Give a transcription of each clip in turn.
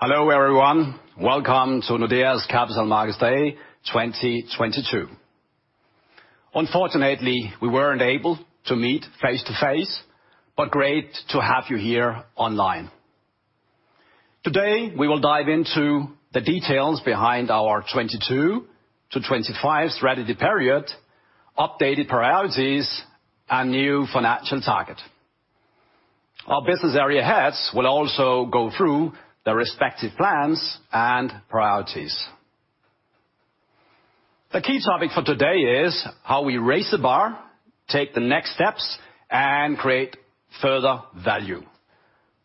Hello, everyone. Welcome to Nordea's Capital Markets Day 2022. Unfortunately, we weren't able to meet face-to-face, but great to have you here online. Today, we will dive into the details behind our 2022-2025 strategy period, updated priorities, and new financial target. Our business area heads will also go through their respective plans and priorities. The key topic for today is how we raise the bar, take the next steps, and create further value.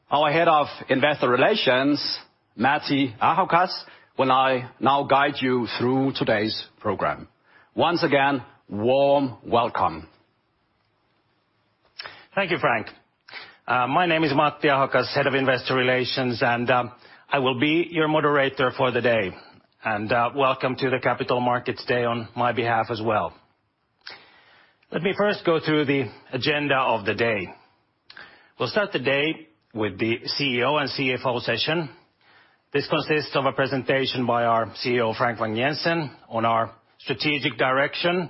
Our head of Investor Relations, Matti Ahokas, will now guide you through today's program. Once again, warm welcome. Thank you, Frank. My name is Matti Ahokas, Head of Investor Relations, and I will be your moderator for the day. Welcome to the Capital Markets Day on my behalf as well. Let me first go through the agenda of the day. We'll start the day with the CEO and CFO session. This consists of a presentation by our CEO, Frank Vang-Jensen, on our strategic direction,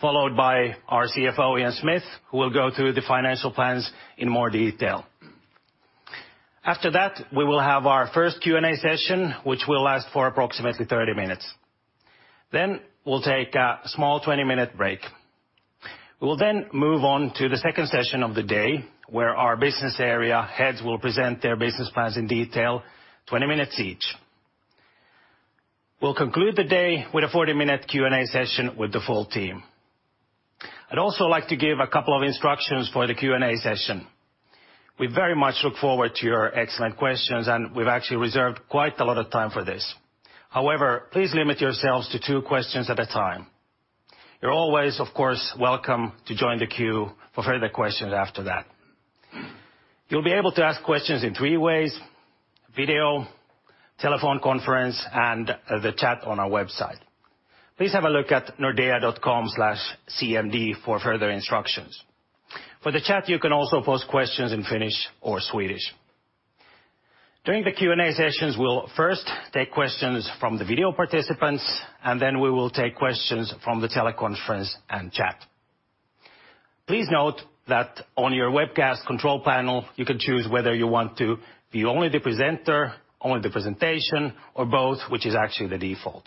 followed by our CFO, Ian Smith, who will go through the financial plans in more detail. After that, we will have our first Q&A session, which will last for approximately 30 minutes. Then we'll take a small 20-minute break. We will then move on to the second session of the day, where our business area heads will present their business plans in detail, 20 minutes each. We'll conclude the day with a 40-minute Q&A session with the full team. I'd also like to give a couple of instructions for the Q&A session. We very much look forward to your excellent questions, and we've actually reserved quite a lot of time for this. However, please limit yourselves to two questions at a time. You're always, of course, welcome to join the queue for further questions after that. You'll be able to ask questions in three ways: video, telephone conference, and the chat on our website. Please have a look at nordea.com/cmd for further instructions. For the chat, you can also post questions in Finnish or Swedish. During the Q&A sessions, we'll first take questions from the video participants, and then we will take questions from the teleconference and chat. Please note that on your webcast control panel, you can choose whether you want to view only the presenter, only the presentation, or both, which is actually the default.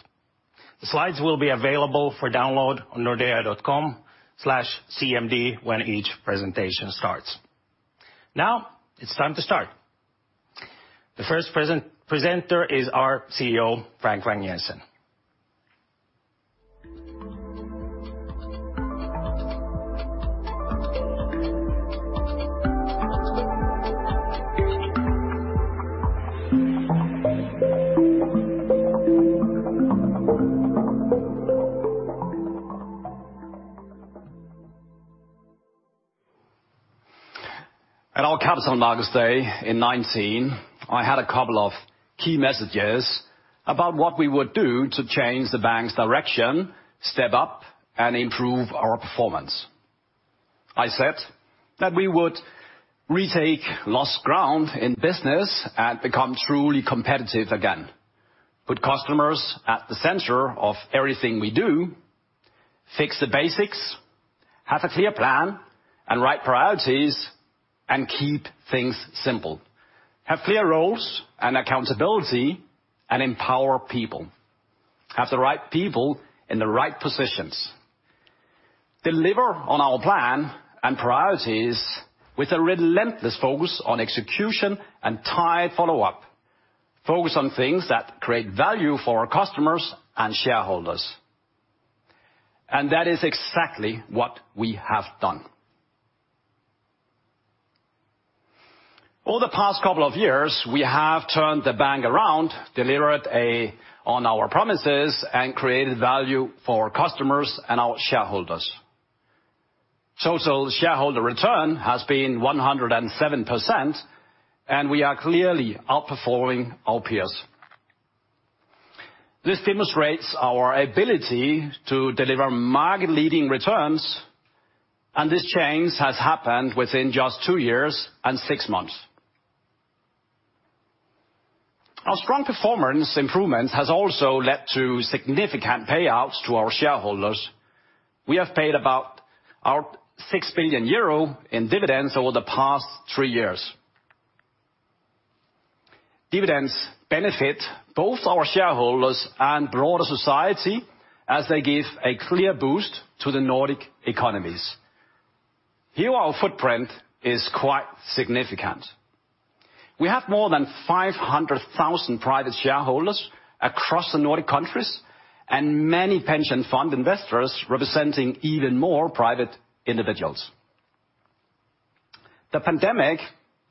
The slides will be available for download on nordea.com/cmd when each presentation starts. Now it's time to start. The first presenter is our CEO, Frank Vang-Jensen. At our Capital Markets Day in 2019, I had a couple of key messages about what we would do to change the bank's direction, step up, and improve our performance. I said that we would retake lost ground in business and become truly competitive again. Put customers at the center of everything we do, fix the basics, have a clear plan and right priorities, and keep things simple. Have clear roles and accountability, and empower people. Have the right people in the right positions. Deliver on our plan and priorities with a relentless focus on execution and tight follow-up. Focus on things that create value for our customers and shareholders. That is exactly what we have done. Over the past couple of years, we have turned the bank around, delivered on our promises, and created value for our customers and our shareholders. Total shareholder return has been 107%, and we are clearly outperforming our peers. This demonstrates our ability to deliver market leading returns, and this change has happened within just two years and six months. Our strong performance improvement has also led to significant payouts to our shareholders. We have paid out about 6 billion euro in dividends over the past three years. Dividends benefit both our shareholders and broader society as they give a clear boost to the Nordic economies. Here, our footprint is quite significant. We have more than 500,000 private shareholders across the Nordic countries and many pension fund investors representing even more private individuals. The pandemic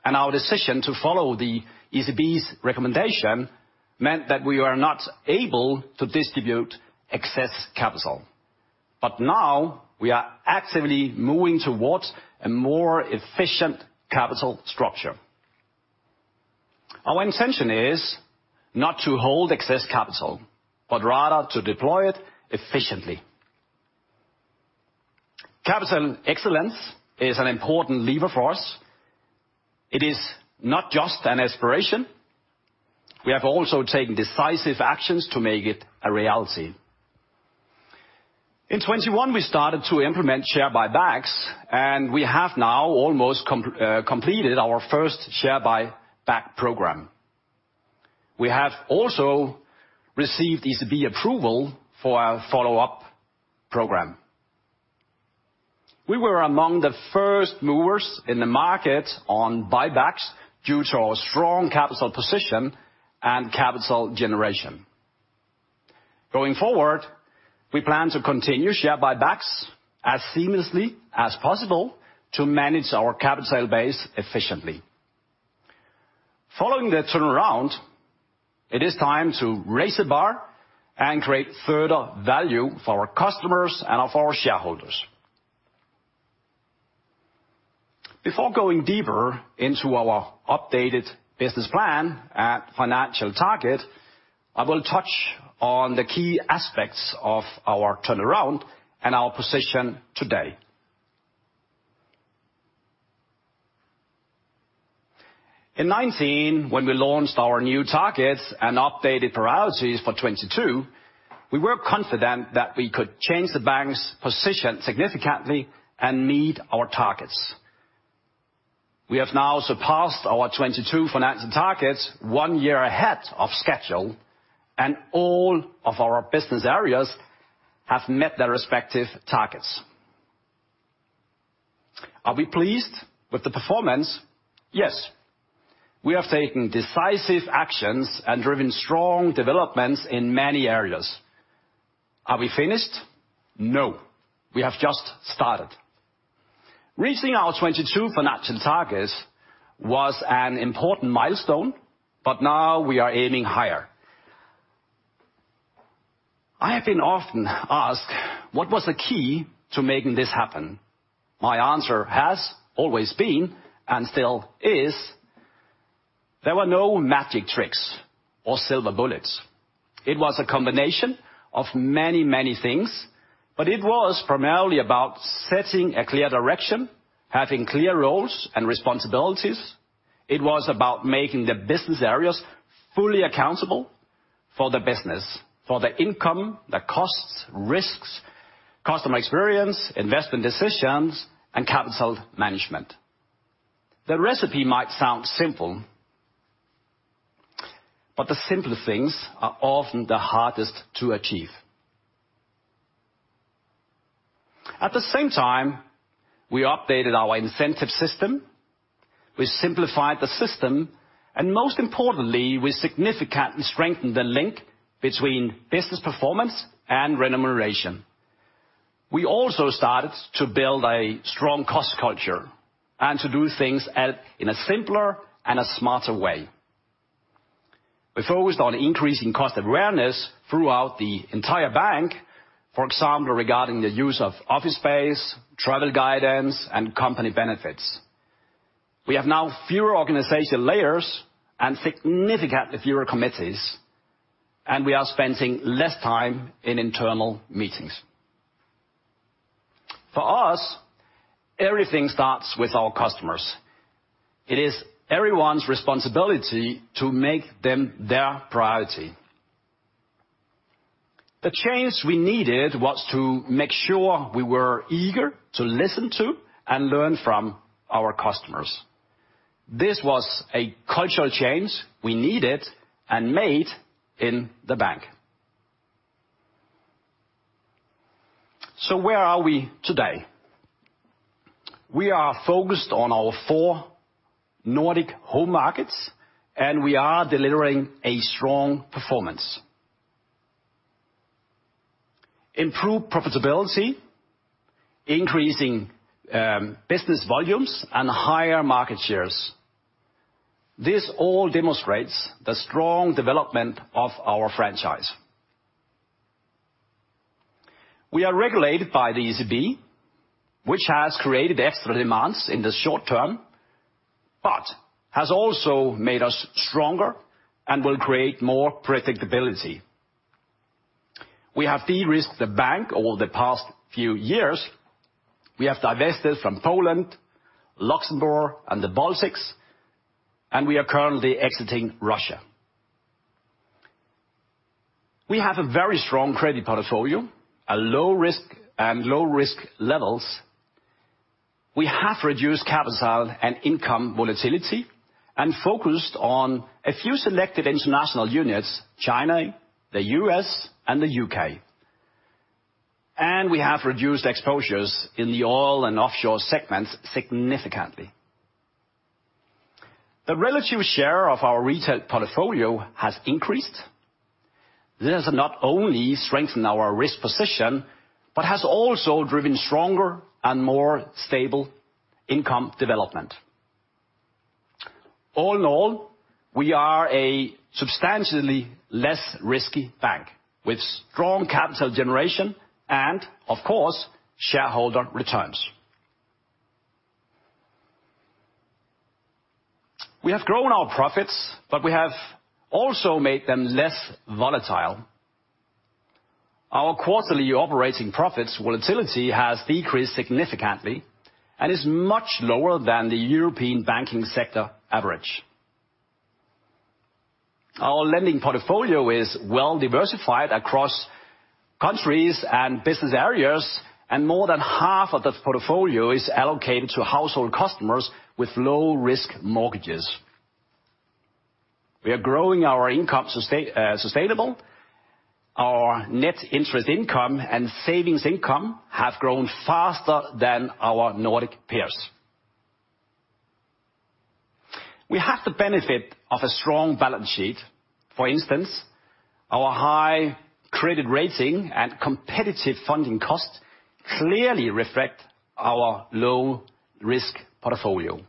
and our decision to follow the ECB's recommendation meant that we were not able to distribute excess capital. Now we are actively moving towards a more efficient capital structure. Our intention is not to hold excess capital, but rather to deploy it efficiently. Capital excellence is an important lever for us. It is not just an aspiration. We have also taken decisive actions to make it a reality. In 2021, we started to implement share buybacks, and we have now almost completed our first share buyback program. We have also received ECB approval for our follow-up program. We were among the first movers in the market on buybacks due to our strong capital position and capital generation. Going forward, we plan to continue share buybacks as seamlessly as possible to manage our capital base efficiently. Following the turnaround, it is time to raise the bar and create further value for our customers and our shareholders. Before going deeper into our updated business plan and financial target, I will touch on the key aspects of our turnaround and our position today. In 2019, when we launched our new targets and updated priorities for 2022, we were confident that we could change the bank's position significantly and meet our targets. We have now surpassed our 2022 financial targets one year ahead of schedule, and all of our business areas have met their respective targets. Are we pleased with the performance? Yes. We have taken decisive actions and driven strong developments in many areas. Are we finished? No. We have just started. Reaching our 2022 financial targets was an important milestone, but now we are aiming higher. I have been often asked, what was the key to making this happen? My answer has always been, and still is, there were no magic tricks or silver bullets. It was a combination of many, many things, but it was primarily about setting a clear direction, having clear roles and responsibilities. It was about making the business areas fully accountable for the business, for the income, the costs, risks, customer experience, investment decisions, and capital management. The recipe might sound simple, but the simple things are often the hardest to achieve. At the same time, we updated our incentive system, we simplified the system, and most importantly, we significantly strengthened the link between business performance and remuneration. We also started to build a strong cost culture and to do things at, in a simpler and a smarter way. We focused on increasing cost awareness throughout the entire bank, for example, regarding the use of office space, travel guidance, and company benefits. We have now fewer organizational layers and significantly fewer committees, and we are spending less time in internal meetings. For us, everything starts with our customers. It is everyone's responsibility to make them their priority. The change we needed was to make sure we were eager to listen to and learn from our customers. This was a cultural change we needed and made in the bank. Where are we today? We are focused on our four Nordic home markets, and we are delivering a strong performance, improved profitability, increasing business volumes, and higher market shares. This all demonstrates the strong development of our franchise. We are regulated by the ECB, which has created extra demands in the short term, but has also made us stronger and will create more predictability. We have derisked the bank over the past few years. We have divested from Poland, Luxembourg, and the Baltics, and we are currently exiting Russia. We have a very strong credit portfolio, a low risk, and low risk levels. We have reduced capital and income volatility and focused on a few selected international units, China, the U.S., and the U.K. We have reduced exposures in the oil and offshore segments significantly. The relative share of our retail portfolio has increased. This has not only strengthened our risk position, but has also driven stronger and more stable income development. All in all, we are a substantially less risky bank with strong capital generation and, of course, shareholder returns. We have grown our profits, but we have also made them less volatile. Our quarterly operating profits volatility has decreased significantly and is much lower than the European banking sector average. Our lending portfolio is well diversified across countries and business areas, and more than half of the portfolio is allocated to household customers with low risk mortgages. We are growing our income sustainably. Our net interest income and savings income have grown faster than our Nordic peers. We have the benefit of a strong balance sheet. For instance, our high credit rating and competitive funding cost clearly reflect our low risk portfolio.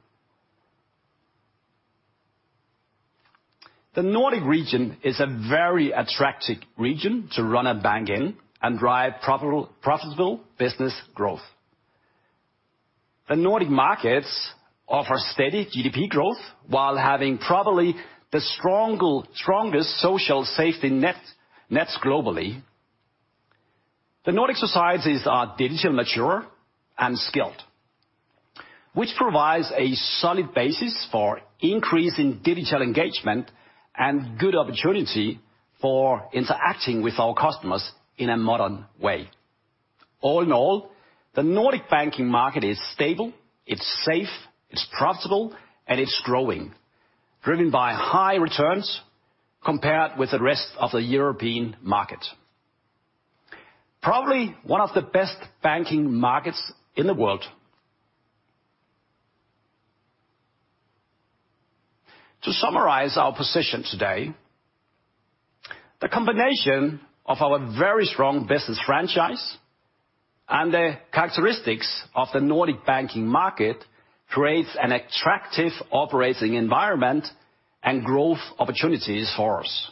The Nordic region is a very attractive region to run a bank in and drive profitable business growth. The Nordic markets offer steady GDP growth while having probably the strongest social safety net globally. The Nordic societies are digitally mature and skilled, which provides a solid basis for increase in digital engagement and good opportunity for interacting with our customers in a modern way. All in all, the Nordic banking market is stable, it's safe, it's profitable, and it's growing, driven by high returns compared with the rest of the European market. Probably one of the best banking markets in the world. To summarize our position today, the combination of our very strong business franchise and the characteristics of the Nordic banking market creates an attractive operating environment and growth opportunities for us.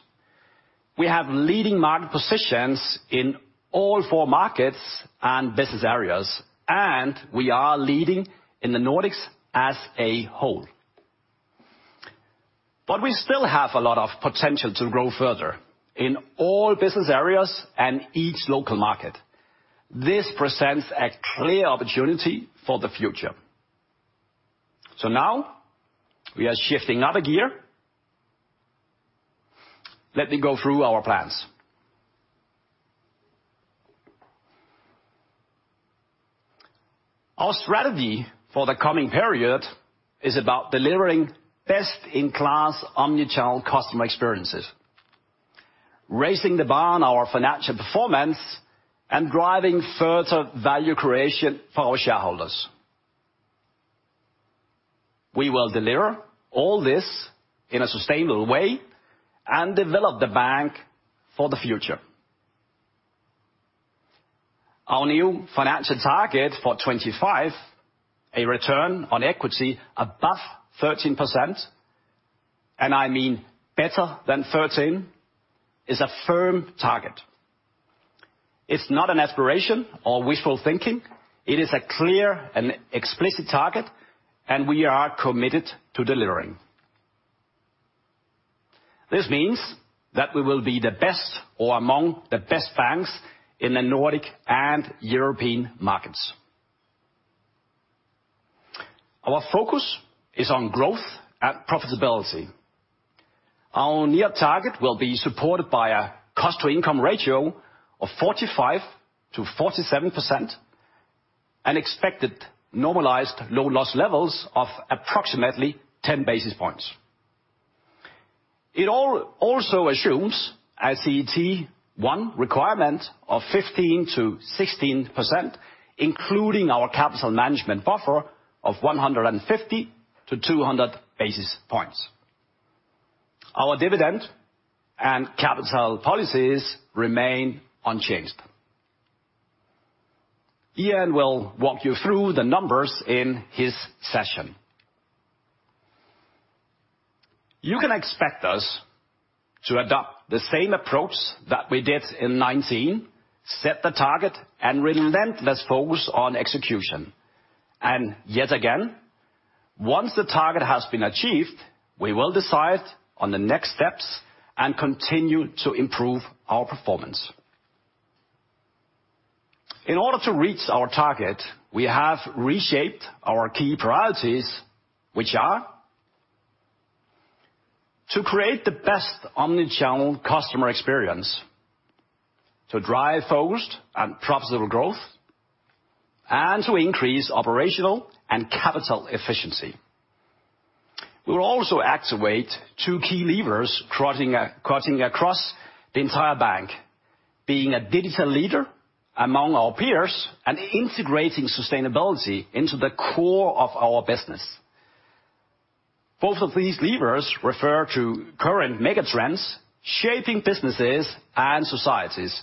We have leading market positions in all four markets and business areas, and we are leading in the Nordics as a whole. We still have a lot of potential to grow further in all business areas and each local market. This presents a clear opportunity for the future. Now we are shifting another gear. Let me go through our plans. Our strategy for the coming period is about delivering best in class omnichannel customer experiences, raising the bar on our financial performance, and driving further value creation for our shareholders. We will deliver all this in a sustainable way and develop the bank for the future. Our new financial target for 2025, a return on equity above 13%, and I mean better than 13%, is a firm target. It's not an aspiration or wishful thinking. It is a clear and explicit target, and we are committed to delivering. This means that we will be the best or among the best banks in the Nordic and European markets. Our focus is on growth and profitability. Our new target will be supported by a cost-to-income ratio of 45%-47%, and expected normalized low loss levels of approximately 10 basis points. It all also assumes a CET1 requirement of 15%-16%, including our capital management buffer of 150 basis points-200 basis points. Our dividend and capital policies remain unchanged. Ian will walk you through the numbers in his session. You can expect us to adopt the same approach that we did in 2019, set the target, and relentless focus on execution. Yet again, once the target has been achieved, we will decide on the next steps and continue to improve our performance. In order to reach our target, we have reshaped our key priorities, which are to create the best omnichannel customer experience, to drive focused and profitable growth, and to increase operational and capital efficiency. We will also activate two key levers crossing, cutting across the entire bank, being a digital leader among our peers and integrating sustainability into the core of our business. Both of these levers refer to current mega trends, shaping businesses and societies,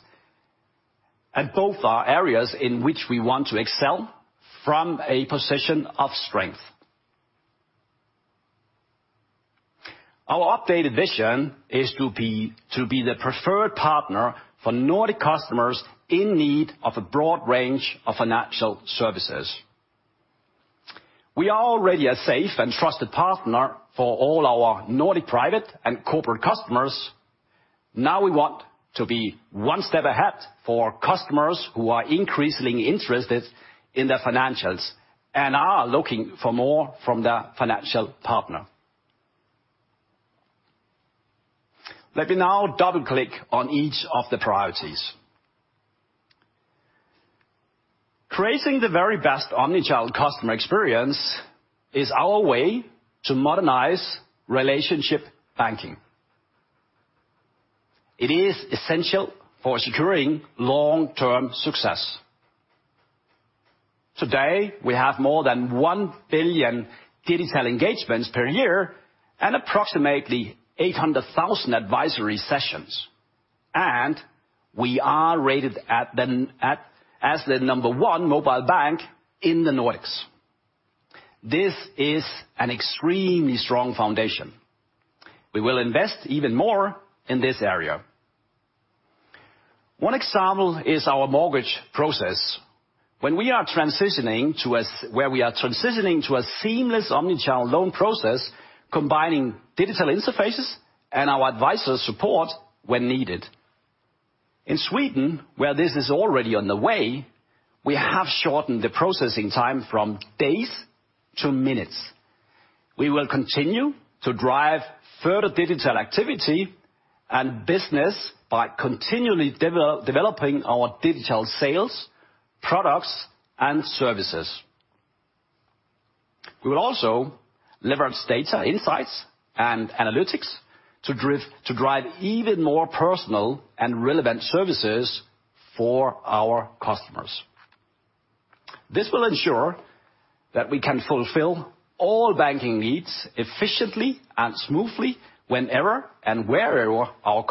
and both are areas in which we want to excel from a position of strength. Our updated vision is to be the preferred partner for Nordic customers in need of a broad range of financial services. We are already a safe and trusted partner for all our Nordic private and corporate customers. Now we want to be one step ahead for customers who are increasingly interested in their financials, and are looking for more from their financial partner. Let me now double-click on each of the priorities. Creating the very best omnichannel customer experience is our way to modernize relationship banking. It is essential for securing long-term success. Today, we have more than 1 billion digital engagements per year, and approximately 800,000 advisory sessions, and we are rated as the number one mobile bank in the Nordics. This is an extremely strong foundation. We will invest even more in this area. One example is our mortgage process, where we are transitioning to a seamless omnichannel loan process, combining digital interfaces and our advisor support when needed. In Sweden, where this is already on the way, we have shortened the processing time from days to minutes. We will continue to drive further digital activity and business by continually developing our digital sales, products, and services. We will also leverage data insights and analytics to drive even more personal and relevant services for our customers. This will ensure that we can fulfill all banking needs efficiently and smoothly, whenever and wherever our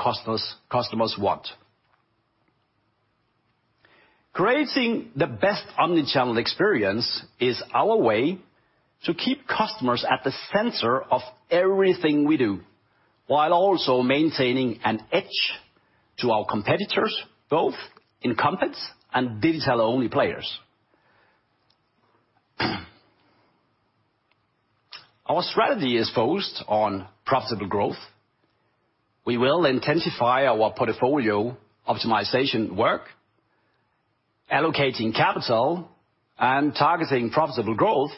customers want. Creating the best omnichannel experience is our way to keep customers at the center of everything we do, while also maintaining an edge to our competitors, both incumbents and digital-only players. Our strategy is focused on profitable growth. We will intensify our portfolio optimization work, allocating capital and targeting profitable growth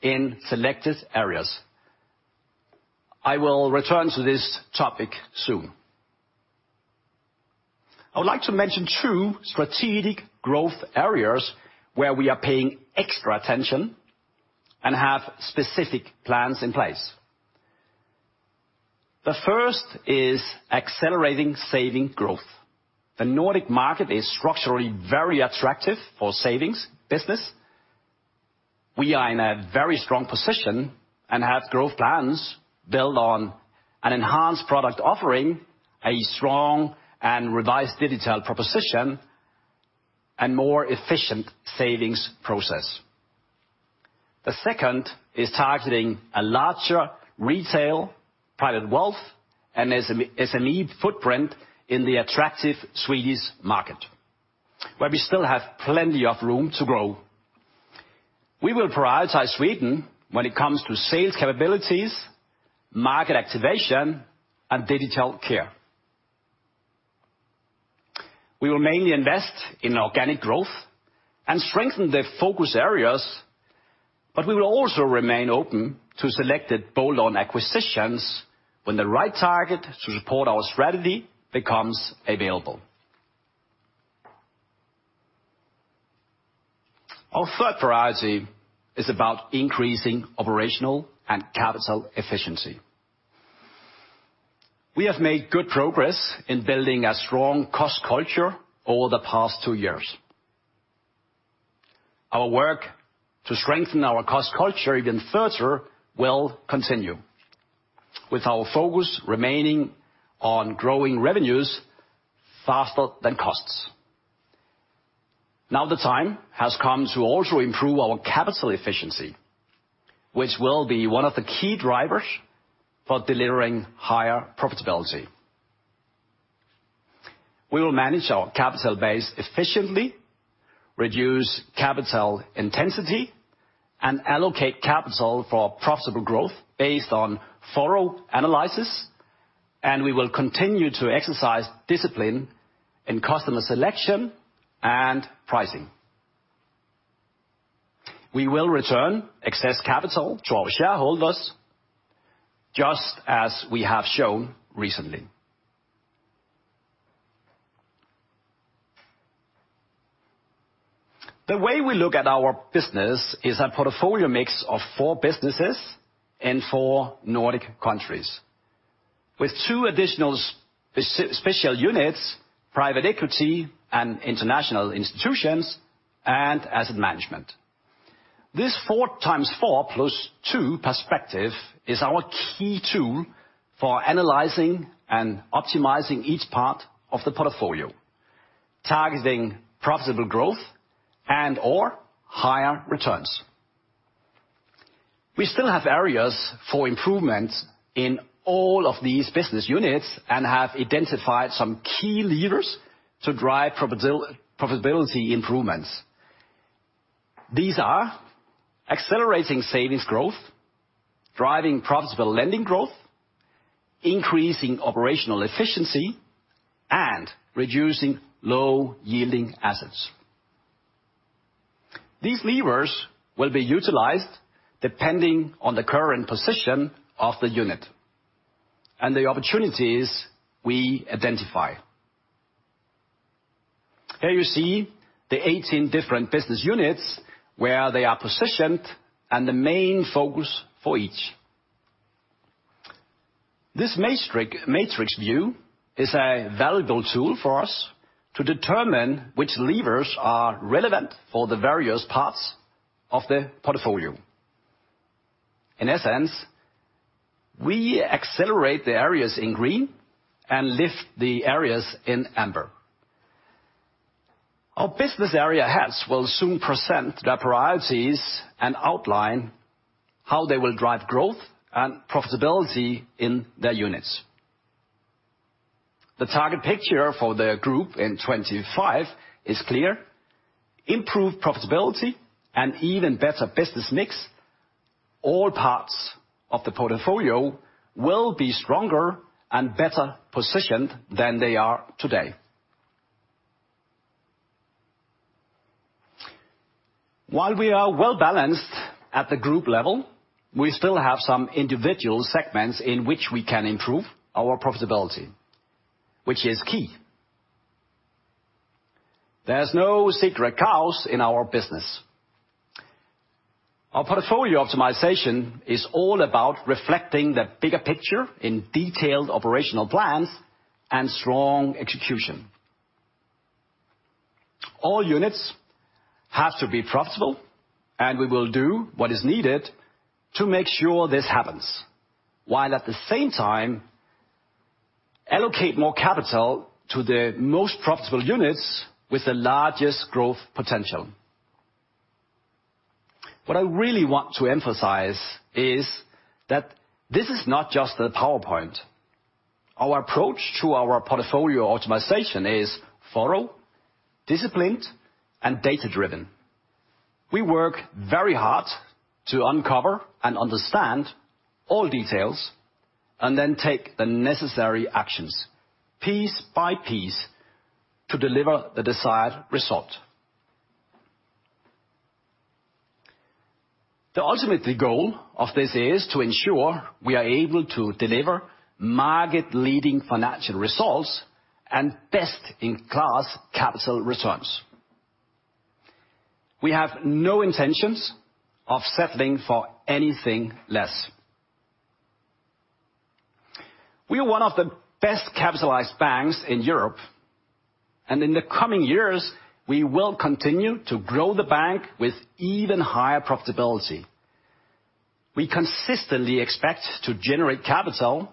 in selected areas. I will return to this topic soon. I would like to mention two strategic growth areas where we are paying extra attention and have specific plans in place. The first is accelerating savings growth. The Nordic market is structurally very attractive for savings business. We are in a very strong position, and have growth plans built on an enhanced product offering, a strong and revised digital proposition, and more efficient savings process. The second is targeting a larger retail private wealth and SME footprint in the attractive Swedish market, where we still have plenty of room to grow. We will prioritize Sweden when it comes to sales capabilities, market activation, and digital care. We will mainly invest in organic growth and strengthen the focus areas, but we will also remain open to selected bolt-on acquisitions when the right target to support our strategy becomes available. Our third priority is about increasing operational and capital efficiency. We have made good progress in building a strong cost culture over the past two years. Our work to strengthen our cost culture even further will continue, with our focus remaining on growing revenues faster than costs. Now the time has come to also improve our capital efficiency, which will be one of the key drivers for delivering higher profitability. We will manage our capital base efficiently, reduce capital intensity, and allocate capital for profitable growth based on thorough analysis, and we will continue to exercise discipline in customer selection and pricing. We will return excess capital to our shareholders, just as we have shown recently. The way we look at our business is a portfolio mix of four businesses and four Nordic countries, with two additional special units, private equity and international institutions, and asset management. This four times four plus two perspective is our key tool for analyzing and optimizing each part of the portfolio. Targeting profitable growth and or higher returns. We still have areas for improvements in all of these business units and have identified some key levers to drive profitability improvements. These are accelerating savings growth, driving profitable lending growth, increasing operational efficiency, and reducing low yielding assets. These levers will be utilized depending on the current position of the unit and the opportunities we identify. Here you see the 18 different business units where they are positioned and the main focus for each. This matrix view is a valuable tool for us to determine which levers are relevant for the various parts of the portfolio. In essence, we accelerate the areas in green and lift the areas in amber. Our business area heads will soon present their priorities and outline how they will drive growth and profitability in their units. The target picture for the group in 2025 is clear. Improve profitability and even better business mix, all parts of the portfolio will be stronger and better positioned than they are today. While we are well-balanced at the group level, we still have some individual segments in which we can improve our profitability, which is key. There's no sacred cows in our business. Our portfolio optimization is all about reflecting the bigger picture in detailed operational plans and strong execution. All units have to be profitable, and we will do what is needed to make sure this happens, while at the same time allocate more capital to the most profitable units with the largest growth potential. What I really want to emphasize is that this is not just a PowerPoint. Our approach to our portfolio optimization is thorough, disciplined, and data-driven. We work very hard to uncover and understand all details and then take the necessary actions piece by piece to deliver the desired result. The ultimate goal of this is to ensure we are able to deliver market-leading financial results and best-in-class capital returns. We have no intentions of settling for anything less. We are one of the best-capitalized banks in Europe, and in the coming years, we will continue to grow the bank with even higher profitability. We consistently expect to generate capital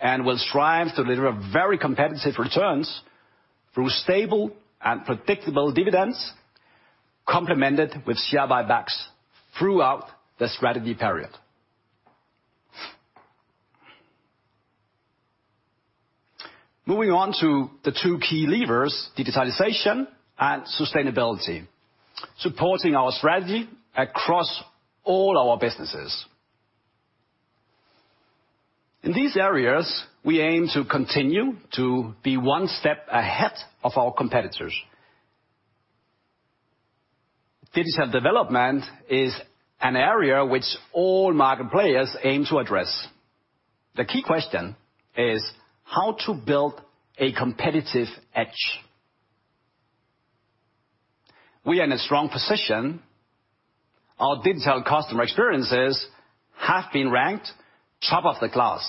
and will strive to deliver very competitive returns through stable and predictable dividends, complemented with share buybacks throughout the strategy period. Moving on to the two key levers, digitalization and sustainability, supporting our strategy across all our businesses. In these areas, we aim to continue to be one step ahead of our competitors. Digital development is an area which all market players aim to address. The key question is how to build a competitive edge. We are in a strong position. Our digital customer experiences have been ranked top of the class.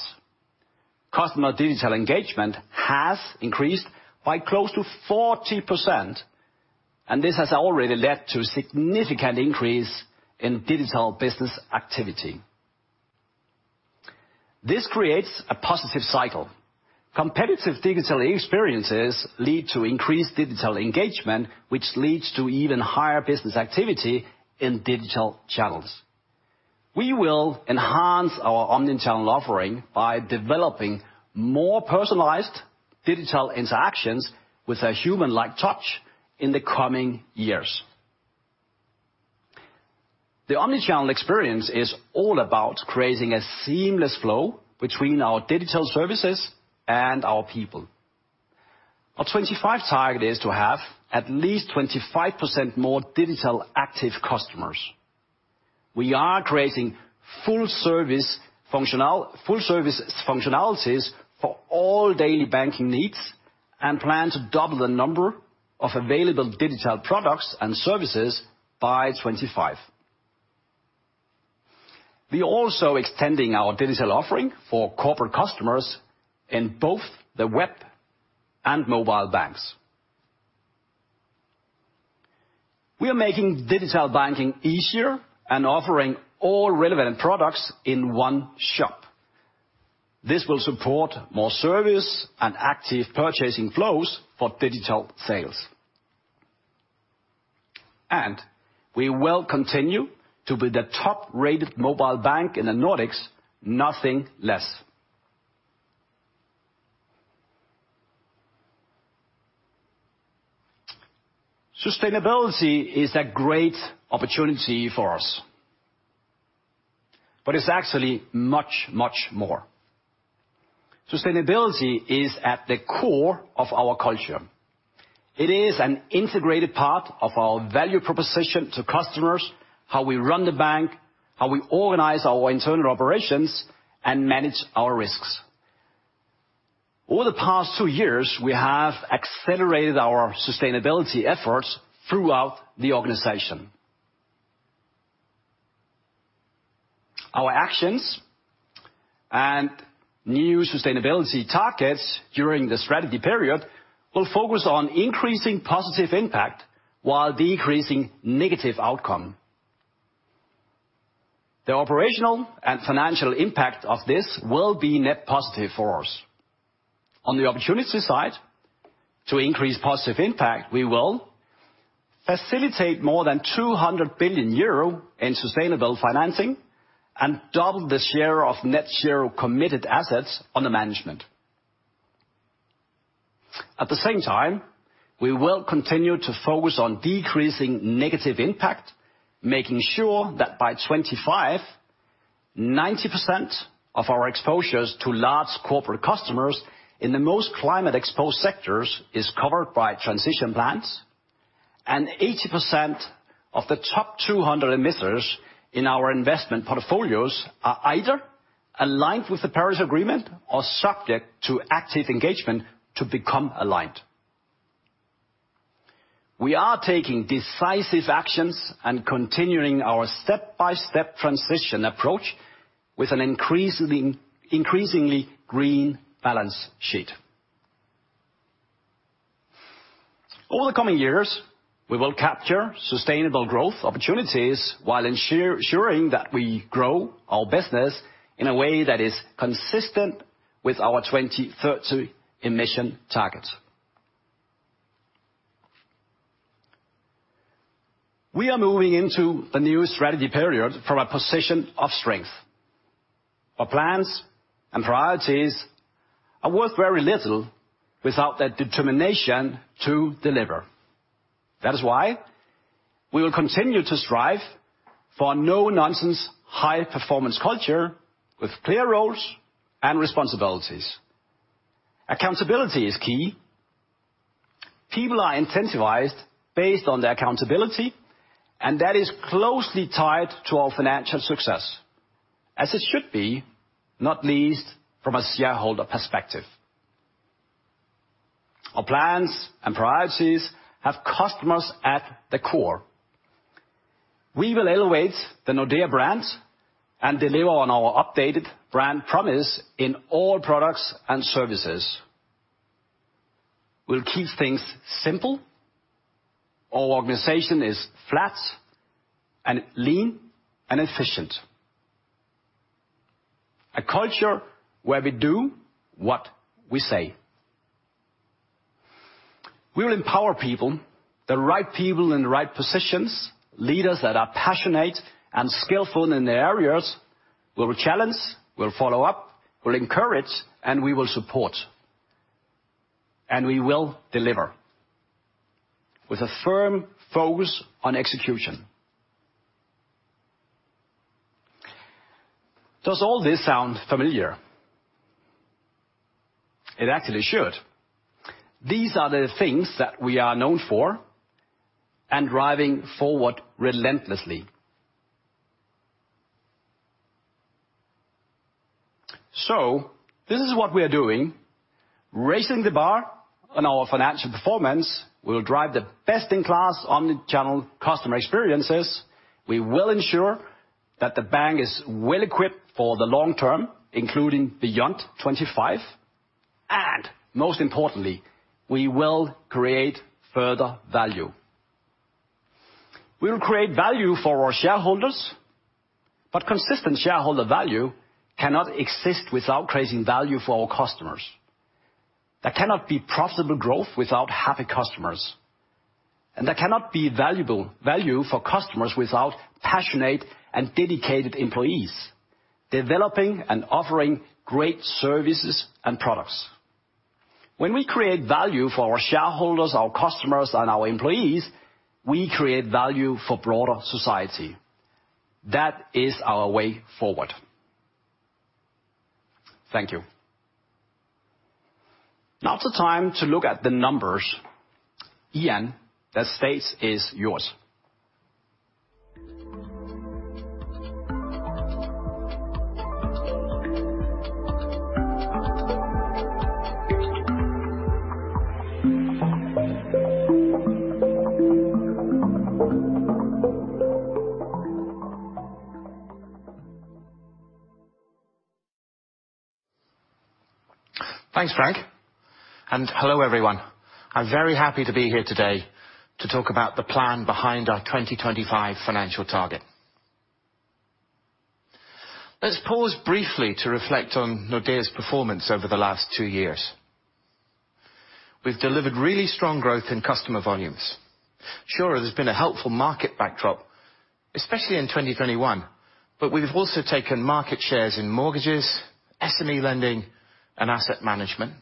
Customer digital engagement has increased by close to 40%, and this has already led to significant increase in digital business activity. This creates a positive cycle. Competitive digital experiences lead to increased digital engagement, which leads to even higher business activity in digital channels. We will enhance our omnichannel offering by developing more personalized digital interactions with a human-like touch in the coming years. The omnichannel experience is all about creating a seamless flow between our digital services and our people. Our 2025 target is to have at least 25% more digital active customers. We are creating full service functionalities for all daily banking needs and plan to double the number of available digital products and services by 2025. We're also extending our digital offering for corporate customers in both the web and mobile banks. We are making digital banking easier and offering all relevant products in one shop. This will support more service and active purchasing flows for digital sales. We will continue to be the top-rated mobile bank in the Nordics, nothing less. Sustainability is a great opportunity for us, but it's actually much, much more. Sustainability is at the core of our culture. It is an integrated part of our value proposition to customers, how we run the bank, how we organize our internal operations, and manage our risks. Over the past two years, we have accelerated our sustainability efforts throughout the organization. Our actions and new sustainability targets during the strategy period will focus on increasing positive impact while decreasing negative outcome. The operational and financial impact of this will be net positive for us. On the opportunity side, to increase positive impact, we will facilitate more than 200 billion euro in sustainable financing and double the share of net zero committed assets under management. At the same time, we will continue to focus on decreasing negative impact, making sure that by 2025, 90% of our exposures to large corporate customers in the most climate exposed sectors is covered by transition plans, and 80% of the top 200 emitters in our investment portfolios are either aligned with the Paris Agreement or subject to active engagement to become aligned. We are taking decisive actions and continuing our step-by-step transition approach with an increasingly green balance sheet. Over the coming years, we will capture sustainable growth opportunities while ensuring that we grow our business in a way that is consistent with our 2030 emission target. We are moving into the new strategy period from a position of strength. Our plans and priorities are worth very little without the determination to deliver. That is why we will continue to strive for a no-nonsense, high-performance culture with clear roles and responsibilities. Accountability is key. People are incentivized based on their accountability, and that is closely tied to our financial success, as it should be, not least from a shareholder perspective. Our plans and priorities have customers at the core. We will elevate the Nordea brand and deliver on our updated brand promise in all products and services. We'll keep things simple. Our organization is flat, lean, and efficient, a culture where we do what we say. We will empower people, the right people in the right positions, leaders that are passionate and skillful in their areas. We will challenge, we'll follow up, we'll encourage, and we will support. We will deliver with a firm focus on execution. Does all this sound familiar? It actually should. These are the things that we are known for and driving forward relentlessly. This is what we are doing. Raising the bar on our financial performance. We will drive the best-in-class omnichannel customer experiences. We will ensure that the bank is well-equipped for the long-term, including beyond 2025. Most importantly, we will create further value. We will create value for our shareholders, but consistent shareholder value cannot exist without creating value for our customers. There cannot be profitable growth without happy customers. There cannot be valuable value for customers without passionate and dedicated employees developing and offering great services and products. When we create value for our shareholders, our customers, and our employees, we create value for broader society. That is our way forward. Thank you. Now's the time to look at the numbers. Ian, the stage is yours. Thanks, Frank. Hello everyone. I'm very happy to be here today to talk about the plan behind our 2025 financial target. Let's pause briefly to reflect on Nordea's performance over the last two years. We've delivered really strong growth in customer volumes. Sure, there's been a helpful market backdrop, especially in 2021, but we've also taken market shares in mortgages, SME lending, and asset management.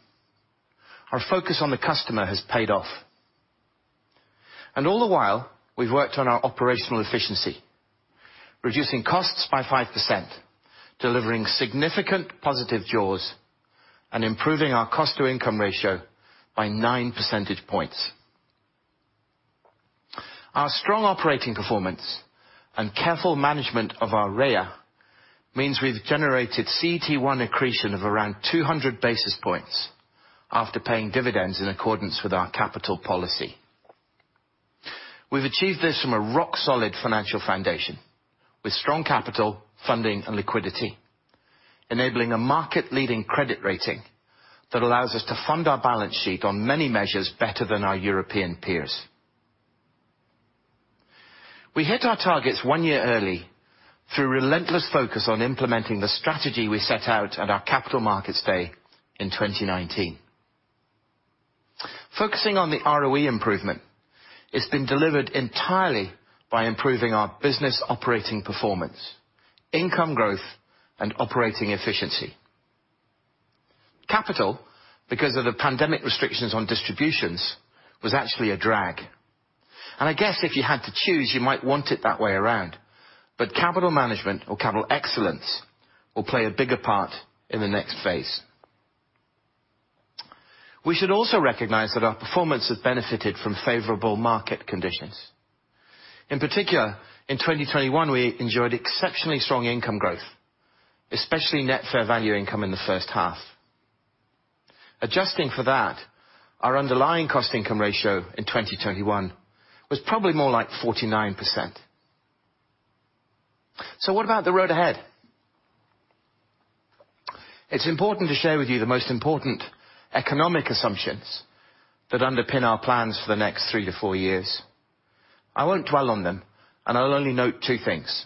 Our focus on the customer has paid off. All the while, we've worked on our operational efficiency, reducing costs by 5%, delivering significant positive jaws and improving our cost to income ratio by 9 percentage points. Our strong operating performance and careful management of our REA means we've generated CET1 accretion of around 200 basis points after paying dividends in accordance with our capital policy. We've achieved this from a rock solid financial foundation with strong capital funding and liquidity, enabling a market-leading credit rating that allows us to fund our balance sheet on many measures better than our European peers. We hit our targets one year early through relentless focus on implementing the strategy we set out at our Capital Markets Day in 2019. Focusing on the ROE improvement, it's been delivered entirely by improving our business operating performance, income growth, and operating efficiency. Capital, because of the pandemic restrictions on distributions, was actually a drag, and I guess if you had to choose, you might want it that way around. Capital management or capital excellence will play a bigger part in the next phase. We should also recognize that our performance has benefited from favorable market conditions. In particular, in 2021, we enjoyed exceptionally strong income growth, especially net fair value income in the first half. Adjusting for that, our underlying cost-to-income ratio in 2021 was probably more like 49%. What about the road ahead? It's important to share with you the most important economic assumptions that underpin our plans for the next three to four years. I won't dwell on them, and I'll only note two things.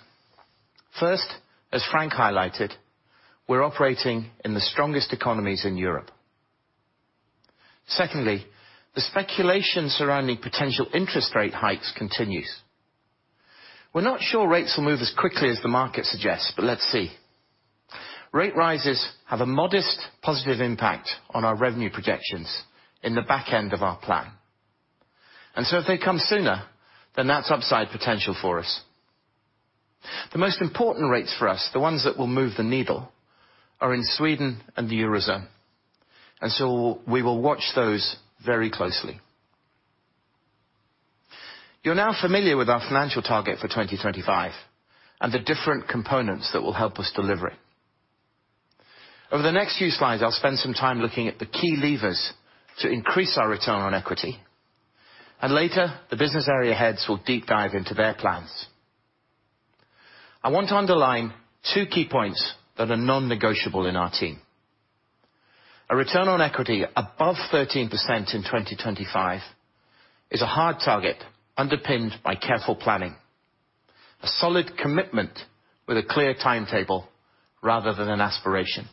First, as Frank highlighted, we're operating in the strongest economies in Europe. Secondly, the speculation surrounding potential interest rate hikes continues. We're not sure rates will move as quickly as the market suggests, but let's see. Rate rises have a modest positive impact on our revenue projections in the back end of our plan, and so if they come sooner, then that's upside potential for us. The most important rates for us, the ones that will move the needle, are in Sweden and the Eurozone, and so we will watch those very closely. You're now familiar with our financial target for 2025 and the different components that will help us deliver it. Over the next few slides, I'll spend some time looking at the key levers to increase our return on equity, and later, the business area heads will deep dive into their plans. I want to underline two key points that are non-negotiable in our team. A return on equity above 13% in 2025 is a hard target underpinned by careful planning, a solid commitment with a clear timetable rather than an aspiration.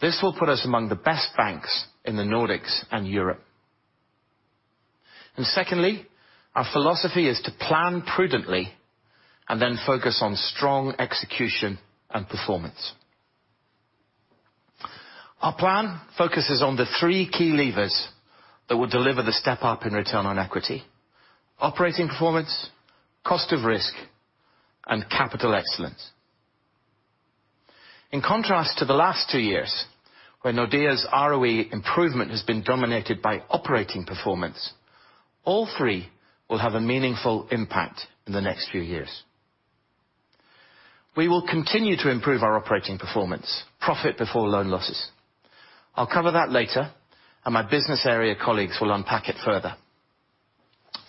This will put us among the best banks in the Nordics and Europe. Secondly, our philosophy is to plan prudently and then focus on strong execution and performance. Our plan focuses on the three key levers that will deliver the step up in return on equity, operating performance, cost of risk, and capital excellence. In contrast to the last two years, when Nordea's ROE improvement has been dominated by operating performance, all three will have a meaningful impact in the next few years. We will continue to improve our operating performance, profit before loan losses. I'll cover that later, and my business area colleagues will unpack it further.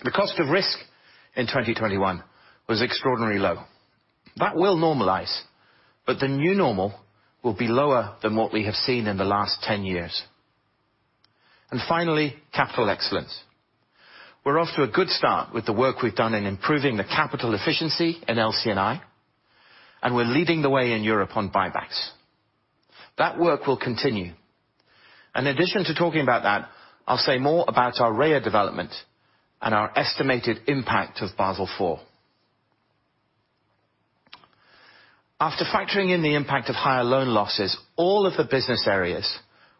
The cost of risk in 2021 was extraordinarily low. That will normalize, but the new normal will be lower than what we have seen in the last 10 years. Finally, capital excellence. We're off to a good start with the work we've done in improving the capital efficiency in LC&I, and we're leading the way in Europe on buybacks. That work will continue. In addition to talking about that, I'll say more about our REA development and our estimated impact of Basel IV. After factoring in the impact of higher loan losses, all of the business areas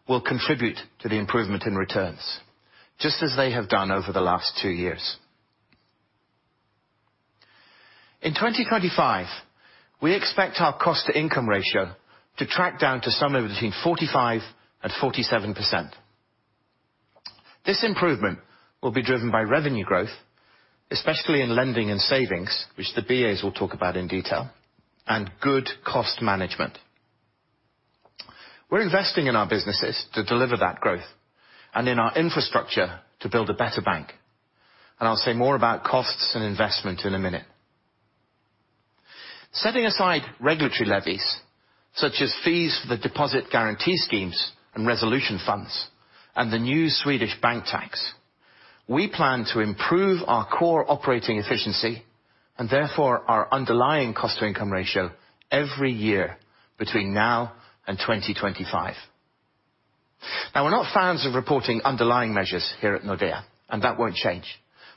will contribute to the improvement in returns, just as they have done over the last two years. In 2025, we expect our cost-to-income ratio to track down to somewhere between 45%-47%. This improvement will be driven by revenue growth, especially in lending and savings, which the BAs will talk about in detail, and good cost management. We're investing in our businesses to deliver that growth and in our infrastructure to build a better bank. I'll say more about costs and investment in a minute. Setting aside regulatory levies, such as fees for deposit guarantee schemes and resolution funds and the new Swedish bank tax, we plan to improve our core operating efficiency, and therefore our underlying cost-to-income ratio every year between now and 2025. Now, we're not fans of reporting underlying measures here at Nordea, and that won't change.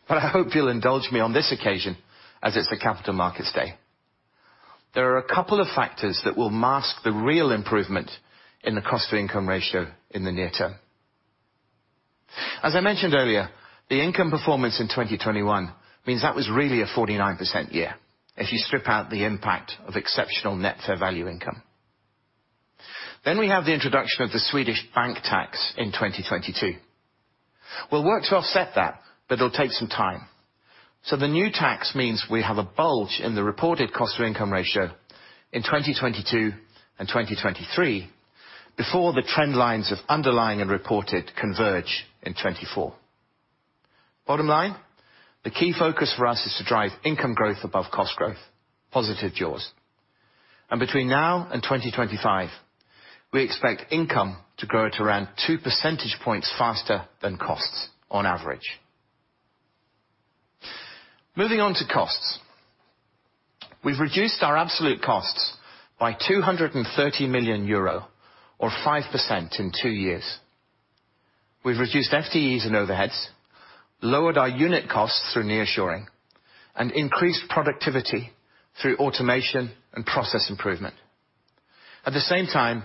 I hope you'll indulge me on this occasion, as it's the Capital Markets Day. There are a couple of factors that will mask the real improvement in the cost-to-income ratio in the near term. As I mentioned earlier, the income performance in 2021 means that was really a 49% year if you strip out the impact of exceptional net fair value income. We have the introduction of the Swedish bank tax in 2022. We'll work to offset that, but it'll take some time. The new tax means we have a bulge in the reported cost-to-income ratio in 2022 and 2023 before the trend lines of underlying and reported converge in 2024. Bottom line, the key focus for us is to drive income growth above cost growth, positive jaws. Between now and 2025, we expect income to grow at around 2 percentage points faster than costs on average. Moving on to costs. We've reduced our absolute costs by 230 million euro or 5% in two years. We've reduced FTEs and overheads, lowered our unit costs through nearshoring and increased productivity through automation and process improvement. At the same time,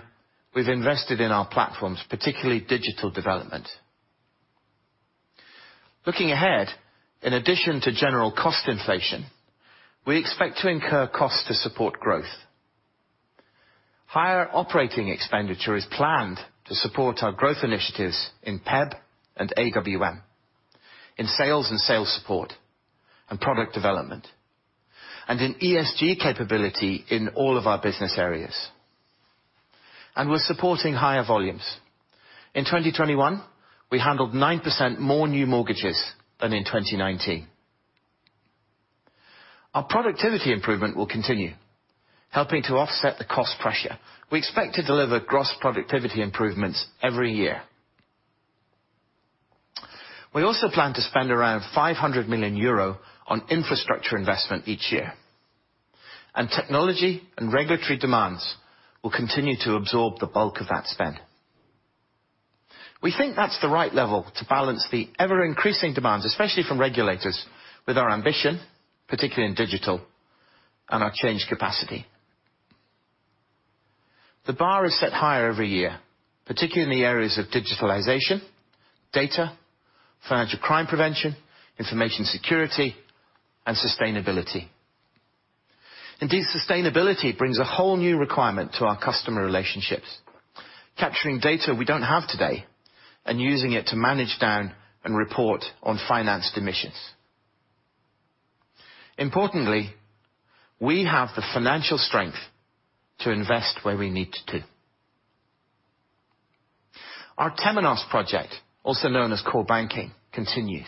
we've invested in our platforms, particularly digital development. Looking ahead, in addition to general cost inflation, we expect to incur costs to support growth. Higher operating expenditure is planned to support our growth initiatives in PeB and AWM, in sales and sales support, and product development, and in ESG capability in all of our business areas. We're supporting higher volumes. In 2021, we handled 9% more new mortgages than in 2019. Our productivity improvement will continue, helping to offset the cost pressure. We expect to deliver gross productivity improvements every year. We also plan to spend around 500 million euro on infrastructure investment each year. Technology and regulatory demands will continue to absorb the bulk of that spend. We think that's the right level to balance the ever-increasing demands, especially from regulators, with our ambition, particularly in digital, and our change capacity. The bar is set higher every year, particularly in the areas of digitalization, data, financial crime prevention, information security, and sustainability. Indeed, sustainability brings a whole new requirement to our customer relationships, capturing data we don't have today and using it to manage down and report on financed emissions. Importantly, we have the financial strength to invest where we need to. Our Temenos project, also known as Core Banking, continues.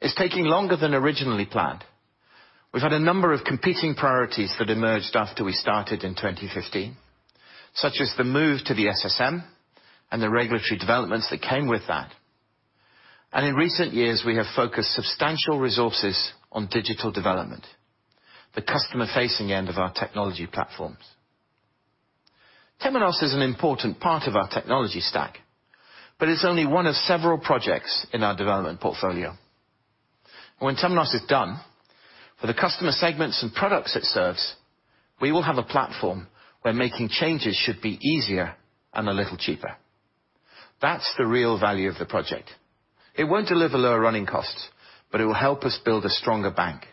It's taking longer than originally planned. We've had a number of competing priorities that emerged after we started in 2015, such as the move to the SSM and the regulatory developments that came with that. In recent years, we have focused substantial resources on digital development, the customer-facing end of our technology platforms. Temenos is an important part of our technology stack, but it's only one of several projects in our development portfolio. When Temenos is done, for the customer segments and products it serves, we will have a platform where making changes should be easier and a little cheaper. That's the real value of the project. It won't deliver lower running costs, but it will help us build a stronger bank.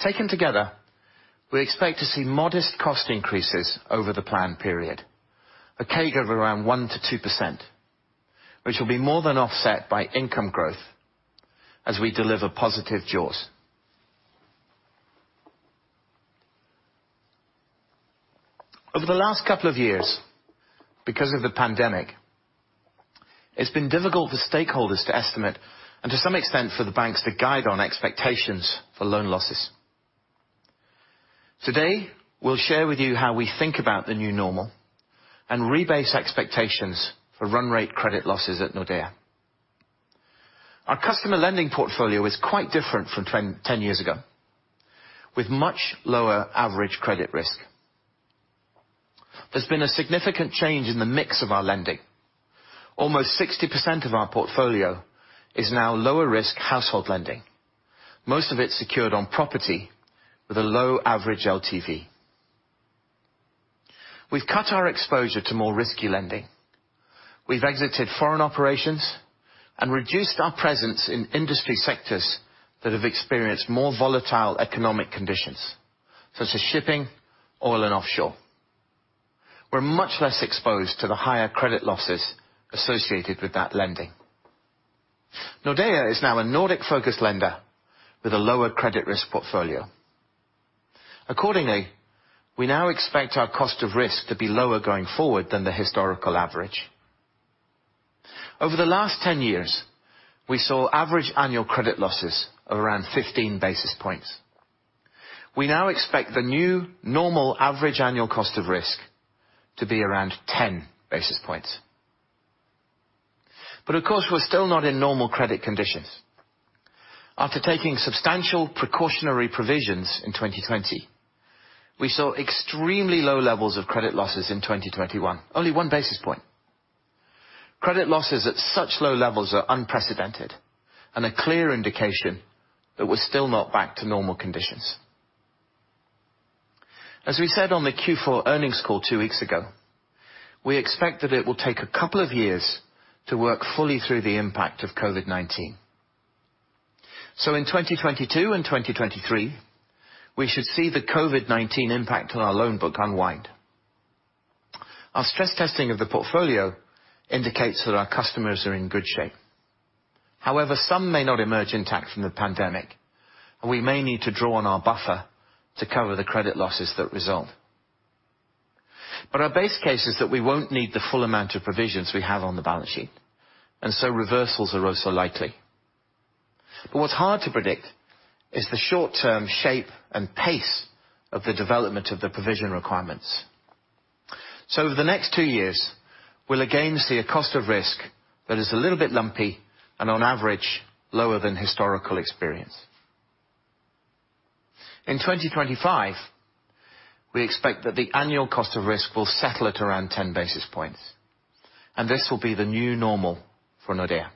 Taken together, we expect to see modest cost increases over the plan period, a CAGR of around 1%-2%, which will be more than offset by income growth as we deliver positive jaws. Over the last couple of years, because of the pandemic, it's been difficult for stakeholders to estimate, and to some extent for the banks to guide on expectations for loan losses. Today, we'll share with you how we think about the new normal and rebase expectations for run rate credit losses at Nordea. Our customer lending portfolio is quite different from ten years ago, with much lower average credit risk. There's been a significant change in the mix of our lending. Almost 60% of our portfolio is now lower risk household lending, most of it secured on property with a low average LTV. We've cut our exposure to more risky lending. We've exited foreign operations and reduced our presence in industry sectors that have experienced more volatile economic conditions, such as shipping, oil and offshore. We're much less exposed to the higher credit losses associated with that lending. Nordea is now a Nordic-focused lender with a lower credit risk portfolio. Accordingly, we now expect our cost of risk to be lower going forward than the historical average. Over the last 10 years, we saw average annual credit losses of around 15 basis points. We now expect the new normal average annual cost of risk to be around 10 basis points. Of course, we're still not in normal credit conditions. After taking substantial precautionary provisions in 2020, we saw extremely low levels of credit losses in 2021, only 1 basis point. Credit losses at such low levels are unprecedented, and a clear indication that we're still not back to normal conditions. As we said on the Q4 earnings call two weeks ago, we expect that it will take a couple of years to work fully through the impact of COVID-19. In 2022 and 2023, we should see the COVID-19 impact on our loan book unwind. Our stress testing of the portfolio indicates that our customers are in good shape. However, some may not emerge intact from the pandemic, and we may need to draw on our buffer to cover the credit losses that result. Our base case is that we won't need the full amount of provisions we have on the balance sheet, and so reversals are also likely. What's hard to predict is the short-term shape and pace of the development of the provision requirements. Over the next two years, we'll again see a cost of risk that is a little bit lumpy and on average, lower than historical experience. In 2025, we expect that the annual cost of risk will settle at around 10 basis points, and this will be the new normal for Nordea.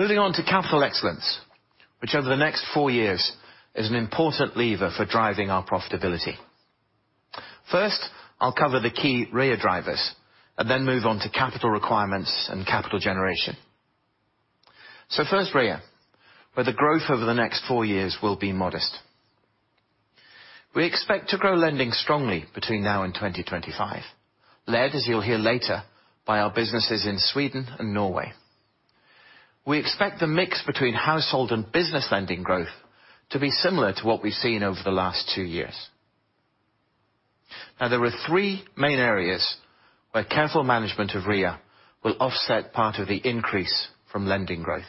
Moving on to capital excellence, which over the next four years is an important lever for driving our profitability. First, I'll cover the key REA drivers and then move on to capital requirements and capital generation. First, REA, where the growth over the next four years will be modest. We expect to grow lending strongly between now and 2025, led as you'll hear later by our businesses in Sweden and Norway. We expect the mix between household and business lending growth to be similar to what we've seen over the last two years. Now, there are three main areas where careful management of REA will offset part of the increase from lending growth.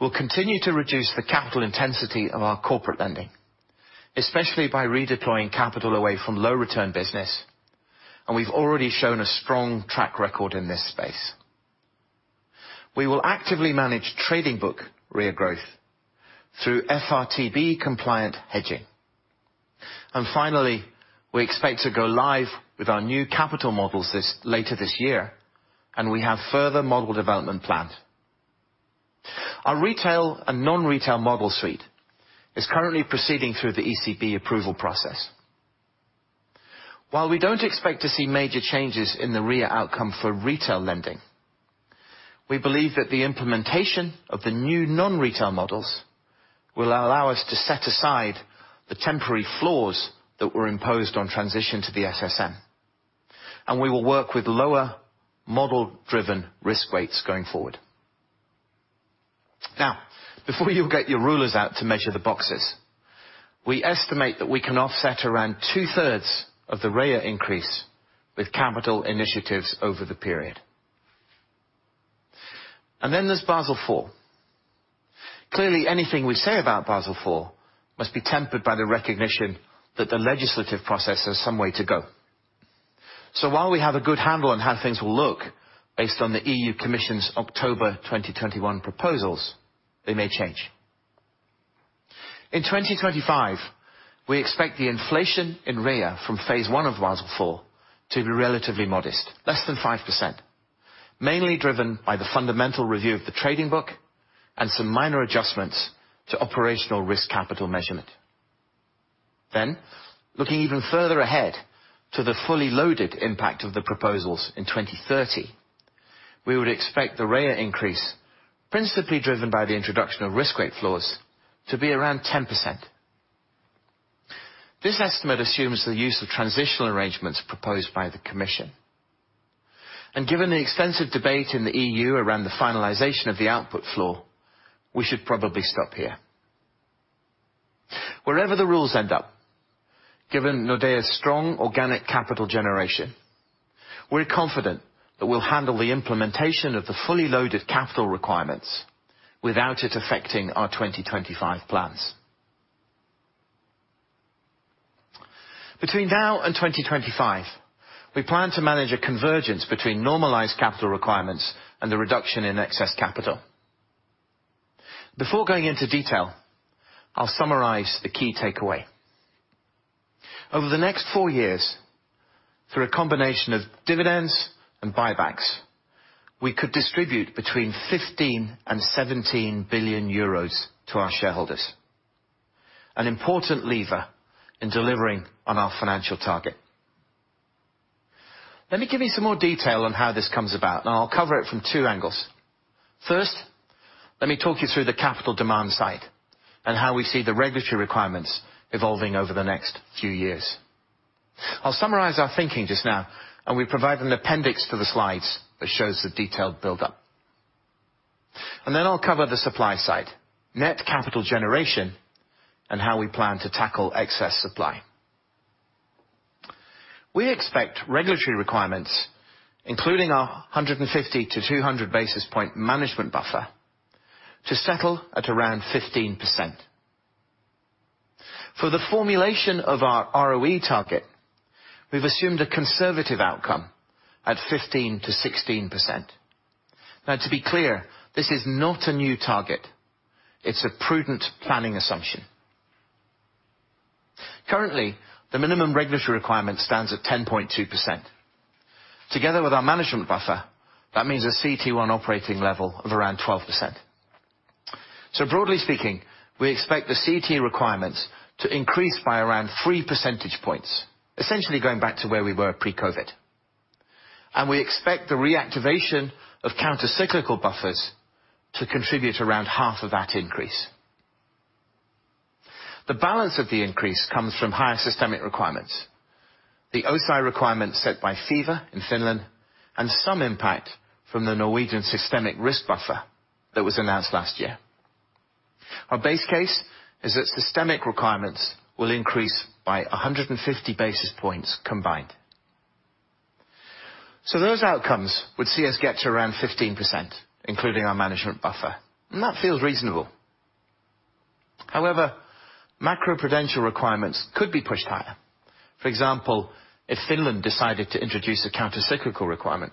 We'll continue to reduce the capital intensity of our corporate lending, especially by redeploying capital away from low return business, and we've already shown a strong track record in this space. We will actively manage trading book REA growth through FRTB compliant hedging. Finally, we expect to go live with our new capital models later this year, and we have further model development planned. Our retail and non-retail model suite is currently proceeding through the ECB approval process. While we don't expect to see major changes in the REA outcome for retail lending, we believe that the implementation of the new non-retail models will allow us to set aside the temporary floors that were imposed on transition to the SSM. We will work with lower model-driven risk weights going forward. Now, before you get your rulers out to measure the boxes, we estimate that we can offset around two-thirds of the REA increase with capital initiatives over the period. Then there's Basel IV. Clearly, anything we say about Basel IV must be tempered by the recognition that the legislative process has some way to go. While we have a good handle on how things will look based on the EU Commission's October 2021 proposals, they may change. In 2025, we expect the inflation in REA from phase 1 of Basel IV to be relatively modest, less than 5%, mainly driven by the fundamental review of the trading book and some minor adjustments to operational risk capital measurement. Looking even further ahead to the fully loaded impact of the proposals in 2030, we would expect the REA increase, principally driven by the introduction of risk weight floors, to be around 10%. This estimate assumes the use of transitional arrangements proposed by the commission. Given the extensive debate in the EU around the finalization of the output floor, we should probably stop here. Wherever the rules end up, given Nordea's strong organic capital generation, we're confident that we'll handle the implementation of the fully loaded capital requirements without it affecting our 2025 plans. Between now and 2025, we plan to manage a convergence between normalized capital requirements and the reduction in excess capital. Before going into detail, I'll summarize the key takeaway. Over the next four years through a combination of dividends and buybacks, we could distribute between 15 billion and 17 billion euros to our shareholders, an important lever in delivering on our financial target. Let me give you some more detail on how this comes about, and I'll cover it from two angles. First, let me talk you through the capital demand side and how we see the regulatory requirements evolving over the next few years. I'll summarize our thinking just now, and we provide an appendix to the slides that shows the detailed buildup. Then I'll cover the supply side, net capital generation, and how we plan to tackle excess supply. We expect regulatory requirements, including our 150-200 basis point management buffer, to settle at around 15%. For the formulation of our ROE target, we've assumed a conservative outcome at 15%-16%. Now, to be clear, this is not a new target. It's a prudent planning assumption. Currently, the minimum regulatory requirement stands at 10.2%. Together with our management buffer, that means a CET1 operating level of around 12%. Broadly speaking, we expect the CET requirements to increase by around 3 percentage points, essentially going back to where we were pre-COVID. We expect the reactivation of countercyclical buffers to contribute around half of that increase. The balance of the increase comes from higher systemic requirements. The O-SII requirements set by FIN-FSA in Finland and some impact from the Norwegian systemic risk buffer that was announced last year. Our base case is that systemic requirements will increase by 150 basis points combined. Those outcomes would see us get to around 15%, including our management buffer. That feels reasonable. However, macroprudential requirements could be pushed higher. For example, if Finland decided to introduce a countercyclical requirement,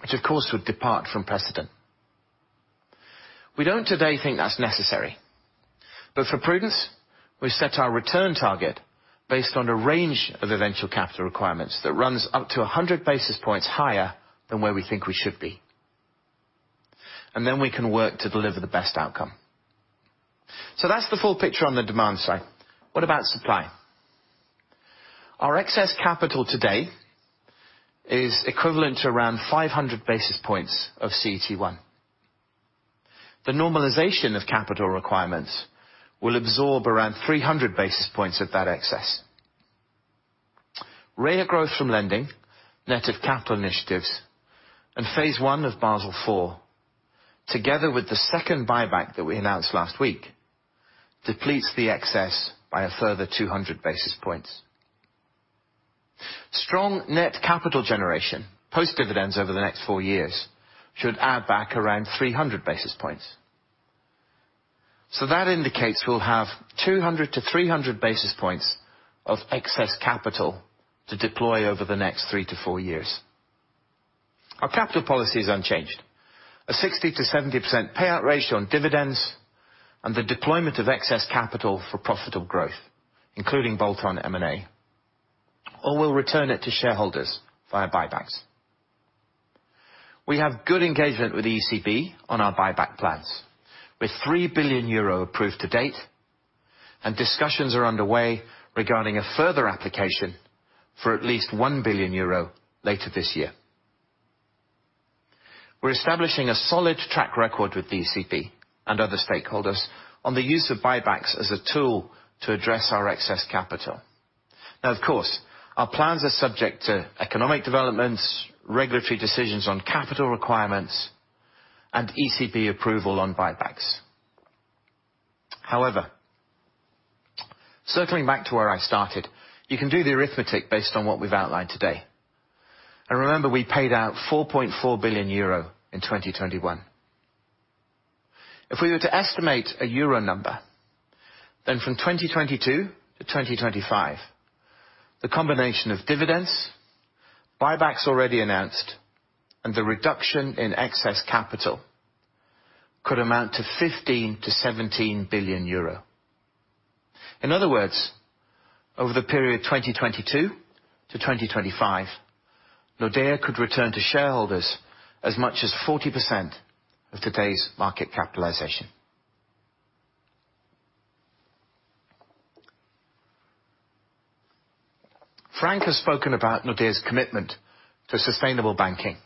which of course would depart from precedent. We don't today think that's necessary. For prudence, we set our return target based on a range of eventual capital requirements that runs up to 100 basis points higher than where we think we should be. We can work to deliver the best outcome. That's the full picture on the demand side. What about supply? Our excess capital today is equivalent to around 500 basis points of CET1. The normalization of capital requirements will absorb around 300 basis points of that excess. Rate of growth from lending, net of capital initiatives, and phase one of Basel IV, together with the second buyback that we announced last week, depletes the excess by a further 200 basis points. Strong net capital generation post-dividends over the next four years should add back around 300 basis points. That indicates we'll have 200-300 basis points of excess capital to deploy over the next three to four years. Our capital policy is unchanged. A 60%-70% payout ratio on dividends and the deployment of excess capital for profitable growth, including bolt-on M&A, or we'll return it to shareholders via buybacks. We have good engagement with ECB on our buyback plans, with 3 billion euro approved to date, and discussions are underway regarding a further application for at least 1 billion euro later this year. We're establishing a solid track record with the ECB and other stakeholders on the use of buybacks as a tool to address our excess capital. Now, of course, our plans are subject to economic developments, regulatory decisions on capital requirements, and ECB approval on buybacks. However, circling back to where I started, you can do the arithmetic based on what we've outlined today. Remember, we paid out 4.4 billion euro in 2021. If we were to estimate a euro number, then from 2022-2025, the combination of dividends, buybacks already announced, and the reduction in excess capital could amount to 15 billion-17 billion euro. In other words, over the period 2022-2025, Nordea could return to shareholders as much as 40% of today's market capitalization. Frank has spoken about Nordea's commitment to sustainable banking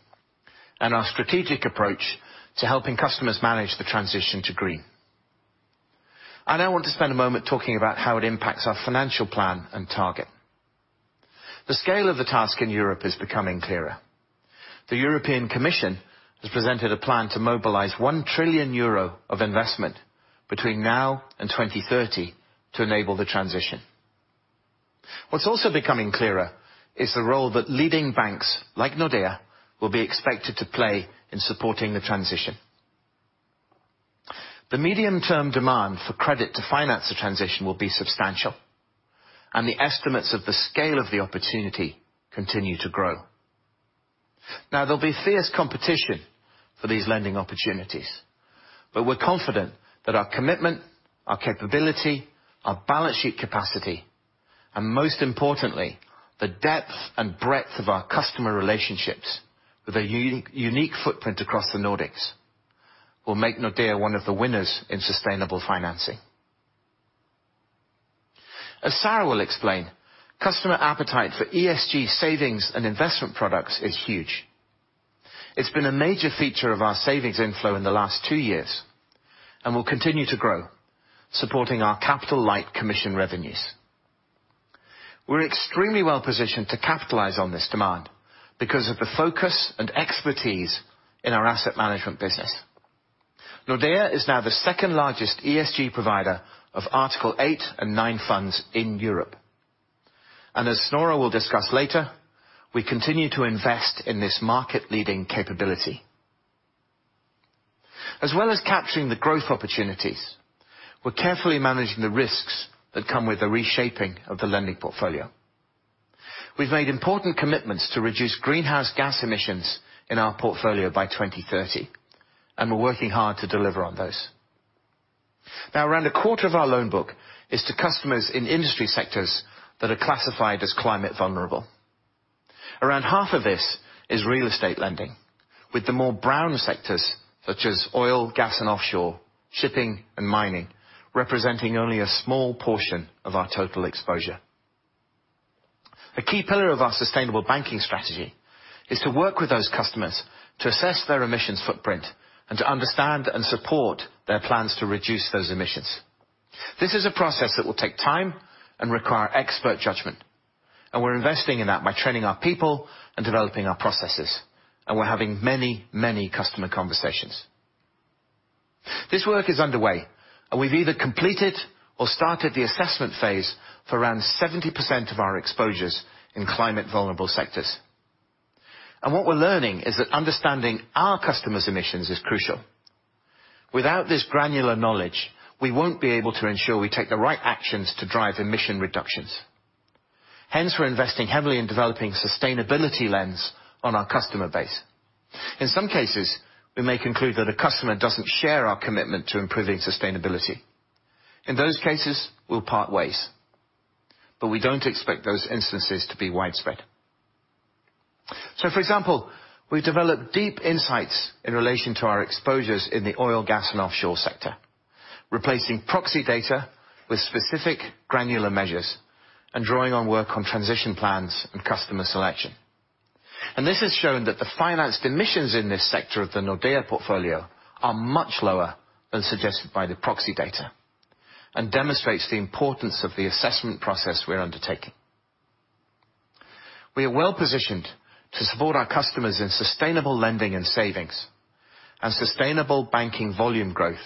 and our strategic approach to helping customers manage the transition to green. I now want to spend a moment talking about how it impacts our financial plan and target. The scale of the task in Europe is becoming clearer. The European Commission has presented a plan to mobilize 1 trillion euro of investment between now and 2030 to enable the transition. What's also becoming clearer is the role that leading banks, like Nordea, will be expected to play in supporting the transition. The medium-term demand for credit to finance the transition will be substantial, and the estimates of the scale of the opportunity continue to grow. Now, there'll be fierce competition for these lending opportunities, but we're confident that our commitment, our capability, our balance sheet capacity, and most importantly, the depth and breadth of our customer relationships with a unique footprint across the Nordics will make Nordea one of the winners in sustainable financing. As Sarah will explain, customer appetite for ESG savings and investment products is huge. It's been a major feature of our savings inflow in the last two years and will continue to grow, supporting our capital-light commission revenues. We're extremely well positioned to capitalize on this demand because of the focus and expertise in our asset management business. Nordea is now the second largest ESG provider of Article 8 and 9 funds in Europe. As Snorre will discuss later, we continue to invest in this market-leading capability. As well as capturing the growth opportunities, we're carefully managing the risks that come with the reshaping of the lending portfolio. We've made important commitments to reduce greenhouse gas emissions in our portfolio by 2030, and we're working hard to deliver on those. Now around a quarter of our loan book is to customers in industry sectors that are classified as climate vulnerable. Around half of this is real estate lending, with the more brown sectors such as oil, gas, and offshore, shipping and mining, representing only a small portion of our total exposure. A key pillar of our sustainable banking strategy is to work with those customers to assess their emissions footprint and to understand and support their plans to reduce those emissions. This is a process that will take time and require expert judgment, and we're investing in that by training our people and developing our processes, and we're having many, many customer conversations. This work is underway, and we've either completed or started the assessment phase for around 70% of our exposures in climate vulnerable sectors. What we're learning is that understanding our customers' emissions is crucial. Without this granular knowledge, we won't be able to ensure we take the right actions to drive emission reductions. Hence, we're investing heavily in developing sustainability lens on our customer base. In some cases, we may conclude that a customer doesn't share our commitment to improving sustainability. In those cases, we'll part ways, but we don't expect those instances to be widespread. For example, we've developed deep insights in relation to our exposures in the oil, gas and offshore sector, replacing proxy data with specific granular measures and drawing on work on transition plans and customer selection. This has shown that the financed emissions in this sector of the Nordea portfolio are much lower than suggested by the proxy data, and demonstrates the importance of the assessment process we're undertaking. We are well positioned to support our customers in sustainable lending and savings. Sustainable banking volume growth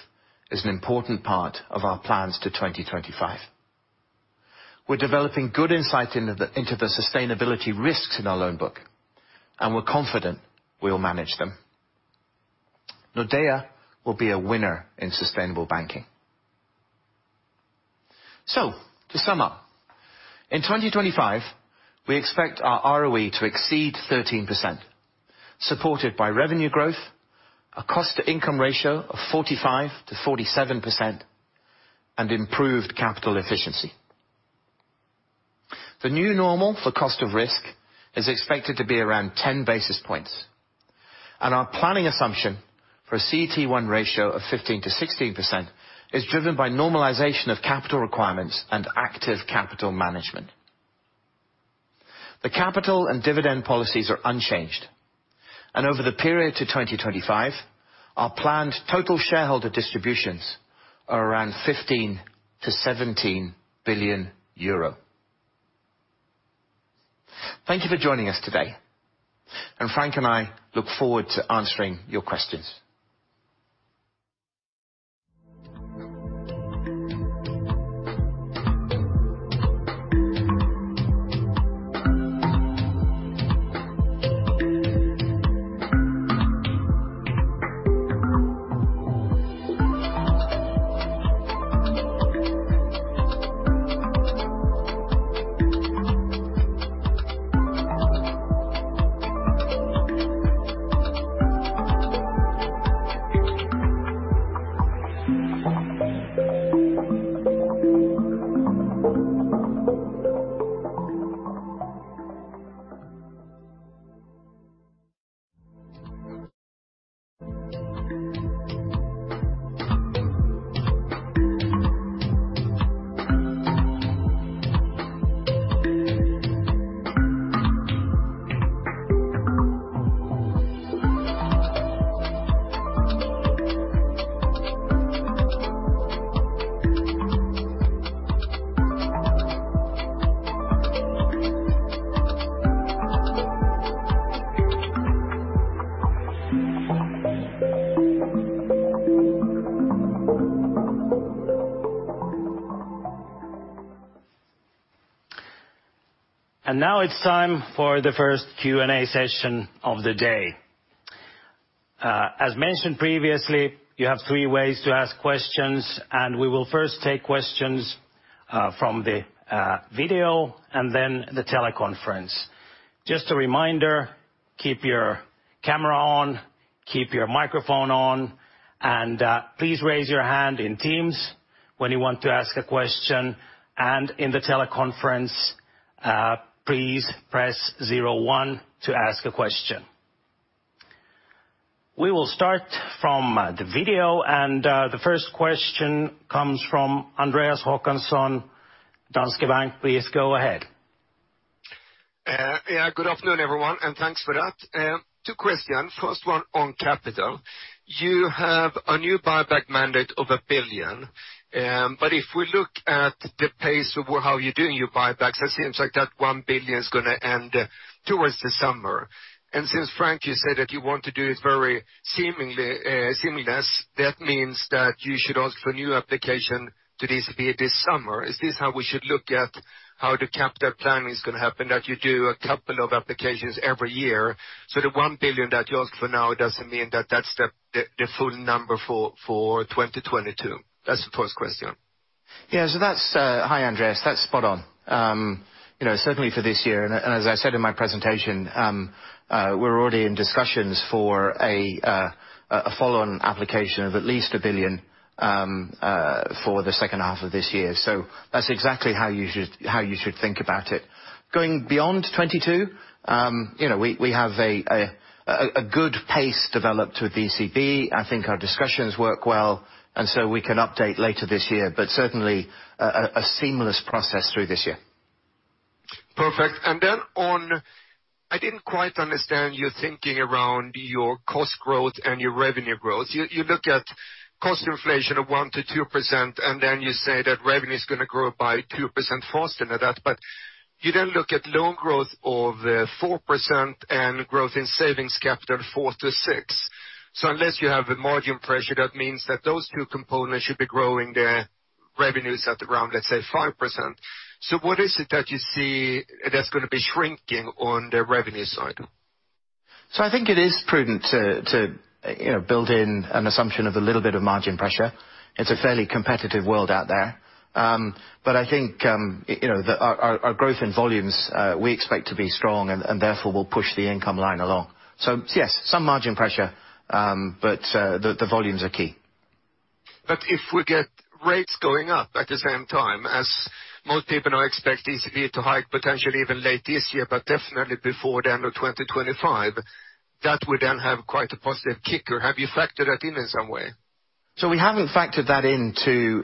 is an important part of our plans to 2025. We're developing good insight into the sustainability risks in our loan book, and we're confident we will manage them. Nordea will be a winner in sustainable banking. To sum up, in 2025, we expect our ROE to exceed 13%, supported by revenue growth, a cost-to-income ratio of 45%-47%, and improved capital efficiency. The new normal for cost of risk is expected to be around 10 basis points. Our planning assumption for a CET1 ratio of 15%-16% is driven by normalization of capital requirements and active capital management. The capital and dividend policies are unchanged, and over the period to 2025, our planned total shareholder distributions are around 15 billion-17 billion euro. Thank you for joining us today, and Frank and I look forward to answering your questions. Now it's time for the first Q&A session of the day. As mentioned previously, you have three ways to ask questions, and we will first take questions from the video and then the teleconference. Just a reminder, keep your camera on, keep your microphone on, and please raise your hand in Teams when you want to ask a question. In the teleconference, please press zero one to ask a question. We will start from the video, and the first question comes from Anders Håkansson, Danske Bank. Please go ahead. Yeah, good afternoon, everyone, and thanks for that. Two questions. First one on capital. You have a new buyback mandate of 1 billion. But if we look at the pace of how you're doing your buybacks, it seems like that 1 billion is gonna end towards the summer. Since, Frank, you said that you want to do it very seamlessly, that means that you should ask for new application to this by this summer. Is this how we should look at how the capital plan is gonna happen, that you do a couple of applications every year? The 1 billion that you ask for now doesn't mean that that's the full number for 2022. That's the first question. Hi, Andreas. That's spot on. Certainly for this year, and as I said in my presentation, we're already in discussions for a follow-on application of at least 1 billion for the second half of this year. That's exactly how you should think about it. Going beyond 2022, we have a good pace developed with ECB. I think our discussions work well, and we can update later this year. Certainly a seamless process through this year. Perfect. I didn't quite understand your thinking around your cost growth and your revenue growth. You look at cost inflation of 1%-2%, and then you say that revenue's gonna grow by 2% faster than that. You then look at loan growth of 4% and growth in savings capital 4%-6%. Unless you have a margin pressure, that means that those two components should be growing the revenues at around, let's say, 5%. What is it that you see that's gonna be shrinking on the revenue side? I think it is prudent to you know build in an assumption of a little bit of margin pressure. It's a fairly competitive world out there. But I think you know our growth in volumes we expect to be strong and therefore will push the income line along. Yes, some margin pressure, but the volumes are key. If we get rates going up at the same time, as most people now expect ECB to hike potentially even late this year but definitely before the end of 2025, that would then have quite a positive kicker. Have you factored that in some way? We haven't factored that into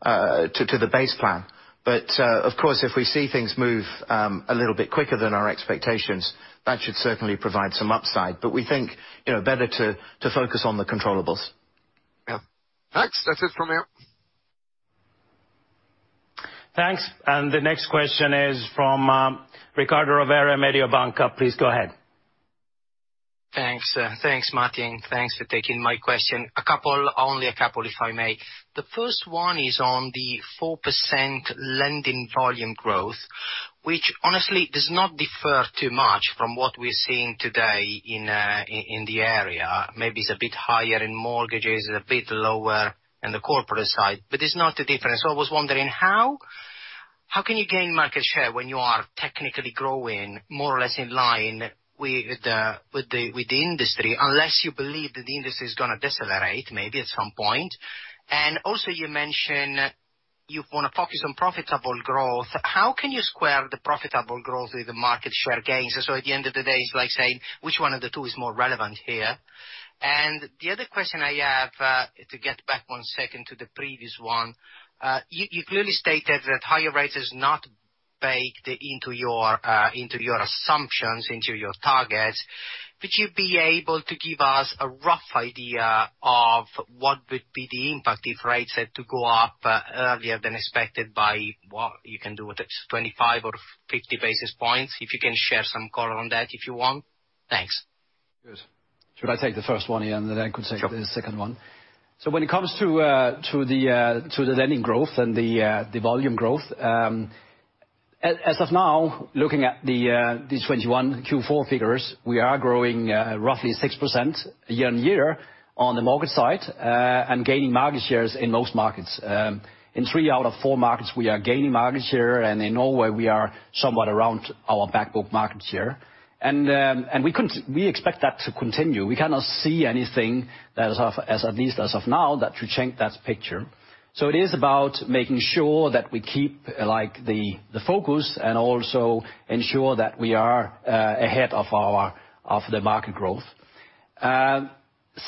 the base plan. Of course, if we see things move a little bit quicker than our expectations, that should certainly provide some upside. We think, you know, better to focus on the controllables. Yeah. Thanks. That's it from here. Thanks. The next question is from Riccardo Rovere, Mediobanca. Please go ahead. Thanks. Thanks, Martin. Thanks for taking my question. A couple, only a couple, if I may. The first one is on the 4% lending volume growth, which honestly does not differ too much from what we're seeing today in the area. Maybe it's a bit higher in mortgages, a bit lower in the corporate side, but it's not different. I was wondering how can you gain market share when you are technically growing more or less in line with the industry, unless you believe that the industry is gonna decelerate maybe at some point. Also you mention you wanna focus on profitable growth. How can you square the profitable growth with the market share gains? At the end of the day, it's like saying which one of the two is more relevant here? The other question I have, to get back one second to the previous one, you clearly stated that higher rate is not baked into your assumptions, into your targets. Would you be able to give us a rough idea of what would be the impact if rates had to go up earlier than expected by, well, you can do it at 25 or 50 basis points? If you can share some color on that, if you want. Thanks. Good. Should I take the first one here, and then I could take? Sure. The second one. When it comes to the lending growth and the volume growth, as of now, looking at the 2021 Q4 figures, we are growing roughly 6% year-on-year on the mortgage side, and gaining market shares in most markets. In three out of four markets, we are gaining market share, and in Norway, we are somewhat around our back book market share. We expect that to continue. We cannot see anything that, at least as of now, should change that picture. It is about making sure that we keep, like, the focus and also ensure that we are ahead of the market growth.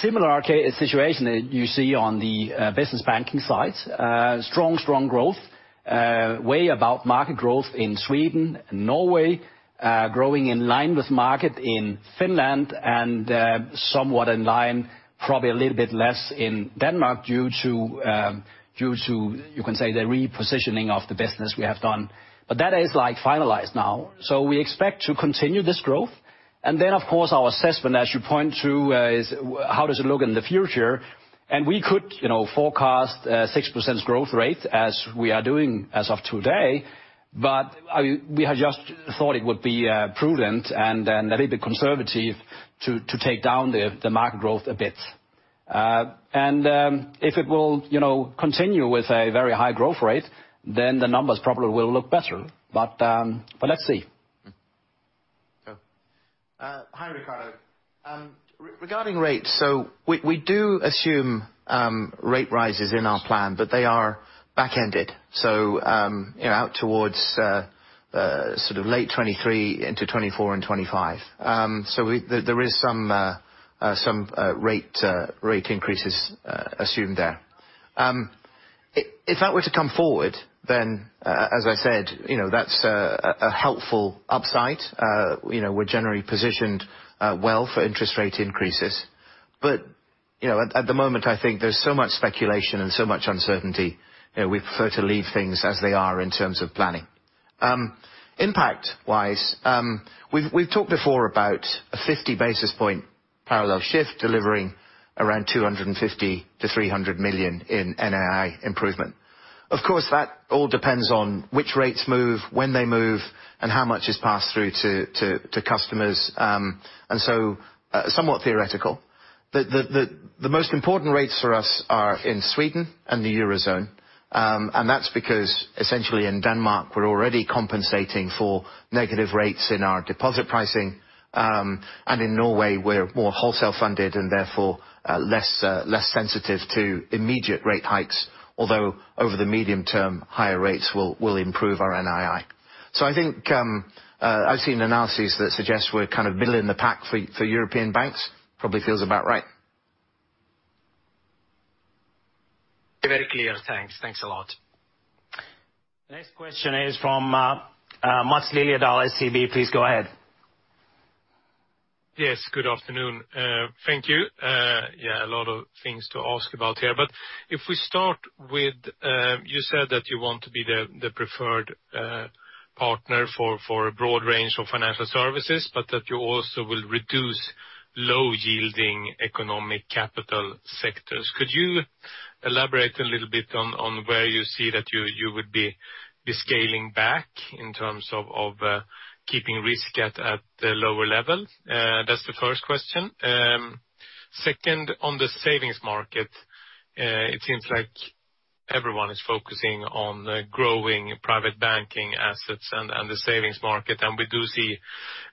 Similar situation you see on the Business Banking side. Strong growth way above market growth in Sweden and Norway, growing in line with market in Finland and somewhat in line, probably a little bit less in Denmark due to the repositioning of the business we have done. That is like finalized now. We expect to continue this growth. Then, of course, our assessment, as you point to, is how does it look in the future? We could, you know, forecast 6% growth rate as we are doing as of today, but I mean, we had just thought it would be prudent and a little bit conservative to take down the market growth a bit. If it will, you know, continue with a very high growth rate, then the numbers probably will look better. Let's see. Hi, Riccardo. Regarding rates, we do assume rate rises in our plan, but they are back ended, you know, out towards sort of late 2023 into 2024 and 2025. There is some rate increases assumed there. If that were to come forward, then, as I said, you know, that's a helpful upside. You know, we're generally positioned well for interest rate increases. You know, at the moment, I think there's so much speculation and so much uncertainty, you know, we prefer to leave things as they are in terms of planning. Impact-wise, we've talked before about a 50 basis point parallel shift delivering around 250 million-300 million in NII improvement. Of course, that all depends on which rates move, when they move, and how much is passed through to customers. Somewhat theoretical. The most important rates for us are in Sweden and the Eurozone. That's because essentially in Denmark, we're already compensating for negative rates in our deposit pricing. In Norway, we're more wholesale funded and therefore less sensitive to immediate rate hikes, although over the medium term, higher rates will improve our NII. I think I've seen analyses that suggest we're kind of middle in the pack for European banks. Probably feels about right. Very clear. Thanks. Thanks a lot. Next question is from Maths Liljedahl, SEB, please go ahead. Yes, good afternoon. Thank you. Yeah, a lot of things to ask about here. If we start with, you said that you want to be the preferred partner for a broad range of financial services, but that you also will reduce low-yielding economic capital sectors. Could you elaborate a little bit on where you see that you would be scaling back in terms of keeping risk at a lower level? That's the first question. Second, on the savings market, it seems like everyone is focusing on growing private banking assets and the savings market, and we do see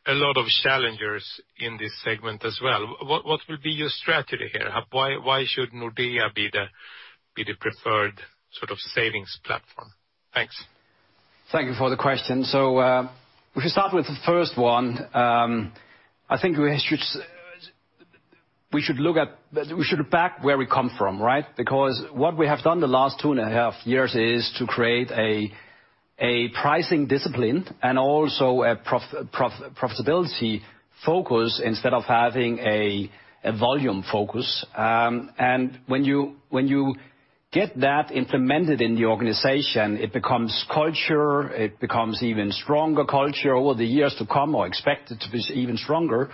a lot of challengers in this segment as well. What will be your strategy here? Why should Nordea be the preferred sort of savings platform? Thanks. Thank you for the question. If we start with the first one, I think we should look back where we come from, right? Because what we have done the last 2.5 years is to create a pricing discipline and also a profitability focus instead of having a volume focus. When you get that implemented in the organization, it becomes culture, it becomes even stronger culture over the years to come or expected to be even stronger.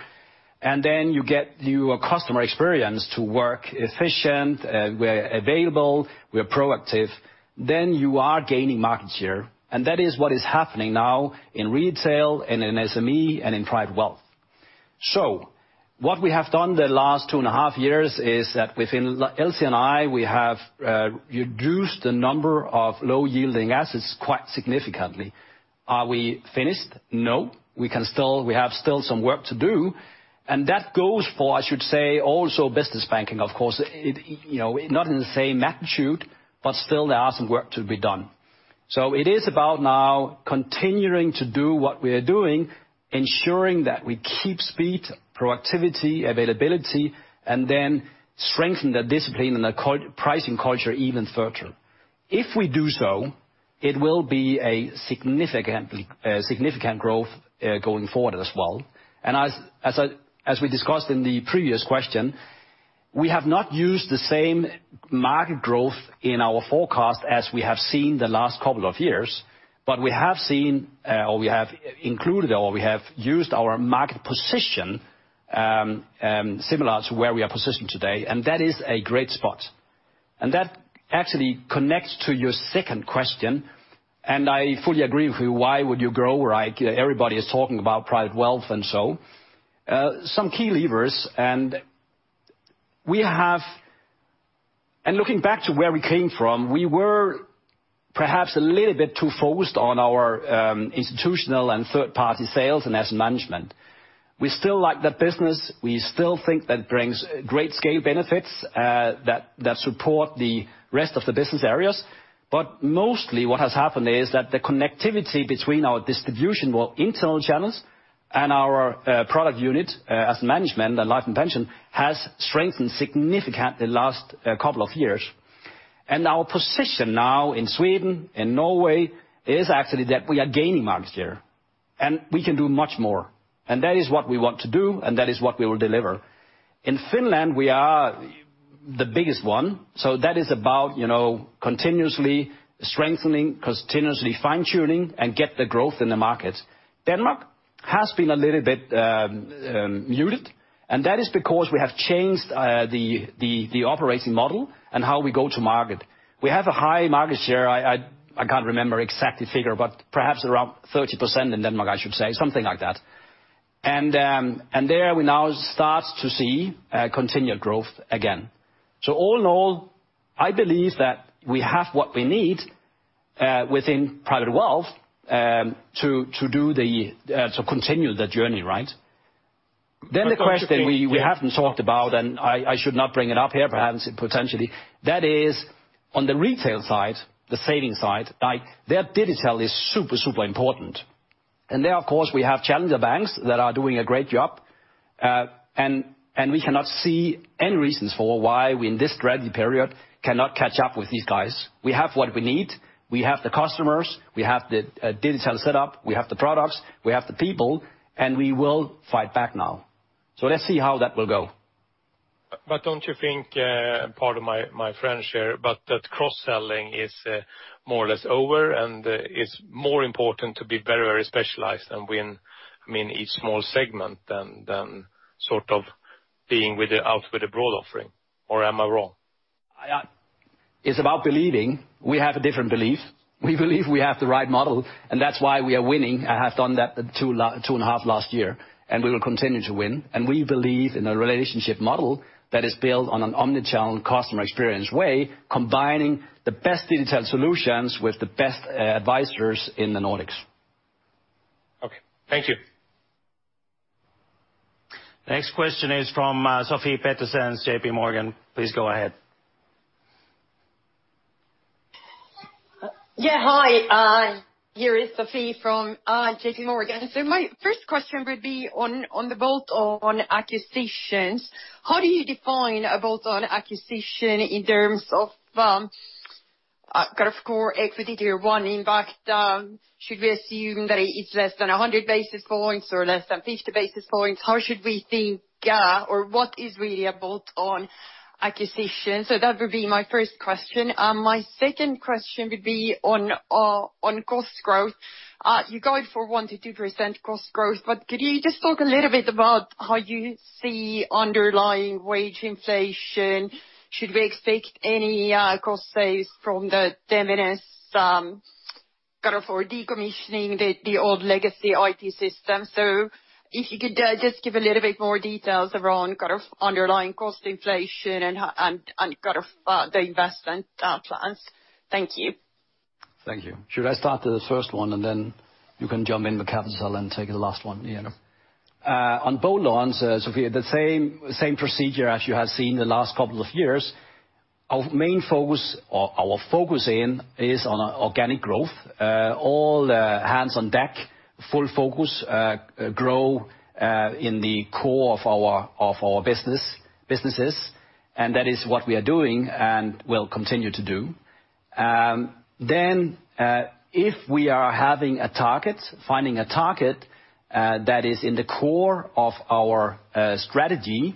You get your customer experience to work efficient, we're available, we're proactive. You are gaining market share, and that is what is happening now in retail, and in SME, and in private wealth. What we have done the last 2.5 years is that within LC&I, we have reduced the number of low-yielding assets quite significantly. Are we finished? No. We can still have some work to do, and that goes for, I should say, also business banking, of course. It, you know, not in the same magnitude, but still there are some work to be done. It is about now continuing to do what we are doing, ensuring that we keep speed, productivity, availability, and then strengthen the discipline and the pricing culture even further. If we do so, it will be a significant growth going forward as well. As we discussed in the previous question, we have not used the same market growth in our forecast as we have seen the last couple of years, but we have included or we have used our market position, similar to where we are positioned today, and that is a great spot. That actually connects to your second question, and I fully agree with you. Why would you grow where, like, everybody is talking about private wealth and so. Some key levers. Looking back to where we came from, we were perhaps a little bit too focused on our institutional and third-party sales and asset management. We still like that business. We still think that brings great scale benefits, that support the rest of the business areas. Mostly what has happened is that the connectivity between our distribution or internal channels and our product unit, as asset management and life and pension, has strengthened significantly the last couple of years. Our position now in Sweden and Norway is actually that we are gaining market share, and we can do much more. That is what we want to do, and that is what we will deliver. In Finland, we are the biggest one, so that is about, you know, continuously strengthening, continuously fine-tuning, and get the growth in the market. Denmark has been a little bit muted, and that is because we have changed the operating model and how we go to market. We have a high market share. I can't remember exact figure, but perhaps around 30% in Denmark, I should say. Something like that. There we now start to see continued growth again. All in all, I believe that we have what we need within private wealth to continue the journey, right? The question we haven't talked about, and I should not bring it up here perhaps, potentially, that is on the retail side, the savings side, like, their digital is super important. There, of course, we have challenger banks that are doing a great job. We cannot see any reasons for why we, in this strategy period, cannot catch up with these guys. We have what we need. We have the customers, we have the digital setup, we have the products, we have the people, and we will fight back now. Let's see how that will go. Don't you think, pardon my French here, but that cross-selling is more or less over and it's more important to be very, very specialized and win, I mean, each small segment than sort of being with the broad offering? Or am I wrong? It's about believing. We have a different belief. We believe we have the right model, and that's why we are winning, and have done that 2.5 last year, and we will continue to win. We believe in a relationship model that is built on an omnichannel customer experience way, combining the best digital solutions with the best advisors in the Nordics. Okay. Thank you. Next question is from Sofie Peterzens, J.P. Morgan. Please go ahead. Hi. Here is Sophie from J.P. Morgan. My first question would be on the bolt-on acquisitions. How do you define a bolt-on acquisition in terms of kind of core equity Tier 1 impact? Should we assume that it's less than 100 basis points or less than 50 basis points? How should we think or what is really a bolt-on acquisition? That would be my first question. My second question would be on cost growth. You're going for 1%-2% cost growth, but could you just talk a little bit about how you see underlying wage inflation? Should we expect any cost savings from the Temenos kind of for decommissioning the old legacy IT system? If you could just give a little bit more details around kind of underlying cost inflation and kind of the investment plans. Thank you. Thank you. Should I start the first one, and then you can jump in with capital and take the last one, Ian? On bolt-ons, Sofie, the same procedure as you have seen the last couple of years. Our main focus, or our focus in, is on organic growth. All hands on deck, full focus, grow in the core of our business, and that is what we are doing and will continue to do. If we are finding a target that is in the core of our strategy,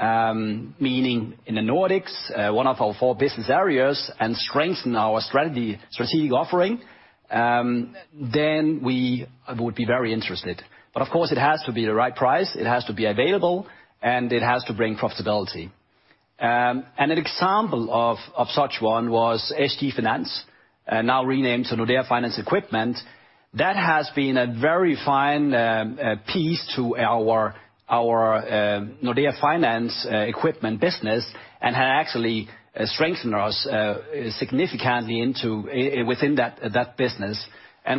meaning in the Nordics, one of our four business areas, and strengthen our strategic offering, then we would be very interested. Of course it has to be the right price, it has to be available, and it has to bring profitability. An example of such one was SG Finans, now renamed to Nordea Finance Equipment. That has been a very fine piece to our Nordea Finance Equipment business and had actually strengthened us significantly into within that business.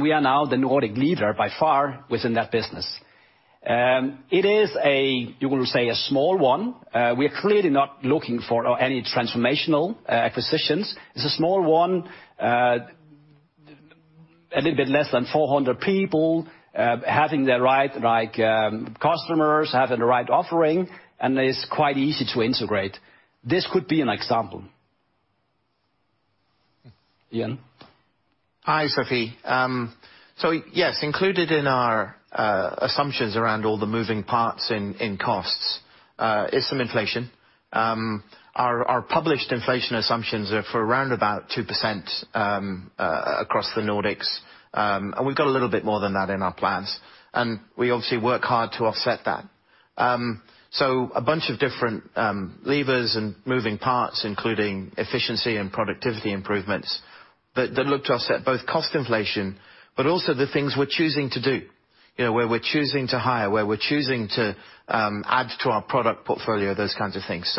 We are now the Nordic leader by far within that business. It is a, you will say, a small one. We are clearly not looking for any transformational acquisitions. It's a small one, a little bit less than 400 people, having the right, like, customers, having the right offering, and is quite easy to integrate. This could be an example. Ian? Hi, Sophie. Yes, included in our assumptions around all the moving parts in costs is some inflation. Our published inflation assumptions are for around 2% across the Nordics. We've got a little bit more than that in our plans, and we obviously work hard to offset that. A bunch of different levers and moving parts, including efficiency and productivity improvements that look to offset both cost inflation, but also the things we're choosing to do. You know, where we're choosing to hire, where we're choosing to add to our product portfolio, those kinds of things.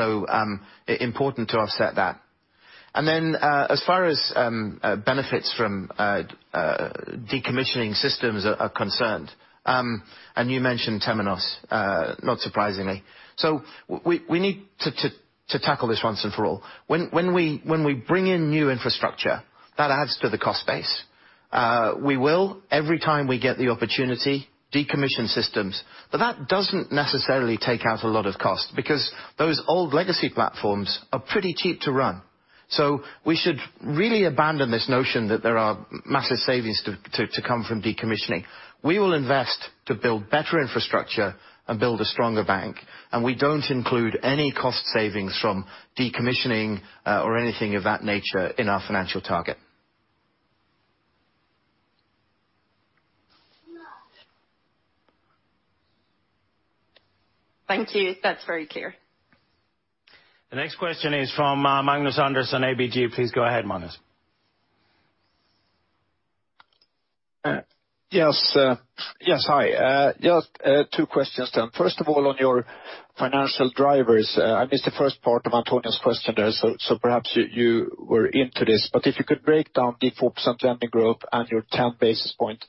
Important to offset that. As far as benefits from decommissioning systems are concerned, and you mentioned Temenos, not surprisingly. We need to tackle this once and for all. When we bring in new infrastructure, that adds to the cost base. We will, every time we get the opportunity, decommission systems. That doesn't necessarily take out a lot of cost because those old legacy platforms are pretty cheap to run. We should really abandon this notion that there are massive savings to come from decommissioning. We will invest to build better infrastructure and build a stronger bank, and we don't include any cost savings from decommissioning or anything of that nature in our financial target. Thank you. That's very clear. The next question is from Magnus Andersson, ABG. Please go ahead, Magnus. Yes. Hi. Just two questions then. First of all, on your financial drivers, I missed the first part of Antonio question there, so perhaps you were into this. If you could break down the 4% lending growth and your 10 basis point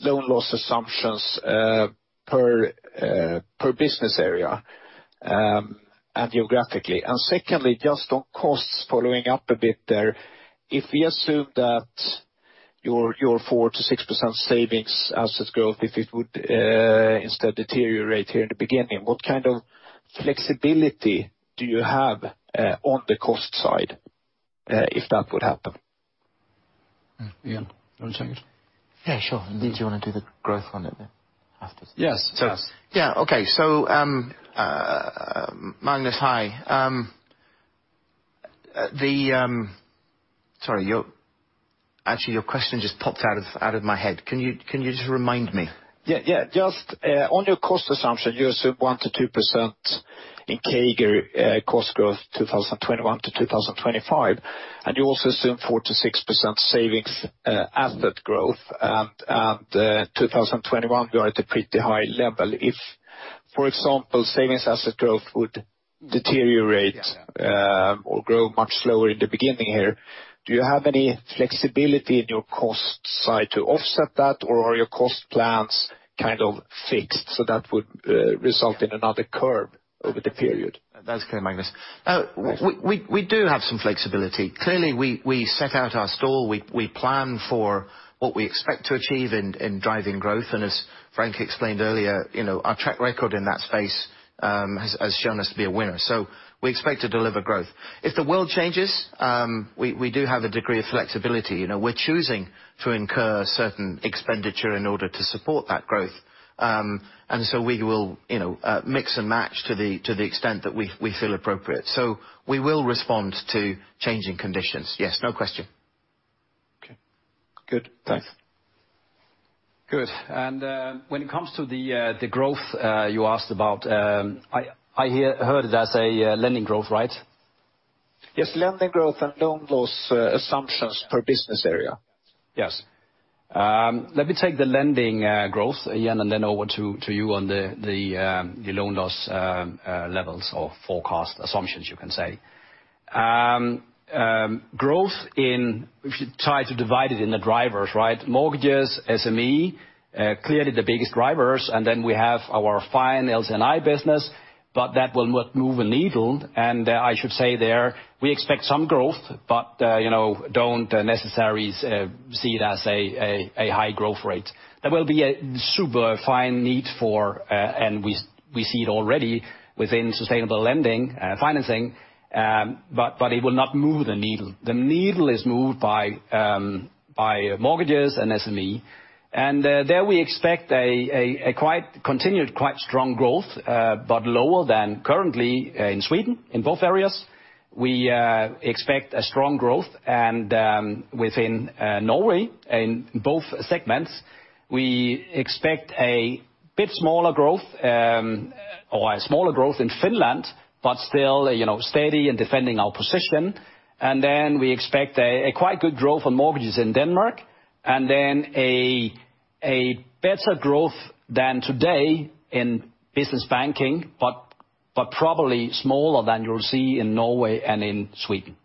loan loss assumptions, per business area, and geographically. Secondly, just on costs, following up a bit there. If we assume that your 4%-6% savings assets growth, if it would instead deteriorate here in the beginning, what kind of flexibility do you have on the cost side, if that would happen? Ian, you wanna take it? Yeah, sure. Unless you wanna do the growth on it afterwards. Yes, yes. Magnus, hi. Sorry, actually, your question just popped out of my head. Can you just remind me? Just on your cost assumption, you assume 1%-2% in CAGR cost growth, 2021-2025. You also assume 4%-6% savings asset growth. 2021, we are at a pretty high level. If, for example, savings asset growth would deteriorate. Yeah. Grow much slower in the beginning here, do you have any flexibility in your cost side to offset that? Or are your cost plans kind of fixed so that would result in another curve over the period? That's clear, Magnus. We do have some flexibility. Clearly, we set out our stall. We plan for what we expect to achieve in driving growth. As Frank explained earlier, you know, our track record in that space has shown us to be a winner. We expect to deliver growth. If the world changes, we do have a degree of flexibility. You know, we're choosing to incur certain expenditure in order to support that growth. We will, you know, mix and match to the extent that we feel appropriate. We will respond to changing conditions. Yes, no question. Okay. Good. Thanks. Good. When it comes to the growth you asked about, I heard it as a lending growth, right? Yes. Lending growth and loan loss assumptions per business area. Yes. Let me take the lending growth, Ian, and then over to you on the loan loss levels or forecast assumptions, you can say. If you try to divide it in the drivers, right? Mortgages, SME, clearly the biggest drivers, and then we have our fine LC&I business, but that will not move a needle. I should say there, we expect some growth but, you know, don't necessarily see it as a high growth rate. There will be a sufficient need for, and we see it already within sustainable lending financing. It will not move the needle. The needle is moved by mortgages and SME. There we expect a quite continued quite strong growth, but lower than currently, in Sweden in both areas. We expect a strong growth and within Norway in both segments. We expect a bit smaller growth, or a smaller growth in Finland, but still, you know, steady in defending our position. We expect a quite good growth on mortgages in Denmark, and then a better growth than today in Business Banking, but probably smaller than you'll see in Norway and in Sweden.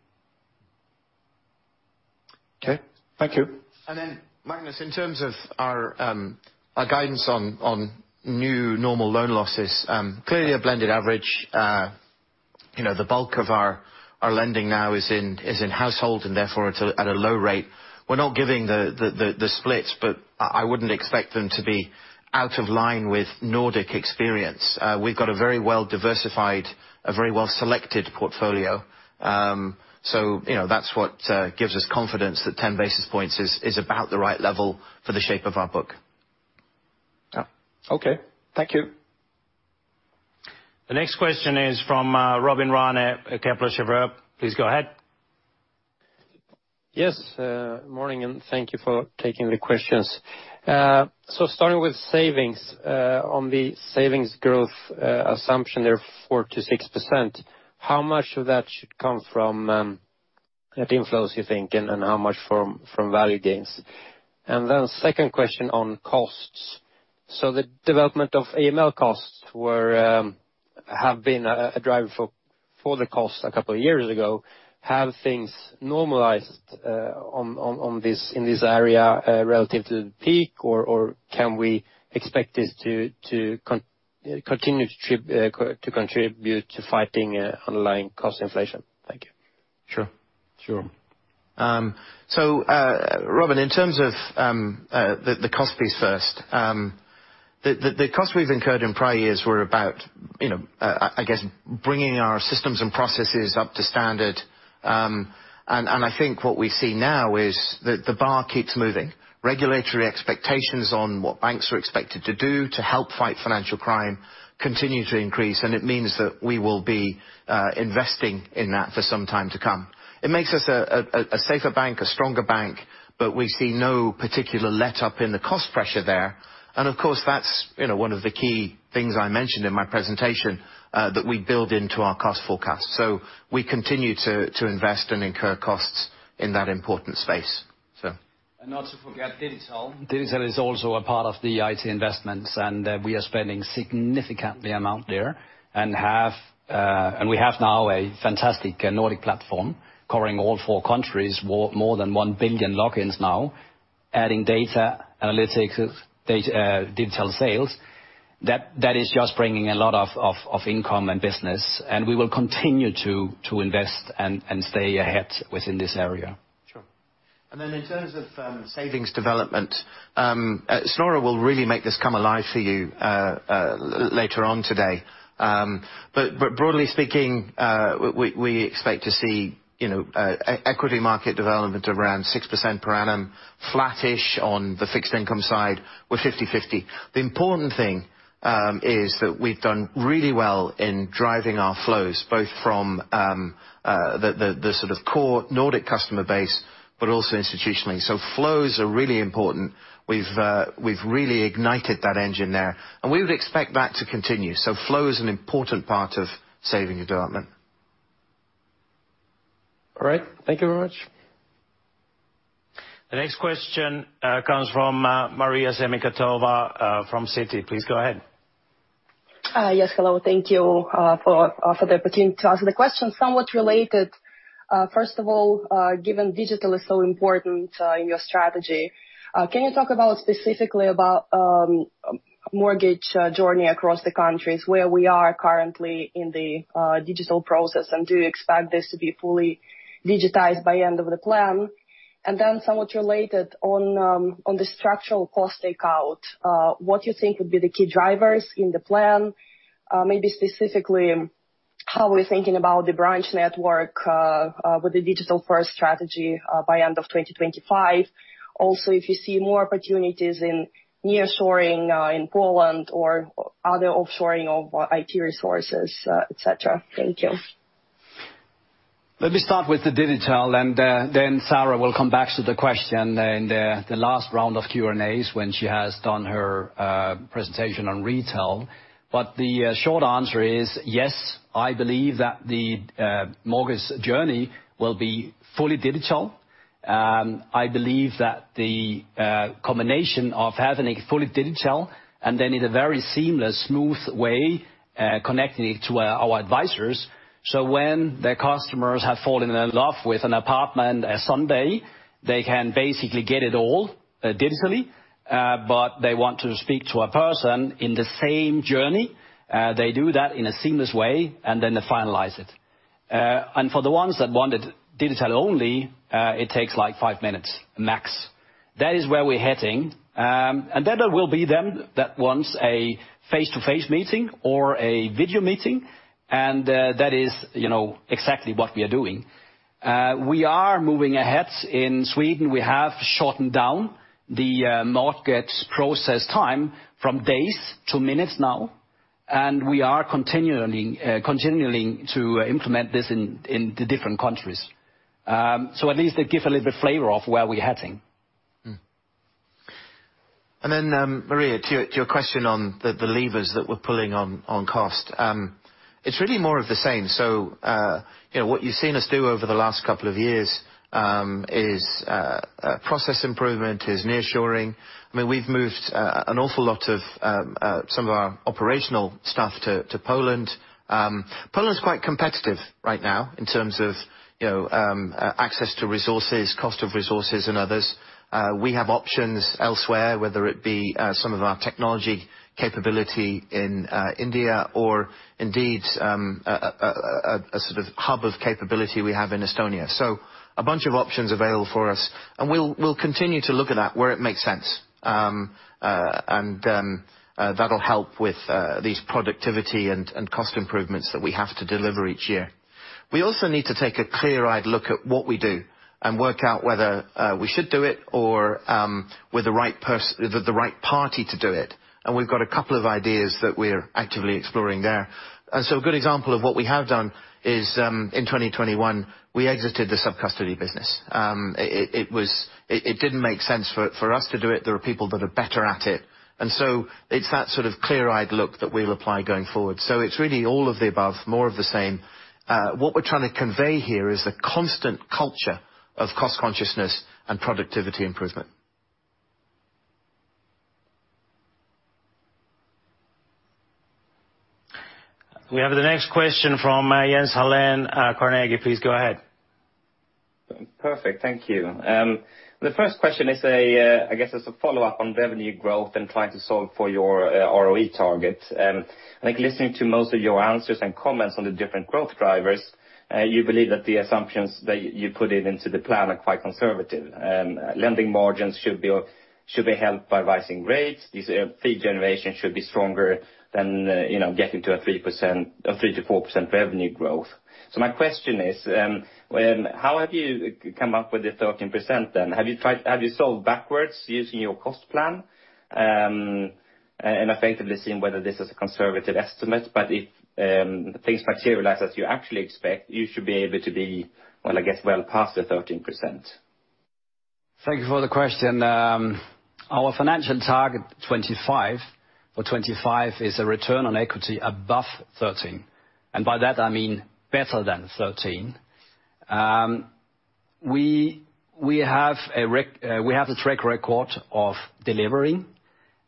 Okay. Thank you. Magnus, in terms of our guidance on new normal loan losses, clearly a blended average. You know, the bulk of our lending now is in household, and therefore it's at a low rate. We're not giving the splits, but I wouldn't expect them to be out of line with Nordic experience. We've got a very well-diversified, very well-selected portfolio. So, you know, that's what gives us confidence that 10 basis points is about the right level for the shape of our book. Yeah. Okay. Thank you. The next question is from Robin Rane at Kepler Cheuvreux. Please go ahead. Yes, morning, and thank you for taking the questions. Starting with savings, on the savings growth assumption there, 4%-6%, how much of that should come from net inflows, you think? And how much from value gains? Then second question on costs. The development of AML costs were a driver for the cost a couple of years ago. Have things normalized on this in this area relative to the peak or can we expect this to continue to contribute to fighting underlying cost inflation? Thank you. Sure. Robin, in terms of the cost piece first. The costs we've incurred in prior years were about, you know, I guess, bringing our systems and processes up to standard. I think what we see now is the bar keeps moving. Regulatory expectations on what banks are expected to do to help fight financial crime continue to increase, and it means that we will be investing in that for some time to come. It makes us a safer bank, a stronger bank, but we see no particular letup in the cost pressure there. Of course, that's you know, one of the key things I mentioned in my presentation that we build into our cost forecast. We continue to invest and incur costs in that important space. Not to forget digital. Digital is also a part of the IT investments, and we are spending a significant amount there. We have now a fantastic Nordic platform covering all four countries. More than 1 billion logins now. Adding data analytics, digital sales, that is just bringing a lot of income and business, and we will continue to invest and stay ahead within this area. Sure. In terms of savings development, Snorre will really make this come alive for you later on today. Broadly speaking, we expect to see, you know, equity market development around 6% per annum, flattish on the fixed income side, we're 50/50. The important thing is that we've done really well in driving our flows, both from the sort of core Nordic customer base, but also institutionally. Flows are really important. We've really ignited that engine there, and we would expect that to continue. Flow is an important part of saving development. All right. Thank you very much. The next question comes from Maria Semikhatova from Citi. Please go ahead. Yes. Hello. Thank you for the opportunity to ask the question. Somewhat related, first of all, given digital is so important in your strategy, can you talk specifically about mortgage journey across the countries where we are currently in the digital process, and do you expect this to be fully digitized by end of the plan? Somewhat related on the structural cost takeout, what do you think would be the key drivers in the plan? Maybe specifically how we're thinking about the branch network with the digital first strategy by end of 2025. Also, if you see more opportunities in nearshoring in Poland or other offshoring of IT resources, et cetera. Thank you. Let me start with the digital and then Sara will come back to the question in the last round of Q&As when she has done her presentation on retail. The short answer is yes, I believe that the mortgage journey will be fully digital. I believe that the combination of having it fully digital and then in a very seamless, smooth way connecting it to our advisors. When the customers have fallen in love with an apartment someday, they can basically get it all digitally. They want to speak to a person in the same journey, they do that in a seamless way, and then they finalize it. For the ones that wanted digital only, it takes like five minutes max. That is where we're heading. There will be them that wants a face-to-face meeting or a video meeting, and that is, you know, exactly what we are doing. We are moving ahead. In Sweden, we have shortened down the mortgage process time from days to minutes now, and we are continually continuing to implement this in the different countries. At least they give a little bit flavor of where we're heading. Maria, to your question on the levers that we're pulling on cost. It's really more of the same. You know, what you've seen us do over the last couple of years is process improvement, nearshoring. I mean, we've moved an awful lot of some of our operational stuff to Poland. Poland is quite competitive right now in terms of you know, access to resources, cost of resources and others. We have options elsewhere, whether it be some of our technology capability in India or indeed a sort of hub of capability we have in Estonia. A bunch of options available for us, and we'll continue to look at that where it makes sense. That'll help with these productivity and cost improvements that we have to deliver each year. We also need to take a clear-eyed look at what we do and work out whether we should do it or we're the right party to do it. We've got a couple of ideas that we're actively exploring there. A good example of what we have done is, in 2021, we exited the sub-custody business. It didn't make sense for us to do it. There are people that are better at it. It's that sort of clear-eyed look that we'll apply going forward. It's really all of the above, more of the same. What we're trying to convey here is a constant culture of cost consciousness and productivity improvement. We have the next question from Jens Hallén, Carnegie. Please go ahead. Perfect. Thank you. The first question is, I guess, as a follow-up on revenue growth and trying to solve for your ROE target. Like listening to most of your answers and comments on the different growth drivers, you believe that the assumptions that you put into the plan are quite conservative. Lending margins should be helped by rising rates. Fee generation should be stronger than, you know, getting to a 3% or 3%-4% revenue growth. My question is, how have you come up with the 13% then? Have you solved backwards using your cost plan, and effectively seeing whether this is a conservative estimate, but if things materialize as you actually expect, you should be able to be, well, I guess, well past the 13%. Thank you for the question. Our financial target 2025, for 2025 is a Return on Equity above 13%, and by that I mean better than 13%. We have the track record of delivering,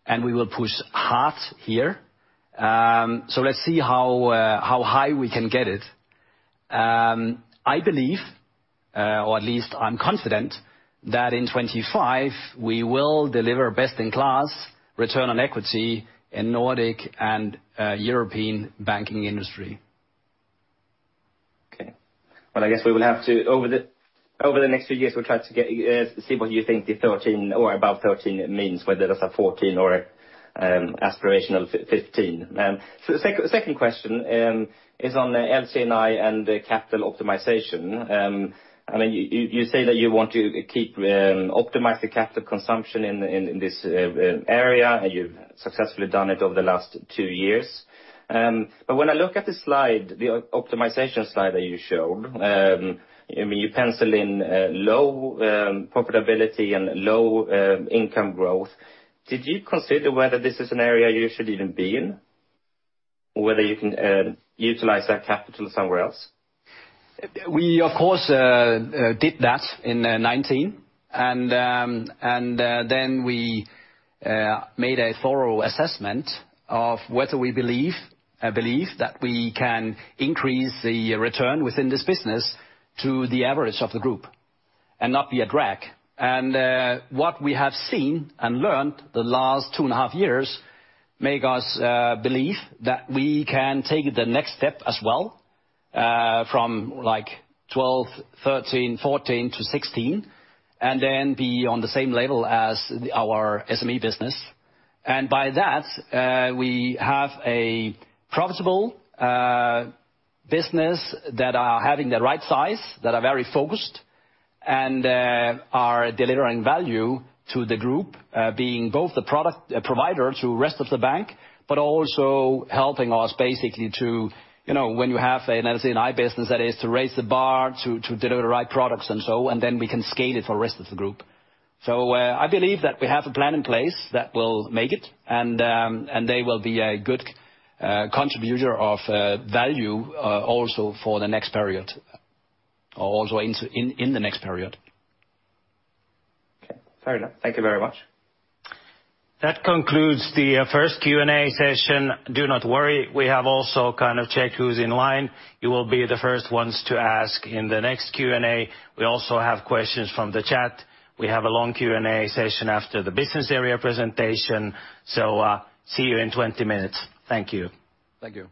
and we will push hard here. Let's see how high we can get it. I believe, or at least I'm confident that in 2025 we will deliver best in class Return on Equity in Nordic and European banking industry. Well, I guess we will have to over the next few years, we'll try to see what you think the 13% or above means, whether that's a 14% or aspirational 15%. Second question is on LC&I and capital optimization. I mean, you say that you want to optimize the capital consumption in this area, and you've successfully done it over the last two years. When I look at the slide, the optimization slide that you showed, I mean, you pencil in low profitability and low income growth. Did you consider whether this is an area you should even be in? Whether you can utilize that capital somewhere else? We of course did that in 2019 and then we made a thorough assessment of whether we believe that we can increase the return within this business to the average of the group and not be a drag. What we have seen and learned the last 2.5 years make us believe that we can take the next step as well from like 12%, 13%, 14% to 16% and then be on the same level as our SME business. By that, we have a profitable business that are having the right size, that are very focused and are delivering value to the group, being both the product provider to rest of the bank, but also helping us basically to, you know, when you have an LC&I business that is to raise the bar to deliver the right products and so, and then we can scale it for rest of the group. I believe that we have a plan in place that will make it, and they will be a good contributor of value, also for the next period, also in the next period. Okay. Fair enough. Thank you very much. That concludes the first Q&A session. Do not worry, we have also kind of checked who's in line. You will be the first ones to ask in the next Q&A. We also have questions from the chat. We have a long Q&A session after the business area presentation. See you in 20 minutes. Thank you. Thank you.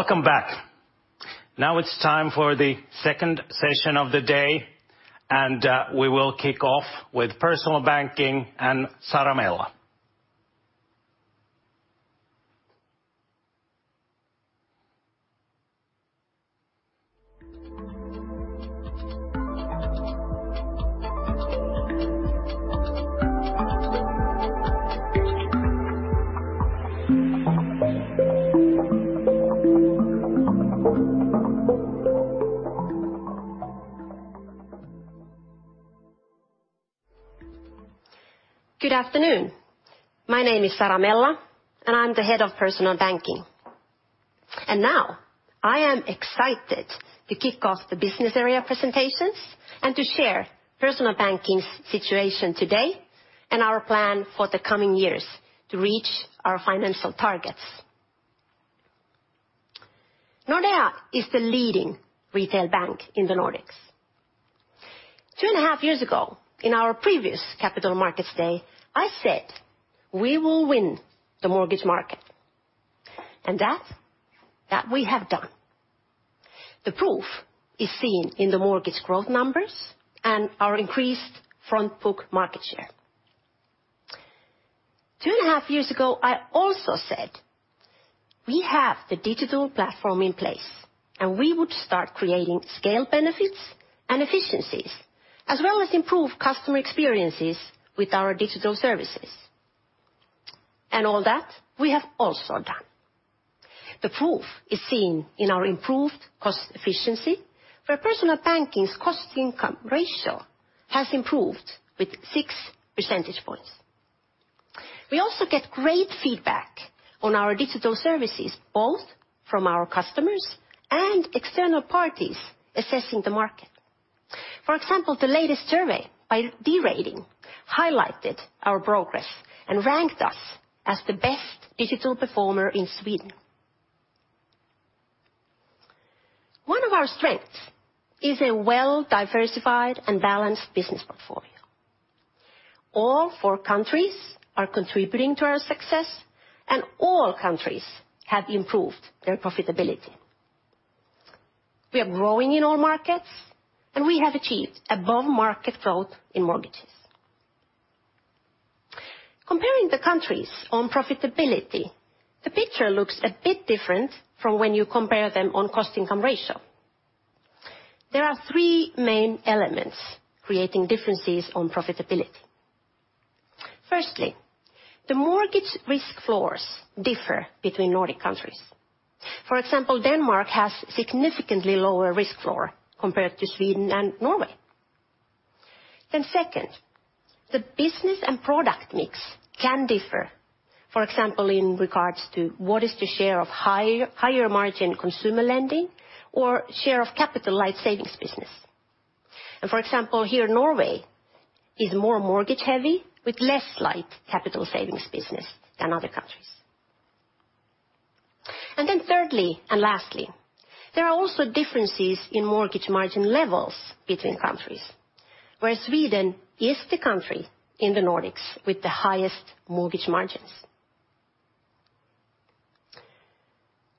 Welcome back. Now it's time for the second session of the day, and we will kick off with Personal Banking and Sara Mella. Good afternoon. My name is Sara Mella, and I'm the head of Personal Banking. Now I am excited to kick off the business area presentations and to share Personal Banking's situation today and our plan for the coming years to reach our financial targets. Nordea is the leading retail bank in the Nordics. Two and a half years ago, in our previous Capital Markets Day, I said, "We will win the mortgage market," and that we have done. The proof is seen in the mortgage growth numbers and our increased front book market share. Two and a half years ago, I also said, we have the digital platform in place, and we would start creating scale benefits and efficiencies, as well as improve customer experiences with our digital services. All that we have also done. The proof is seen in our improved cost efficiency, where Personal Banking's cost-to-income ratio has improved with 6 percentage points. We also get great feedback on our digital services, both from our customers and external parties assessing the market. For example, the latest survey by D-Rating highlighted our progress and ranked us as the best digital performer in Sweden. One of our strengths is a well-diversified and balanced business portfolio. All four countries are contributing to our success, and all countries have improved their profitability. We are growing in all markets, and we have achieved above-market growth in mortgages. Comparing the countries on profitability, the picture looks a bit different from when you compare them on cost-to-income ratio. There are three main elements creating differences on profitability. Firstly, the mortgage risk floors differ between Nordic countries. For example, Denmark has significantly lower risk floor compared to Sweden and Norway. Second, the business and product mix can differ, for example, in regards to what is the share of higher margin consumer lending or share of capital-light savings business. For example, here Norway is more mortgage-heavy with less capital-light savings business than other countries. Thirdly, and lastly, there are also differences in mortgage margin levels between countries, where Sweden is the country in the Nordics with the highest mortgage margins.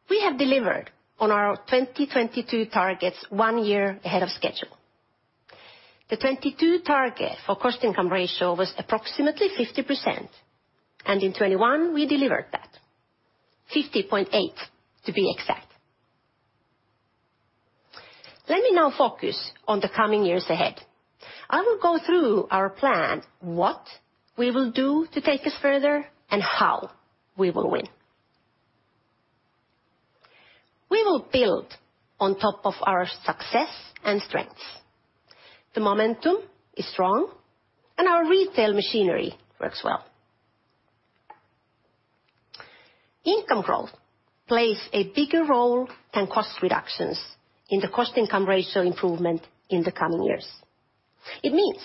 We have delivered on our 2022 targets one year ahead of schedule. The 2022 target for cost-to-income ratio was approximately 50%, and in 2021 we delivered that, 50.8% to be exact. Let me now focus on the coming years ahead. I will go through our plan, what we will do to take us further, and how we will win. We will build on top of our success and strengths. The momentum is strong, and our retail machinery works well. Income growth plays a bigger role than cost reductions in the cost-to-income ratio improvement in the coming years. It means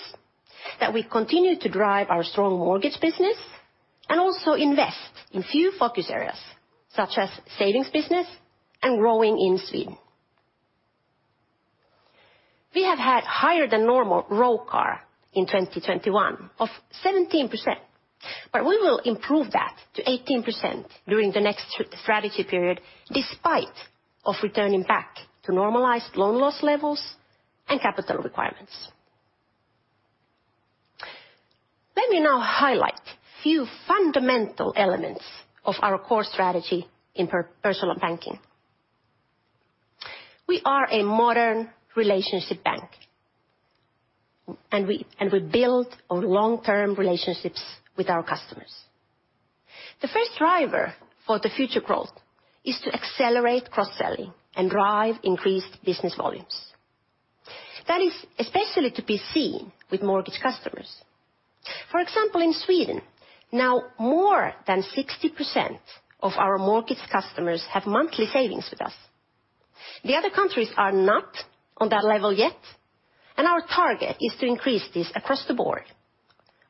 that we continue to drive our strong mortgage business and also invest in few focus areas such as savings business and growing in Sweden. We have had higher than normal ROCAR in 2021 of 17%, but we will improve that to 18% during the next three-year strategy period despite of returning back to normalized loan loss levels and capital requirements. Let me now highlight few fundamental elements of our core strategy in Personal Banking. We are a modern relationship bank, and we build on long-term relationships with our customers. The first driver for the future growth is to accelerate cross-selling and drive increased business volumes. That is especially to be seen with mortgage customers. For example, in Sweden, now more than 60% of our mortgage customers have monthly savings with us. The other countries are not on that level yet, and our target is to increase this across the board.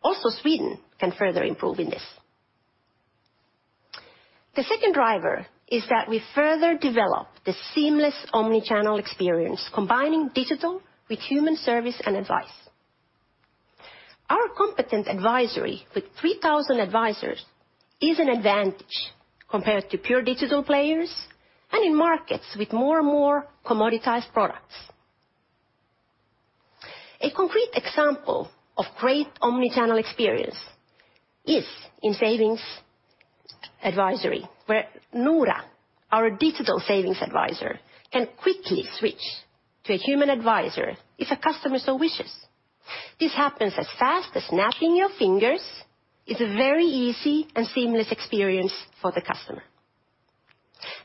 Also, Sweden can further improve in this. The second driver is that we further develop the seamless omnichannel experience, combining digital with human service and advice. Our competent advisory with 3,000 advisors is an advantage compared to pure digital players and in markets with more and more commoditized products. A concrete example of great omnichannel experience is in savings advisory, where Nora, our digital savings advisor, can quickly switch to a human advisor if a customer so wishes. This happens as fast as snapping your fingers. It's a very easy and seamless experience for the customer.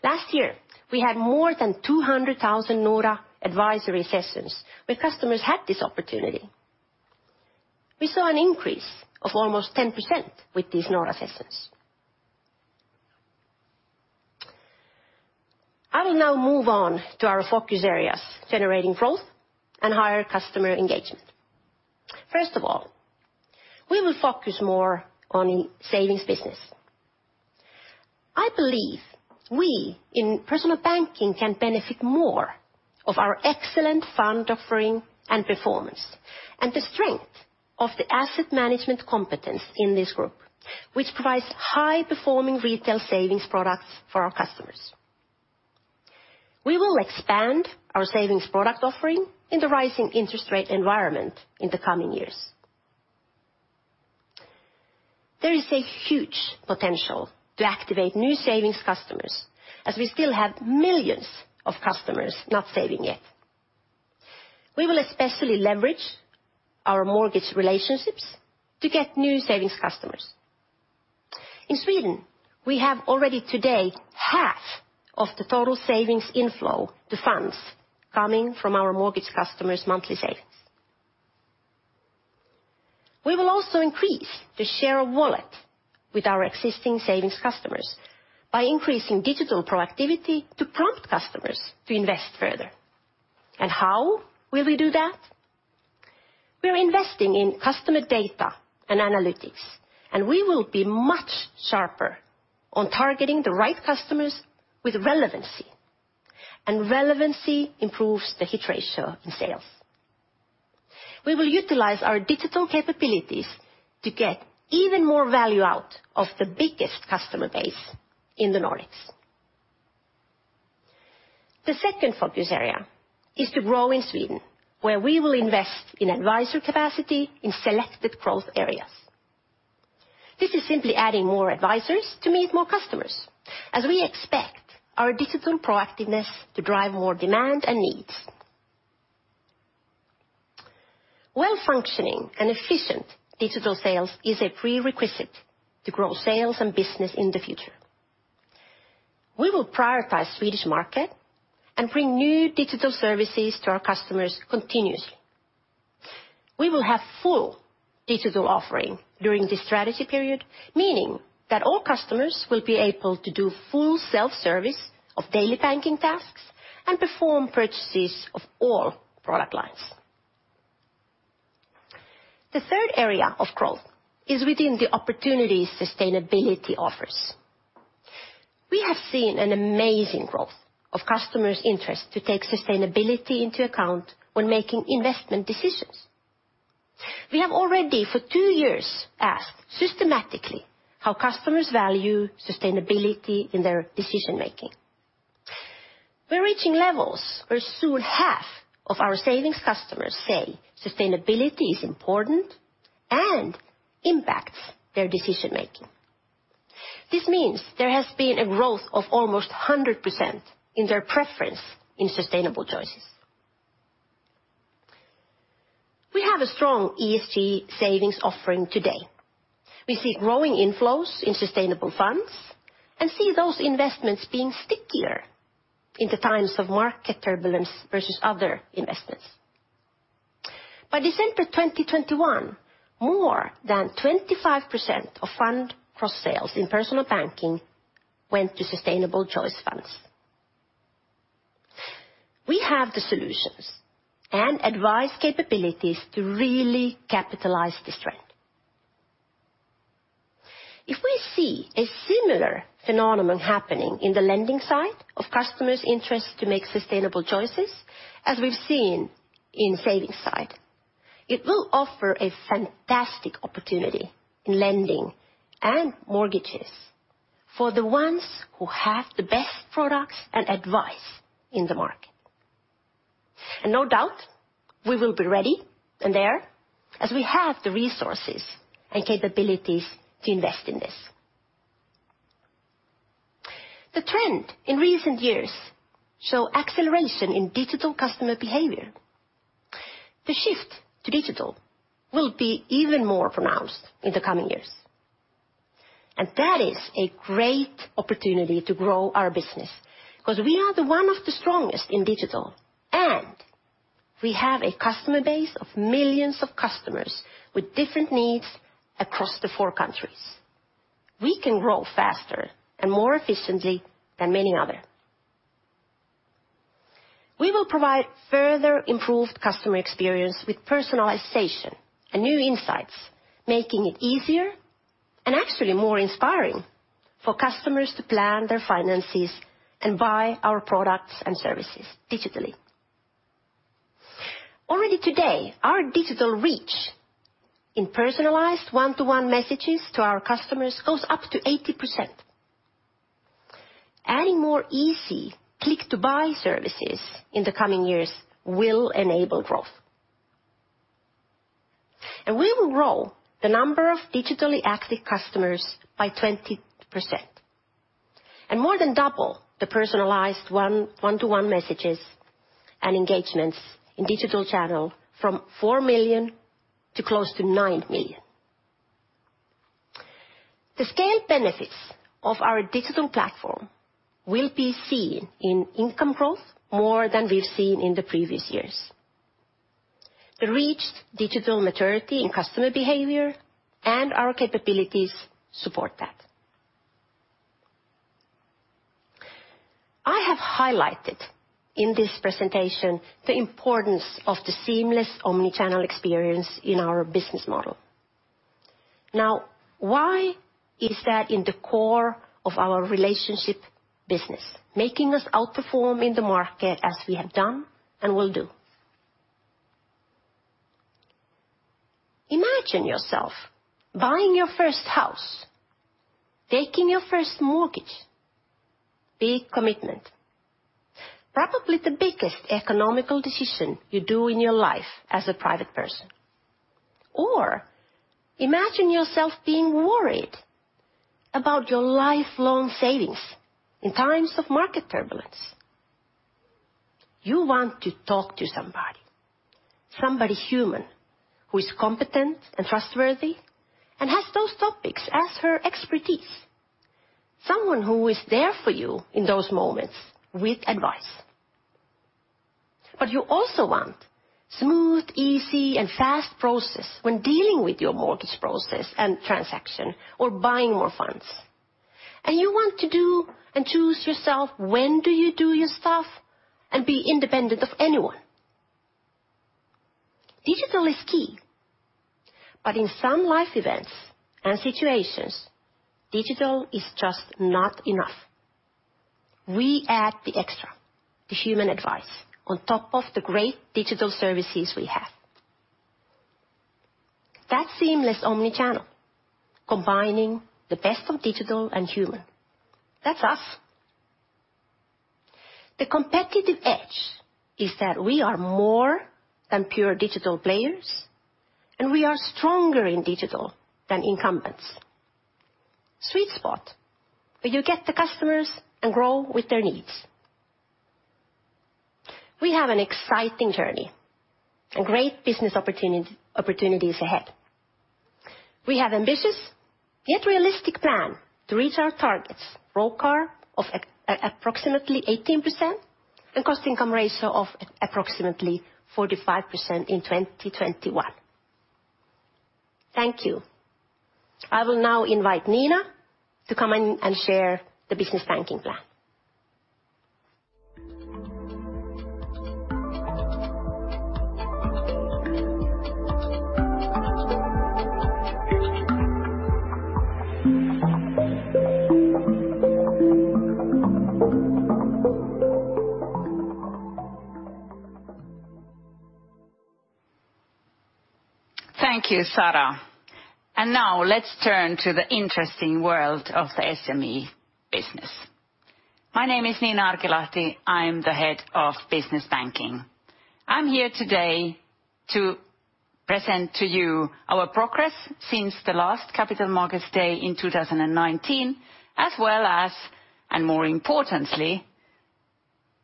Last year, we had more than 200,000 Nora advisory sessions where customers had this opportunity. We saw an increase of almost 10% with these Nora sessions. I will now move on to our focus areas, generating growth and higher customer engagement. First of all, we will focus more on savings business. I believe we in Personal Banking can benefit more of our excellent fund offering and performance, and the strength of the asset management competence in this group, which provides high-performing retail savings products for our customers. We will expand our savings product offering in the rising interest rate environment in the coming years. There is a huge potential to activate new savings customers, as we still have millions of customers not saving yet. We will especially leverage our mortgage relationships to get new savings customers. In Sweden, we have already today half of the total savings inflow to funds coming from our mortgage customers' monthly savings. We will also increase the share of wallet with our existing savings customers by increasing digital productivity to prompt customers to invest further. How will we do that? We're investing in customer data and analytics, and we will be much sharper on targeting the right customers with relevancy. Relevancy improves the hit ratio in sales. We will utilize our digital capabilities to get even more value out of the biggest customer base in the Nordics. The second focus area is to grow in Sweden, where we will invest in advisor capacity in selected growth areas. This is simply adding more advisors to meet more customers, as we expect our digital proactiveness to drive more demand and needs. Well-functioning and efficient digital sales is a prerequisite to grow sales and business in the future. We will prioritize Swedish market and bring new digital services to our customers continuously. We will have full digital offering during this strategy period, meaning that all customers will be able to do full self-service of daily banking tasks and perform purchases of all product lines. The third area of growth is within the opportunities sustainability offers. We have seen an amazing growth of customers' interest to take sustainability into account when making investment decisions. We have already for two years asked systematically how customers value sustainability in their decision-making. We're reaching levels where soon half of our savings customers say sustainability is important and impacts their decision-making. This means there has been a growth of almost 100% in their preference in sustainable choices. We have a strong ESG savings offering today. We see growing inflows in sustainable funds and see those investments being stickier in the times of market turbulence versus other investments. By December 2021, more than 25% of fund cross-sales in Personal Banking went to sustainable choice funds. We have the solutions and advice capabilities to really capitalize this trend. If we see a similar phenomenon happening in the lending side of customers' interest to make sustainable choices, as we've seen in savings side, it will offer a fantastic opportunity in lending and mortgages for the ones who have the best products and advice in the market. No doubt, we will be ready and there, as we have the resources and capabilities to invest in this. The trend in recent years show acceleration in digital customer behavior. The shift to digital will be even more pronounced in the coming years, and that is a great opportunity to grow our business because we are the one of the strongest in digital, and we have a customer base of millions of customers with different needs across the four countries. We can grow faster and more efficiently than many other. We will provide further improved customer experience with personalization and new insights, making it easier and actually more inspiring for customers to plan their finances and buy our products and services digitally. Already today, our digital reach in personalized one-to-one messages to our customers goes up to 80%. Adding more easy click-to-buy services in the coming years will enable growth. We will grow the number of digitally active customers by 20%. More than double the personalized one-to-one messages and engagements in digital channel from 4 million to close to 9 million. The scale benefits of our digital platform will be seen in income growth more than we've seen in the previous years. The reached digital maturity in customer behavior and our capabilities support that. I have highlighted in this presentation the importance of the seamless omnichannel experience in our business model. Now, why is that in the core of our relationship business, making us outperform in the market as we have done and will do? Imagine yourself buying your first house, taking your first mortgage. Big commitment. Probably the biggest economic decision you do in your life as a private person. Or imagine yourself being worried about your lifelong savings in times of market turbulence. You want to talk to somebody human, who is competent and trustworthy and has those topics as her expertise. Someone who is there for you in those moments with advice. You also want smooth, easy and fast process when dealing with your mortgage process and transaction or buying more funds. You want to do and choose yourself when do you do your stuff and be independent of anyone. Digital is key, but in some life events and situations, digital is just not enough. We add the extra, the human advice on top of the great digital services we have. Seamless omnichannel, combining the best of digital and human. That's us. The competitive edge is that we are more than pure digital players, and we are stronger in digital than incumbents. Sweet spot, where you get the customers and grow with their needs. We have an exciting journey and great business opportunities ahead. We have ambitious, yet realistic plan to reach our targets: ROCAR of approximately 18%, and cost income ratio of approximately 45% in 2021. Thank you. I will now invite Nina to come and share the Business Banking plan. Thank you, Sara. Now let's turn to the interesting world of the SME business. My name is Nina Arkilahti. I'm the head of Business Banking. I'm here today to present to you our progress since the last Capital Markets Day in 2019, as well as, and more importantly,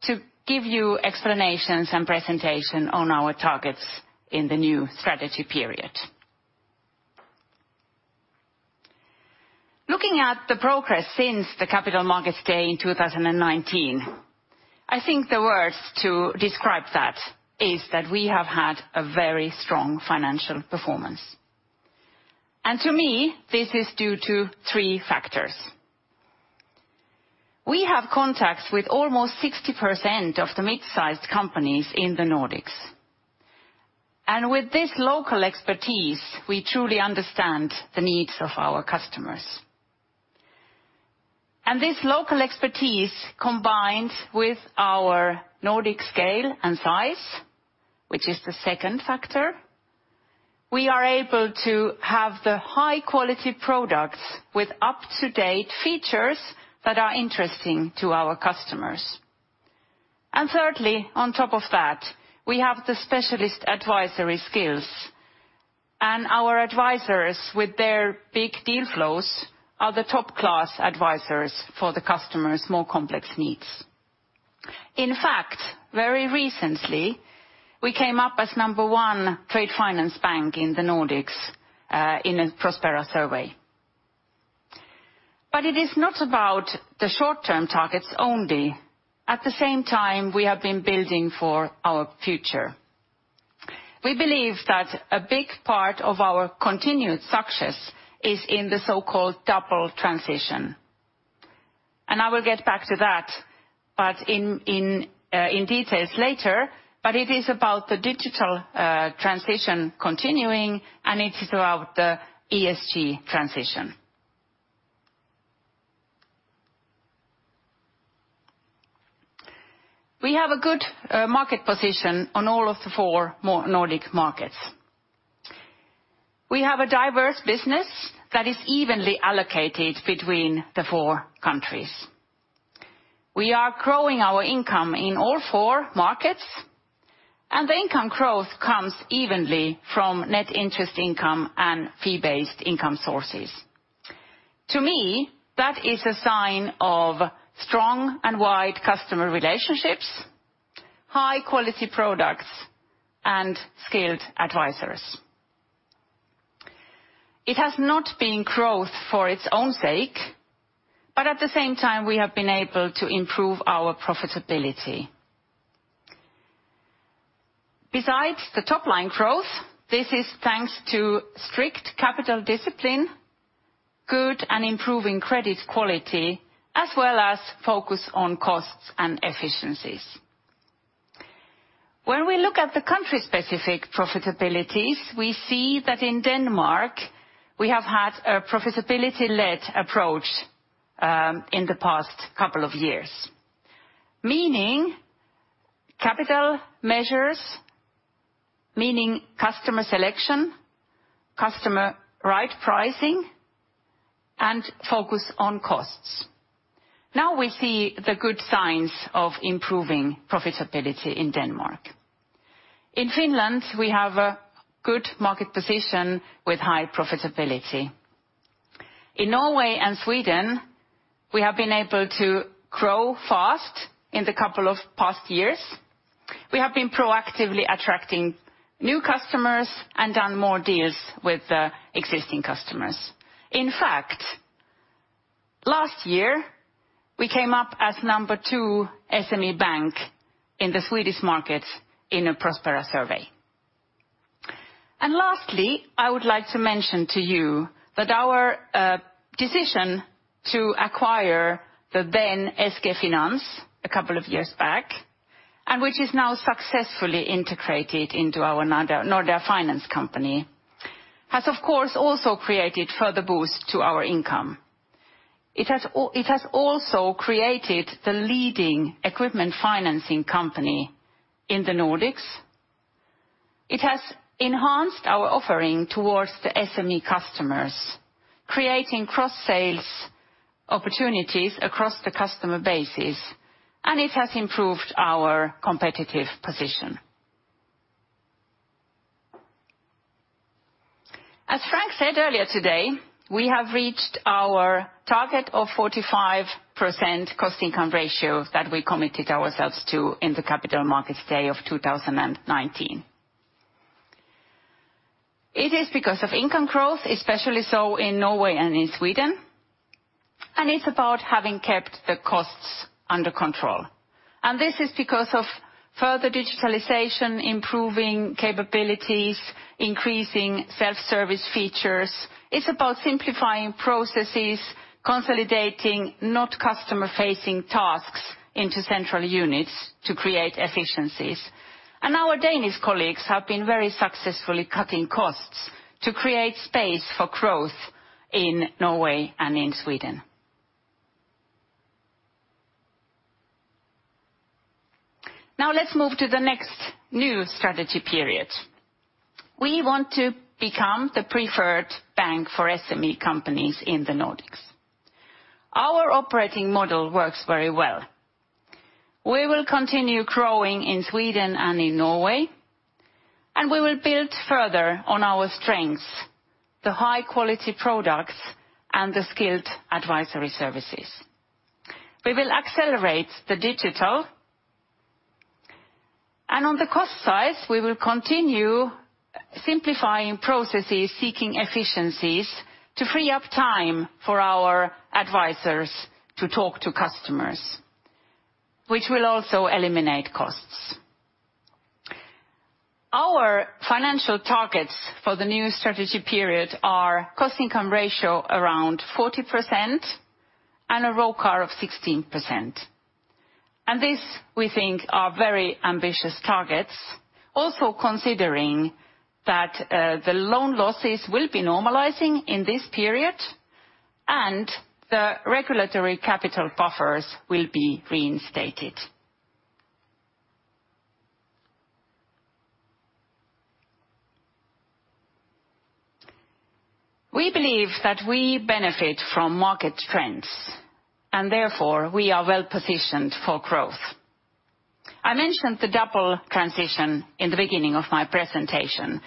to give you explanations and presentation on our targets in the new strategy period. Looking at the progress since the Capital Markets Day in 2019, I think the words to describe that is that we have had a very strong financial performance. To me, this is due to three factors. We have contacts with almost 60% of the mid-sized companies in the Nordics. With this local expertise, we truly understand the needs of our customers. This local expertise, combined with our Nordic scale and size, which is the second factor, we are able to have the high-quality products with up-to-date features that are interesting to our customers. Thirdly, on top of that, we have the specialist advisory skills, and our advisors with their big deal flows are the top class advisors for the customers' more complex needs. In fact, very recently, we came up as number one trade finance bank in the Nordics, in a Prospera survey. It is not about the short-term targets only. At the same time, we have been building for our future. We believe that a big part of our continued success is in the so-called double transition. I will get back to that, but in details later. It is about the digital transition continuing, and it is about the ESG transition. We have a good market position on all of the four major Nordic markets. We have a diverse business that is evenly allocated between the four countries. We are growing our income in all four markets, and the income growth comes evenly from net interest income and fee-based income sources. To me, that is a sign of strong and wide customer relationships, high-quality products, and skilled advisors. It has not been growth for its own sake, but at the same time, we have been able to improve our profitability. Besides the top line growth, this is thanks to strict capital discipline, good and improving credit quality, as well as focus on costs and efficiencies. When we look at the country-specific profitabilities, we see that in Denmark, we have had a profitability-led approach in the past couple of years. Meaning capital measures, meaning customer selection, customer right pricing, and focus on costs. Now we see the good signs of improving profitability in Denmark. In Finland, we have a good market position with high profitability. In Norway and Sweden, we have been able to grow fast in the past couple of years. We have been proactively attracting new customers and done more deals with the existing customers. In fact, last year, we came up as number two SME bank in the Swedish markets in a Prospera survey. Lastly, I would like to mention to you that our decision to acquire the then SG Finans a couple of years back, and which is now successfully integrated into our Nordea Finance company, has, of course, also created further boost to our income. It has also created the leading equipment financing company in the Nordics. It has enhanced our offering towards the SME customers, creating cross-sales opportunities across the customer bases, and it has improved our competitive position. As Frank said earlier today, we have reached our target of 45% cost-to-income ratio that we committed ourselves to in the Capital Markets Day of 2019. It is because of income growth, especially so in Norway and in Sweden, and it's about having kept the costs under control. This is because of further digitalization, improving capabilities, increasing self-service features. It's about simplifying processes, consolidating not customer-facing tasks into central units to create efficiencies. Our Danish colleagues have been very successfully cutting costs to create space for growth in Norway and in Sweden. Now let's move to the next new strategy period. We want to become the preferred bank for SME companies in the Nordics. Our operating model works very well. We will continue growing in Sweden and in Norway, and we will build further on our strengths, the high-quality products and the skilled advisory services. We will accelerate the digital. On the cost side, we will continue simplifying processes, seeking efficiencies to free up time for our advisors to talk to customers, which will also eliminate costs. Our financial targets for the new strategy period are cost-to-income ratio around 40% and a ROCAR of 16%. This, we think, are very ambitious targets, also considering that the loan losses will be normalizing in this period, and the regulatory capital buffers will be reinstated. We believe that we benefit from market trends, and therefore we are well-positioned for growth. I mentioned the double transition in the beginning of my presentation.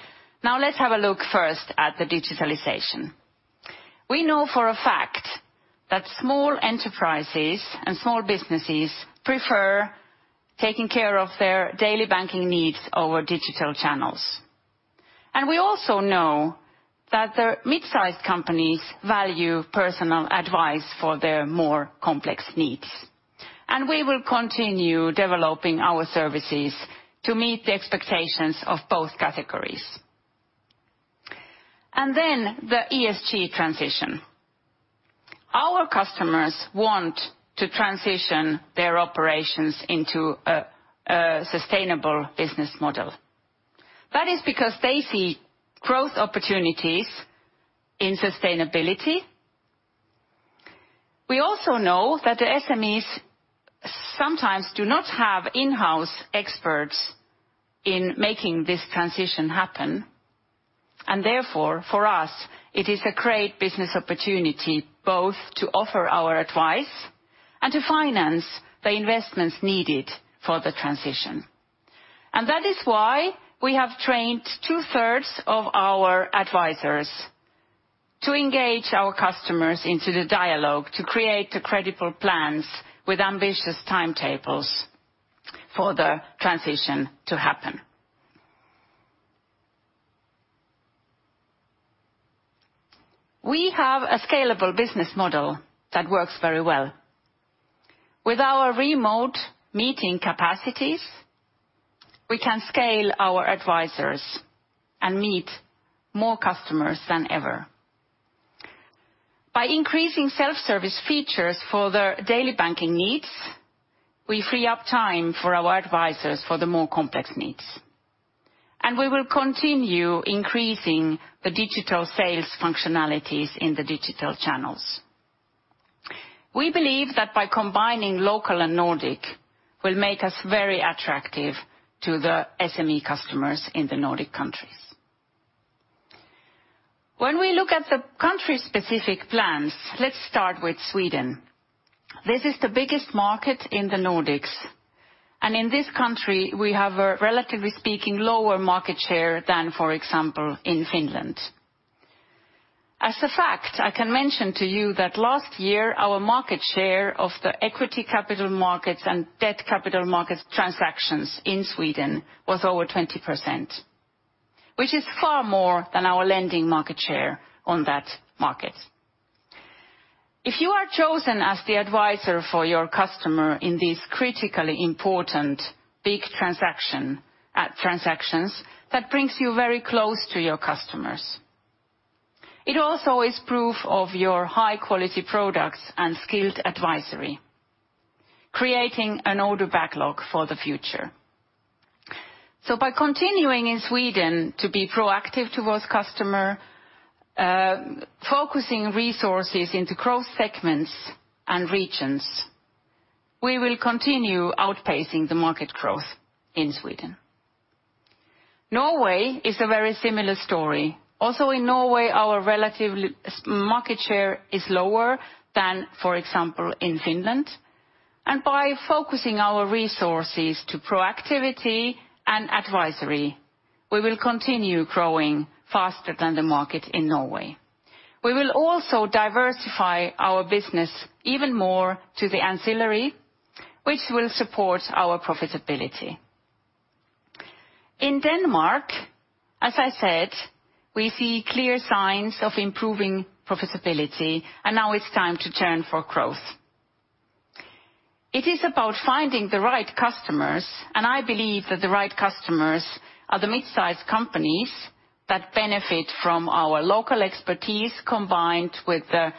Now let's have a look first at the digitalization. We know for a fact that small enterprises and small businesses prefer taking care of their daily banking needs over digital channels. We also know that the mid-sized companies value personal advice for their more complex needs. We will continue developing our services to meet the expectations of both categories. Then the ESG transition. Our customers want to transition their operations into a sustainable business model. That is because they see growth opportunities in sustainability. We also know that the SMEs sometimes do not have in-house experts in making this transition happen, and therefore, for us, it is a great business opportunity both to offer our advice and to finance the investments needed for the transition. That is why we have trained two-thirds of our advisors to engage our customers into the dialogue to create the credible plans with ambitious timetables for the transition to happen. We have a scalable business model that works very well. With our remote meeting capacities, we can scale our advisors and meet more customers than ever. By increasing self-service features for the daily banking needs, we free up time for our advisors for the more complex needs. We will continue increasing the digital sales functionalities in the digital channels. We believe that by combining local and Nordic will make us very attractive to the SME customers in the Nordic countries. When we look at the country-specific plans, let's start with Sweden. This is the biggest market in the Nordics, and in this country, we have a, relatively speaking, lower market share than, for example, in Finland. As a fact, I can mention to you that last year our market share of the equity capital markets and debt capital markets transactions in Sweden was over 20%, which is far more than our lending market share on that market. If you are chosen as the advisor for your customer in these critically important big transactions, that brings you very close to your customers. It also is proof of your high-quality products and skilled advisory, creating an order backlog for the future. By continuing in Sweden to be proactive towards customer, focusing resources into growth segments and regions, we will continue outpacing the market growth in Sweden. Norway is a very similar story. Also, in Norway, our relative market share is lower than, for example, in Finland, and by focusing our resources to proactivity and advisory, we will continue growing faster than the market in Norway. We will also diversify our business even more to the ancillary, which will support our profitability. In Denmark, as I said, we see clear signs of improving profitability, and now it's time to turn for growth. It is about finding the right customers, and I believe that the right customers are the mid-size companies that benefit from our local expertise combined with the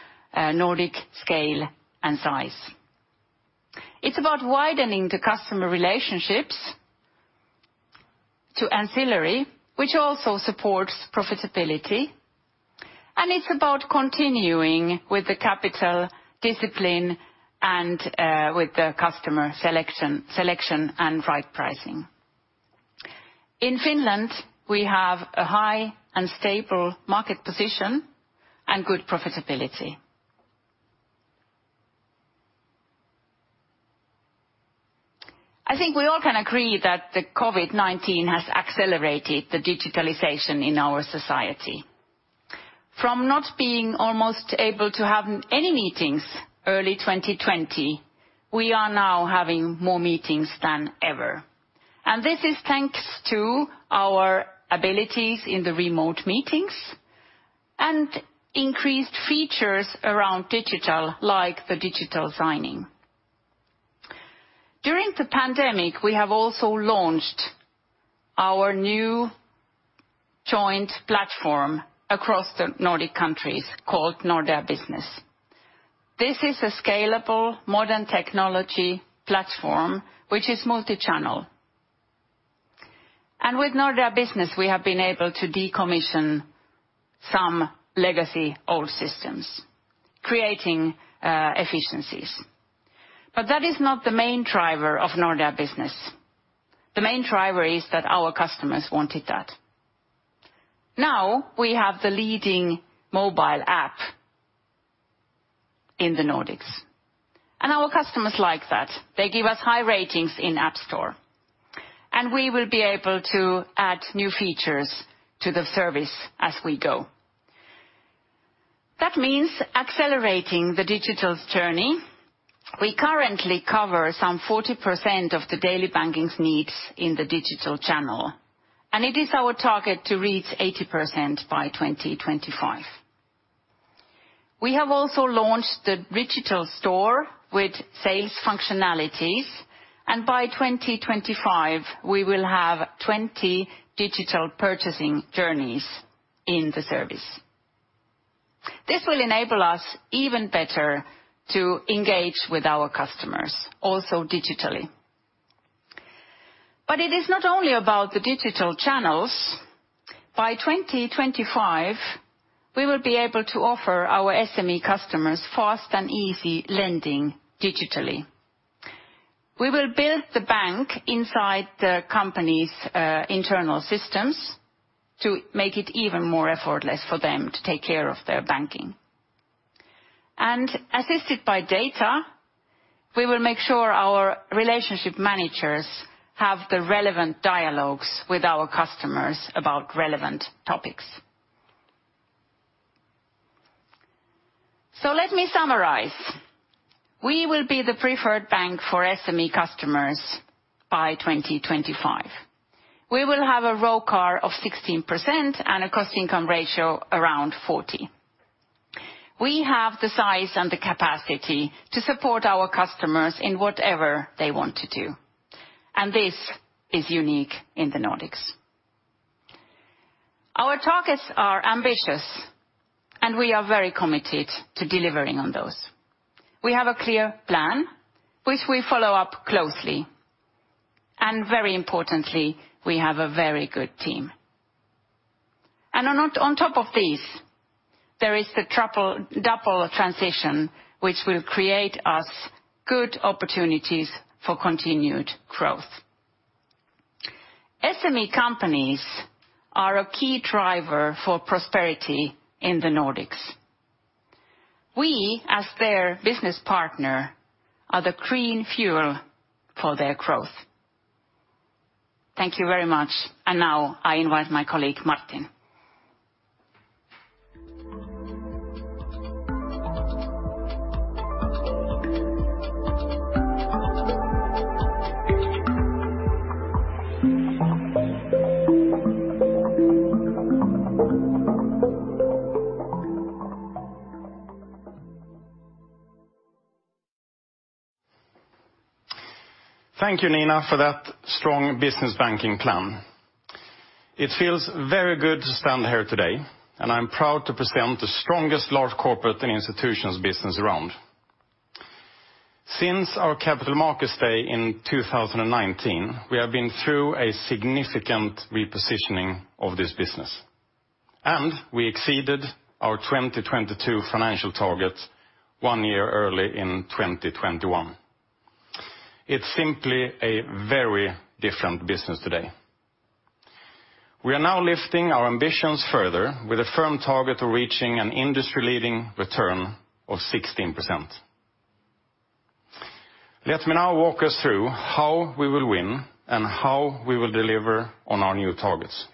Nordic scale and size. It's about widening the customer relationships to ancillary, which also supports profitability, and it's about continuing with the capital discipline and with the customer selection and right pricing. In Finland, we have a high and stable market position and good profitability. I think we all can agree that the COVID-19 has accelerated the digitalization in our society. From not being almost able to have any meetings early 2020, we are now having more meetings than ever. This is thanks to our abilities in the remote meetings and increased features around digital, like the digital signing. During the pandemic, we have also launched our new joint platform across the Nordic countries called Nordea Business. This is a scalable modern technology platform which is multichannel. With Nordea Business, we have been able to decommission some legacy old systems, creating efficiencies. That is not the main driver of Nordea Business. The main driver is that our customers wanted that. Now we have the leading mobile app in the Nordics. Our customers like that. They give us high ratings in App Store. We will be able to add new features to the service as we go. That means accelerating the digital's journey. We currently cover some 40% of the daily banking's needs in the digital channel, and it is our target to reach 80% by 2025. We have also launched the digital store with sales functionalities, and by 2025, we will have 20 digital purchasing journeys in the service. This will enable us even better to engage with our customers also digitally. It is not only about the digital channels. By 2025, we will be able to offer our SME customers fast and easy lending digitally. We will build the bank inside the company's internal systems to make it even more effortless for them to take care of their banking. Assisted by data, we will make sure our relationship managers have the relevant dialogues with our customers about relevant topics. Let me summarize. We will be the preferred bank for SME customers by 2025. We will have a ROCAR of 16% and a cost income ratio around 40%. We have the size and the capacity to support our customers in whatever they want to do, and this is unique in the Nordics. Our targets are ambitious, and we are very committed to delivering on those. We have a clear plan, which we follow up closely, and very importantly, we have a very good team. On top of this, there is the double transition which will create us good opportunities for continued growth. SME companies are a key driver for prosperity in the Nordics. We, as their business partner, are the green fuel for their growth. Thank you very much. Now I invite my colleague, Martin. Thank you, Nina, for that strong Business Banking plan. It feels very good to stand here today, and I'm proud to present the strongest Large Corporates and Institutions business around. Since our Capital Markets Day in 2019, we have been through a significant repositioning of this business, and we exceeded our 2022 financial target one year early in 2021. It's simply a very different business today. We are now lifting our ambitions further with a firm target of reaching an industry-leading return of 16%. Let me now walk us through how we will win and how we will deliver on our new targets.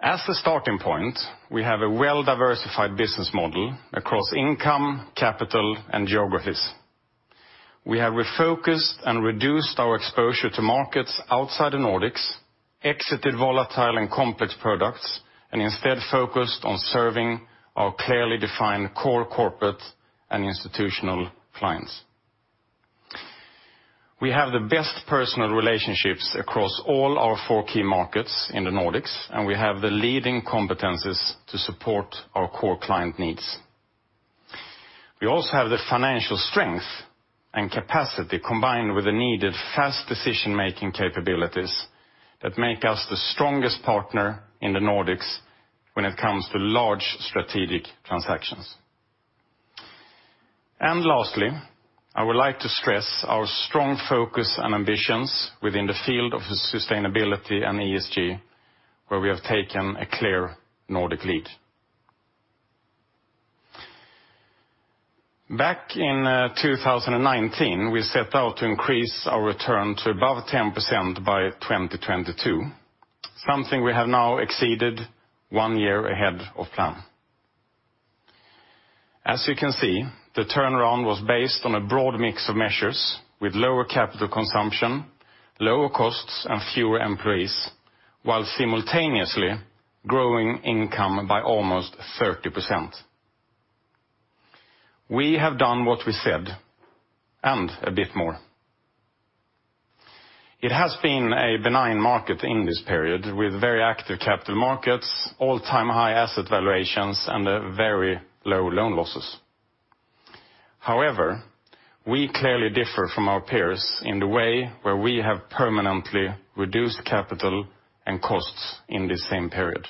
As a starting point, we have a well-diversified business model across income, capital, and geographies. We have refocused and reduced our exposure to markets outside the Nordics, exited volatile and complex products, and instead focused on serving our clearly defined core corporate and institutional clients. We have the best personal relationships across all our four key markets in the Nordics, and we have the leading competencies to support our core client needs. We also have the financial strength and capacity combined with the needed fast decision-making capabilities that make us the strongest partner in the Nordics when it comes to large strategic transactions. Lastly, I would like to stress our strong focus and ambitions within the field of sustainability and ESG, where we have taken a clear Nordic lead. Back in 2019, we set out to increase our return to above 10% by 2022, something we have now exceeded one year ahead of plan. As you can see, the turnaround was based on a broad mix of measures with lower capital consumption, lower costs, and fewer employees, while simultaneously growing income by almost 30%. We have done what we said and a bit more. It has been a benign market in this period with very active capital markets, all-time high asset valuations, and very low loan losses. However, we clearly differ from our peers in the way where we have permanently reduced capital and costs in the same period.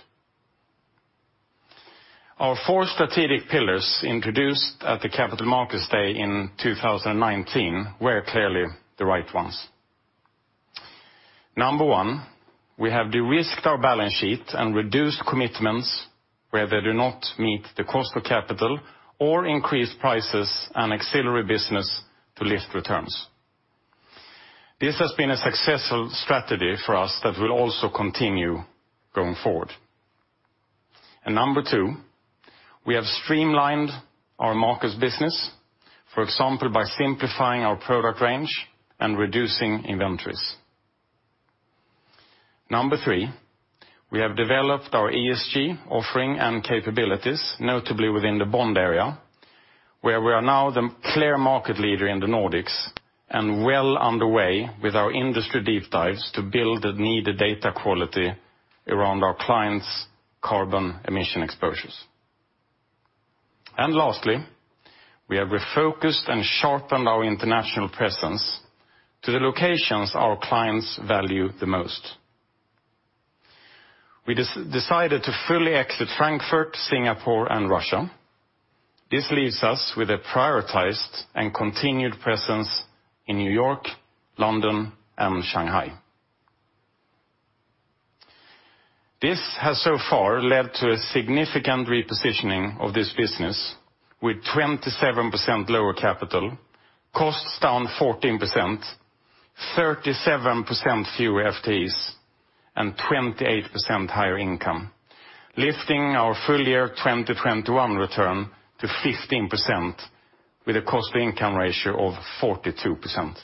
Our four strategic pillars introduced at the Capital Markets Day in 2019 were clearly the right ones. Number one, we have de-risked our balance sheet and reduced commitments where they do not meet the cost of capital or increased prices and auxiliary business to lift returns. This has been a successful strategy for us that will also continue going forward. Number two, we have streamlined our markets business, for example, by simplifying our product range and reducing inventories. Number three, we have developed our ESG offering and capabilities, notably within the bond area, where we are now the clear market leader in the Nordics and well underway with our industry deep dives to build the needed data quality around our clients' carbon emission exposures. Lastly, we have refocused and shortened our international presence to the locations our clients value the most. We decided to fully exit Frankfurt, Singapore, and Russia. This leaves us with a prioritized and continued presence in New York, London, and Shanghai. This has so far led to a significant repositioning of this business with 27% lower capital, costs down 14%, 37% fewer FTEs, and 28% higher income, lifting our full year 2021 return to 15% with a cost-to-income ratio of 42%.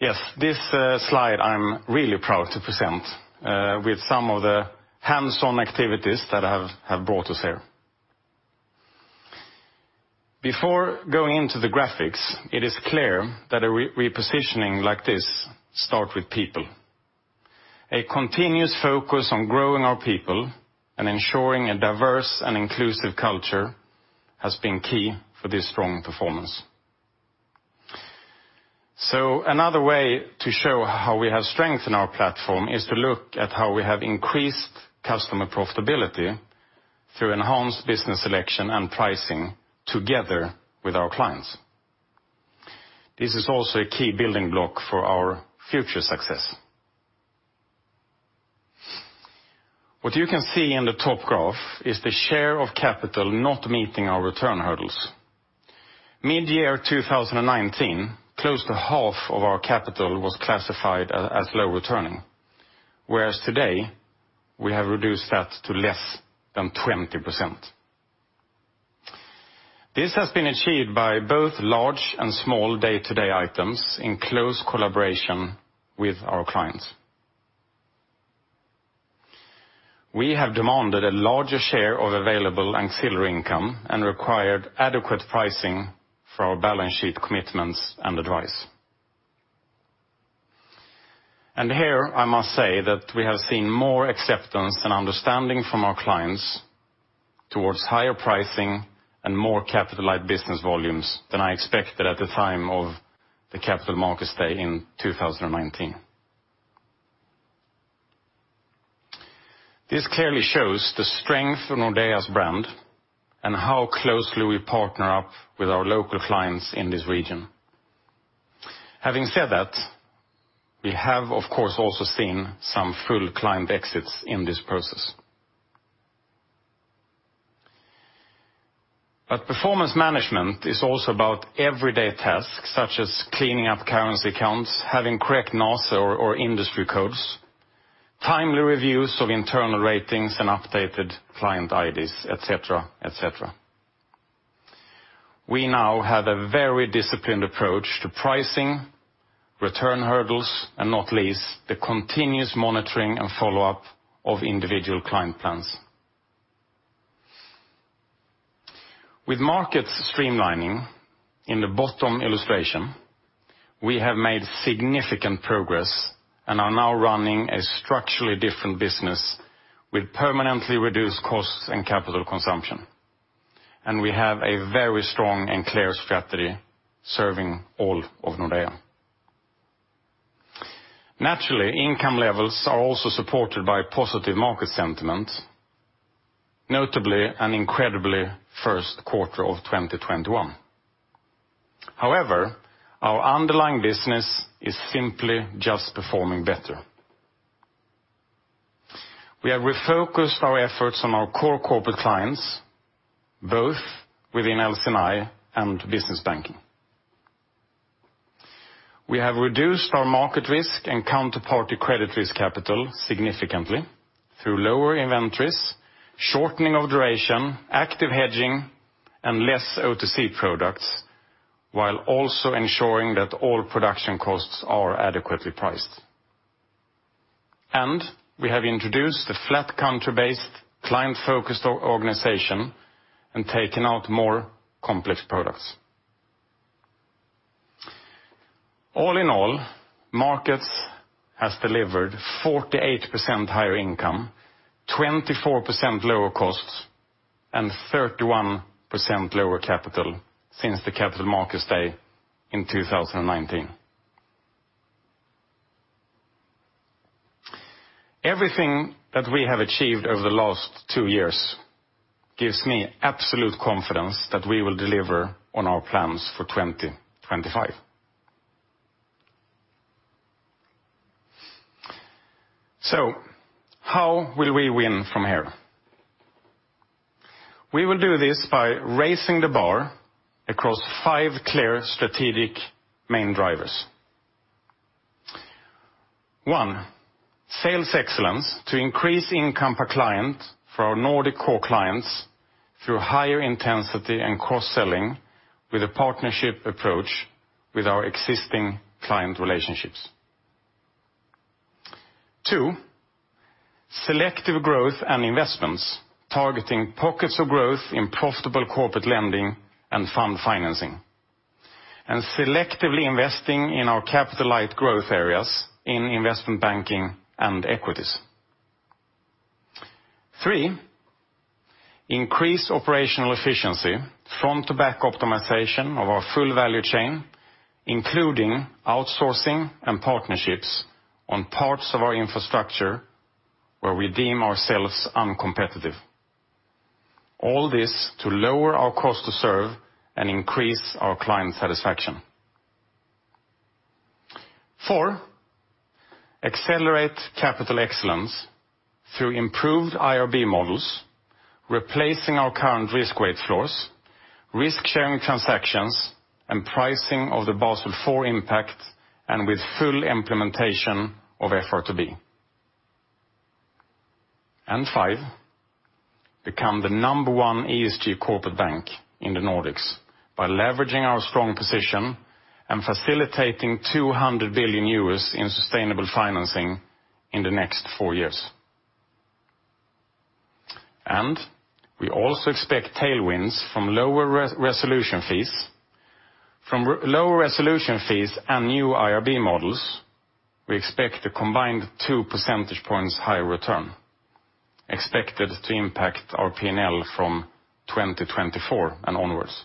Yes, this slide I'm really proud to present with some of the hands-on activities that have brought us here. Before going into the graphics, it is clear that a repositioning like this start with people. A continuous focus on growing our people and ensuring a diverse and inclusive culture has been key for this strong performance. Another way to show how we have strengthened our platform is to look at how we have increased customer profitability through enhanced business selection and pricing together with our clients. This is also a key building block for our future success. What you can see in the top graph is the share of capital not meeting our return hurdles. Midyear 2019, close to half of our capital was classified as low returning, whereas today, we have reduced that to less than 20%. This has been achieved by both large and small day-to-day items in close collaboration with our clients. We have demanded a larger share of available ancillary income and required adequate pricing for our balance sheet commitments and advice. Here I must say that we have seen more acceptance and understanding from our clients towards higher pricing and more capital light business volumes than I expected at the time of the Capital Markets Day in 2019. This clearly shows the strength of Nordea's brand and how closely we partner up with our local clients in this region. Having said that, we have, of course, also seen some full client exits in this process. Performance management is also about everyday tasks, such as cleaning up currency accounts, having correct NACE or industry codes, timely reviews of internal ratings and updated client IDs, et cetera, et cetera. We now have a very disciplined approach to pricing, return hurdles, and not least, the continuous monitoring and follow-up of individual client plans. With markets streamlining in the bottom illustration, we have made significant progress and are now running a structurally different business with permanently reduced costs and capital consumption. We have a very strong and clear strategy serving all of Nordea. Naturally, income levels are also supported by positive market sentiment, notably an incredible first quarter of 2021. However, our underlying business is simply just performing better. We have refocused our efforts on our core corporate clients, both within LC&I and business banking. We have reduced our market risk and counterparty credit risk capital significantly through lower inventories, shortening of duration, active hedging, and less OTC products, while also ensuring that all production costs are adequately priced. We have introduced a flat country-based client-focused organization and taken out more complex products. All in all, Markets has delivered 48% higher income, 24% lower costs, and 31% lower capital since the Capital Markets Day in 2019. Everything that we have achieved over the last two years gives me absolute confidence that we will deliver on our plans for 2025. How will we win from here? We will do this by raising the bar across five clear strategic main drivers. One, sales excellence to increase income per client for our Nordic core clients through higher intensity and cross-selling with a partnership approach with our existing client relationships. Two, selective growth and investments, targeting pockets of growth in profitable corporate lending and fund financing, and selectively investing in our capital light growth areas in investment banking and equities. Three, increase operational efficiency, front to back optimization of our full value chain, including outsourcing and partnerships on parts of our infrastructure where we deem ourselves uncompetitive. All this to lower our cost to serve and increase our client satisfaction. Four, accelerate capital excellence through improved IRB models, replacing our current risk weight floors, risk sharing transactions, and pricing of the Basel IV impact, and with full implementation of FRTB. Five, become the number one ESG corporate bank in the Nordics by leveraging our strong position and facilitating 200 billion euros in sustainable financing in the next four years. We also expect tailwinds from lower resolution fees. From lower resolution fees and new IRB models, we expect a combined two percentage points higher return, expected to impact our P&L from 2024 and onwards.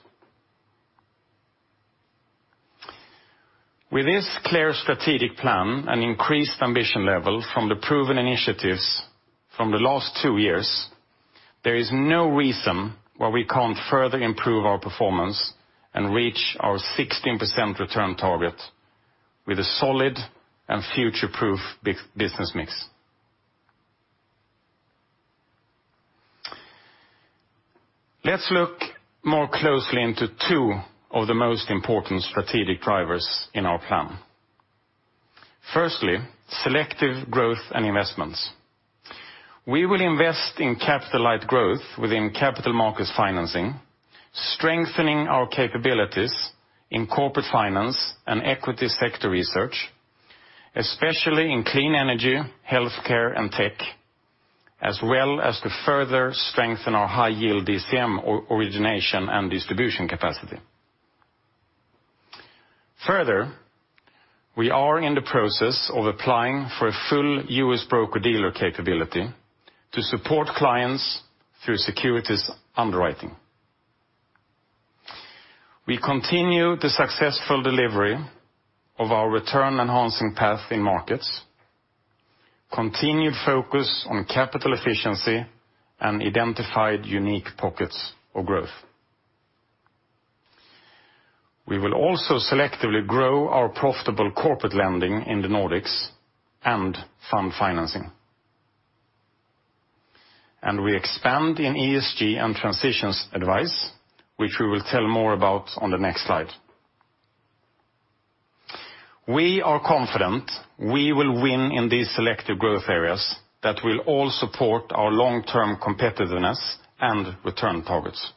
With this clear strategic plan and increased ambition level from the proven initiatives from the last two years, there is no reason why we can't further improve our performance and reach our 16% return target with a solid and future-proof business mix. Let's look more closely into two of the most important strategic drivers in our plan. Firstly, selective growth and investments. We will invest in capital light growth within capital markets financing, strengthening our capabilities in corporate finance and equity sector research, especially in clean energy, healthcare, and tech, as well as to further strengthen our high yield DCM origination and distribution capacity. Further, we are in the process of applying for a full U.S. broker-dealer capability to support clients through securities underwriting. We continue the successful delivery of our return-enhancing path in markets, continued focus on capital efficiency, and identified unique pockets of growth. We will also selectively grow our profitable corporate lending in the Nordics and fund financing. We expand in ESG and transitions advice, which we will tell more about on the next slide. We are confident we will win in these selective growth areas that will all support our long-term competitiveness and return targets.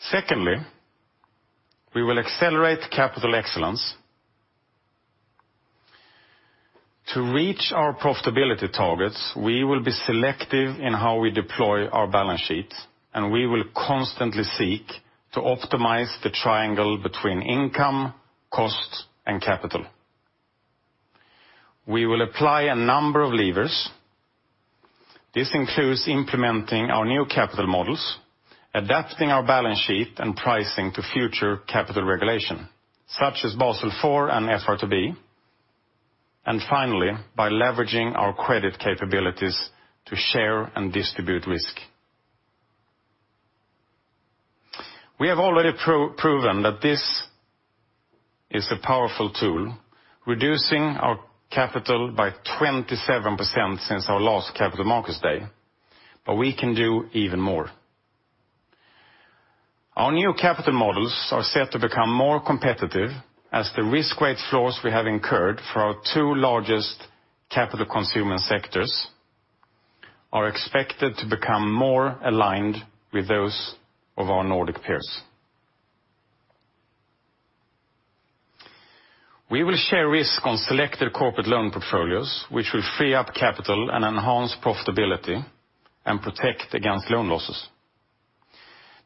Secondly, we will accelerate capital excellence. To reach our profitability targets, we will be selective in how we deploy our balance sheets, and we will constantly seek to optimize the triangle between income, cost, and capital. We will apply a number of levers. This includes implementing our new capital models, adapting our balance sheet and pricing to future capital regulation, such as Basel IV and FRTB, and finally, by leveraging our credit capabilities to share and distribute risk. We have already proven that this is a powerful tool, reducing our capital by 27% since our last Capital Markets Day, but we can do even more. Our new capital models are set to become more competitive as the risk weight floors we have incurred for our two largest capital-consuming sectors are expected to become more aligned with those of our Nordic peers. We will share risk on selected corporate loan portfolios, which will free up capital and enhance profitability and protect against loan losses.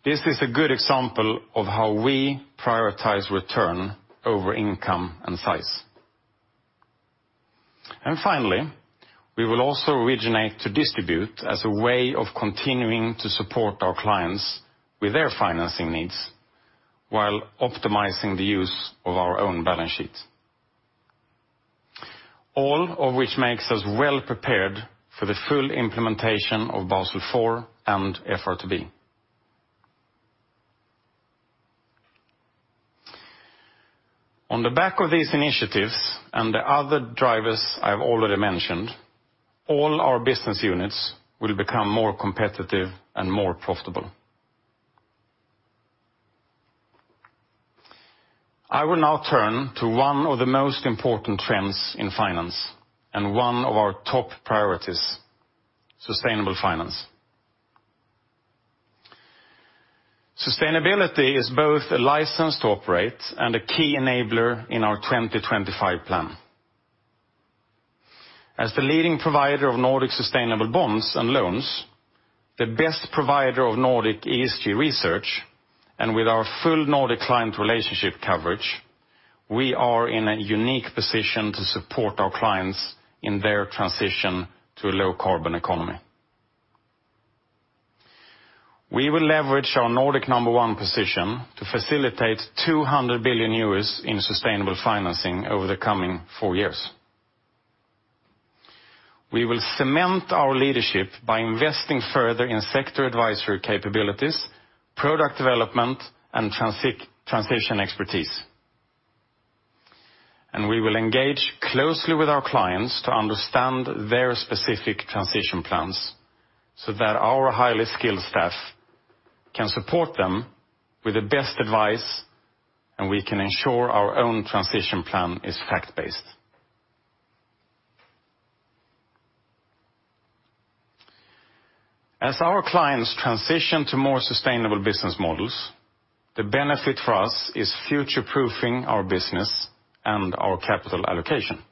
This is a good example of how we prioritize return over income and size. Finally, we will also originate to distribute as a way of continuing to support our clients with their financing needs while optimizing the use of our own balance sheet. All of which makes us well prepared for the full implementation of Basel IV and FRTB. On the back of these initiatives and the other drivers I've already mentioned, all our business units will become more competitive and more profitable. I will now turn to one of the most important trends in finance and one of our top priorities, sustainable finance. Sustainability is both a license to operate and a key enabler in our 2025 plan. As the leading provider of Nordic sustainable bonds and loans, the best provider of Nordic ESG research, and with our full Nordic client relationship coverage, we are in a unique position to support our clients in their transition to a low carbon economy. We will leverage our Nordic number one position to facilitate 200 billion euros in sustainable financing over the coming four years. We will cement our leadership by investing further in sector advisory capabilities, product development, and transition expertise. We will engage closely with our clients to understand their specific transition plans so that our highly skilled staff can support them with the best advice, and we can ensure our own transition plan is fact-based. As our clients transition to more sustainable business models, the benefit for us is future-proofing our business and our capital allocation.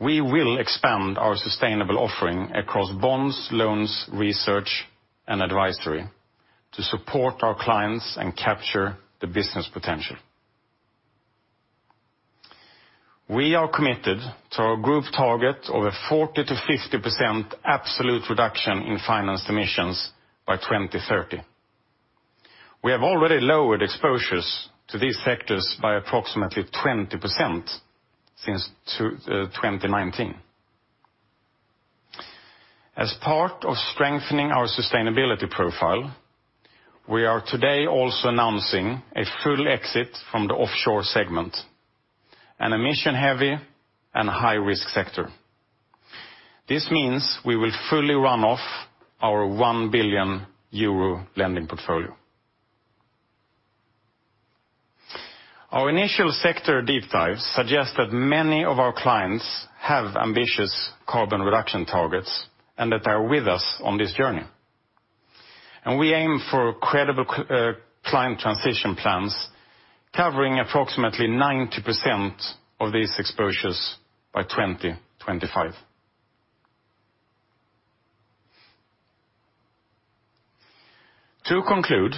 We will expand our sustainable offering across bonds, loans, research, and advisory to support our clients and capture the business potential. We are committed to our group target of a 40%-50% absolute reduction in financed emissions by 2030. We have already lowered exposures to these sectors by approximately 20% since 2019. As part of strengthening our sustainability profile, we are today also announcing a full exit from the offshore segment, an emission-heavy and high-risk sector. This means we will fully run off our 1 billion euro lending portfolio. Our initial sector deep dive suggests that many of our clients have ambitious carbon reduction targets and that they are with us on this journey. We aim for credible client transition plans covering approximately 90% of these exposures by 2025. To conclude,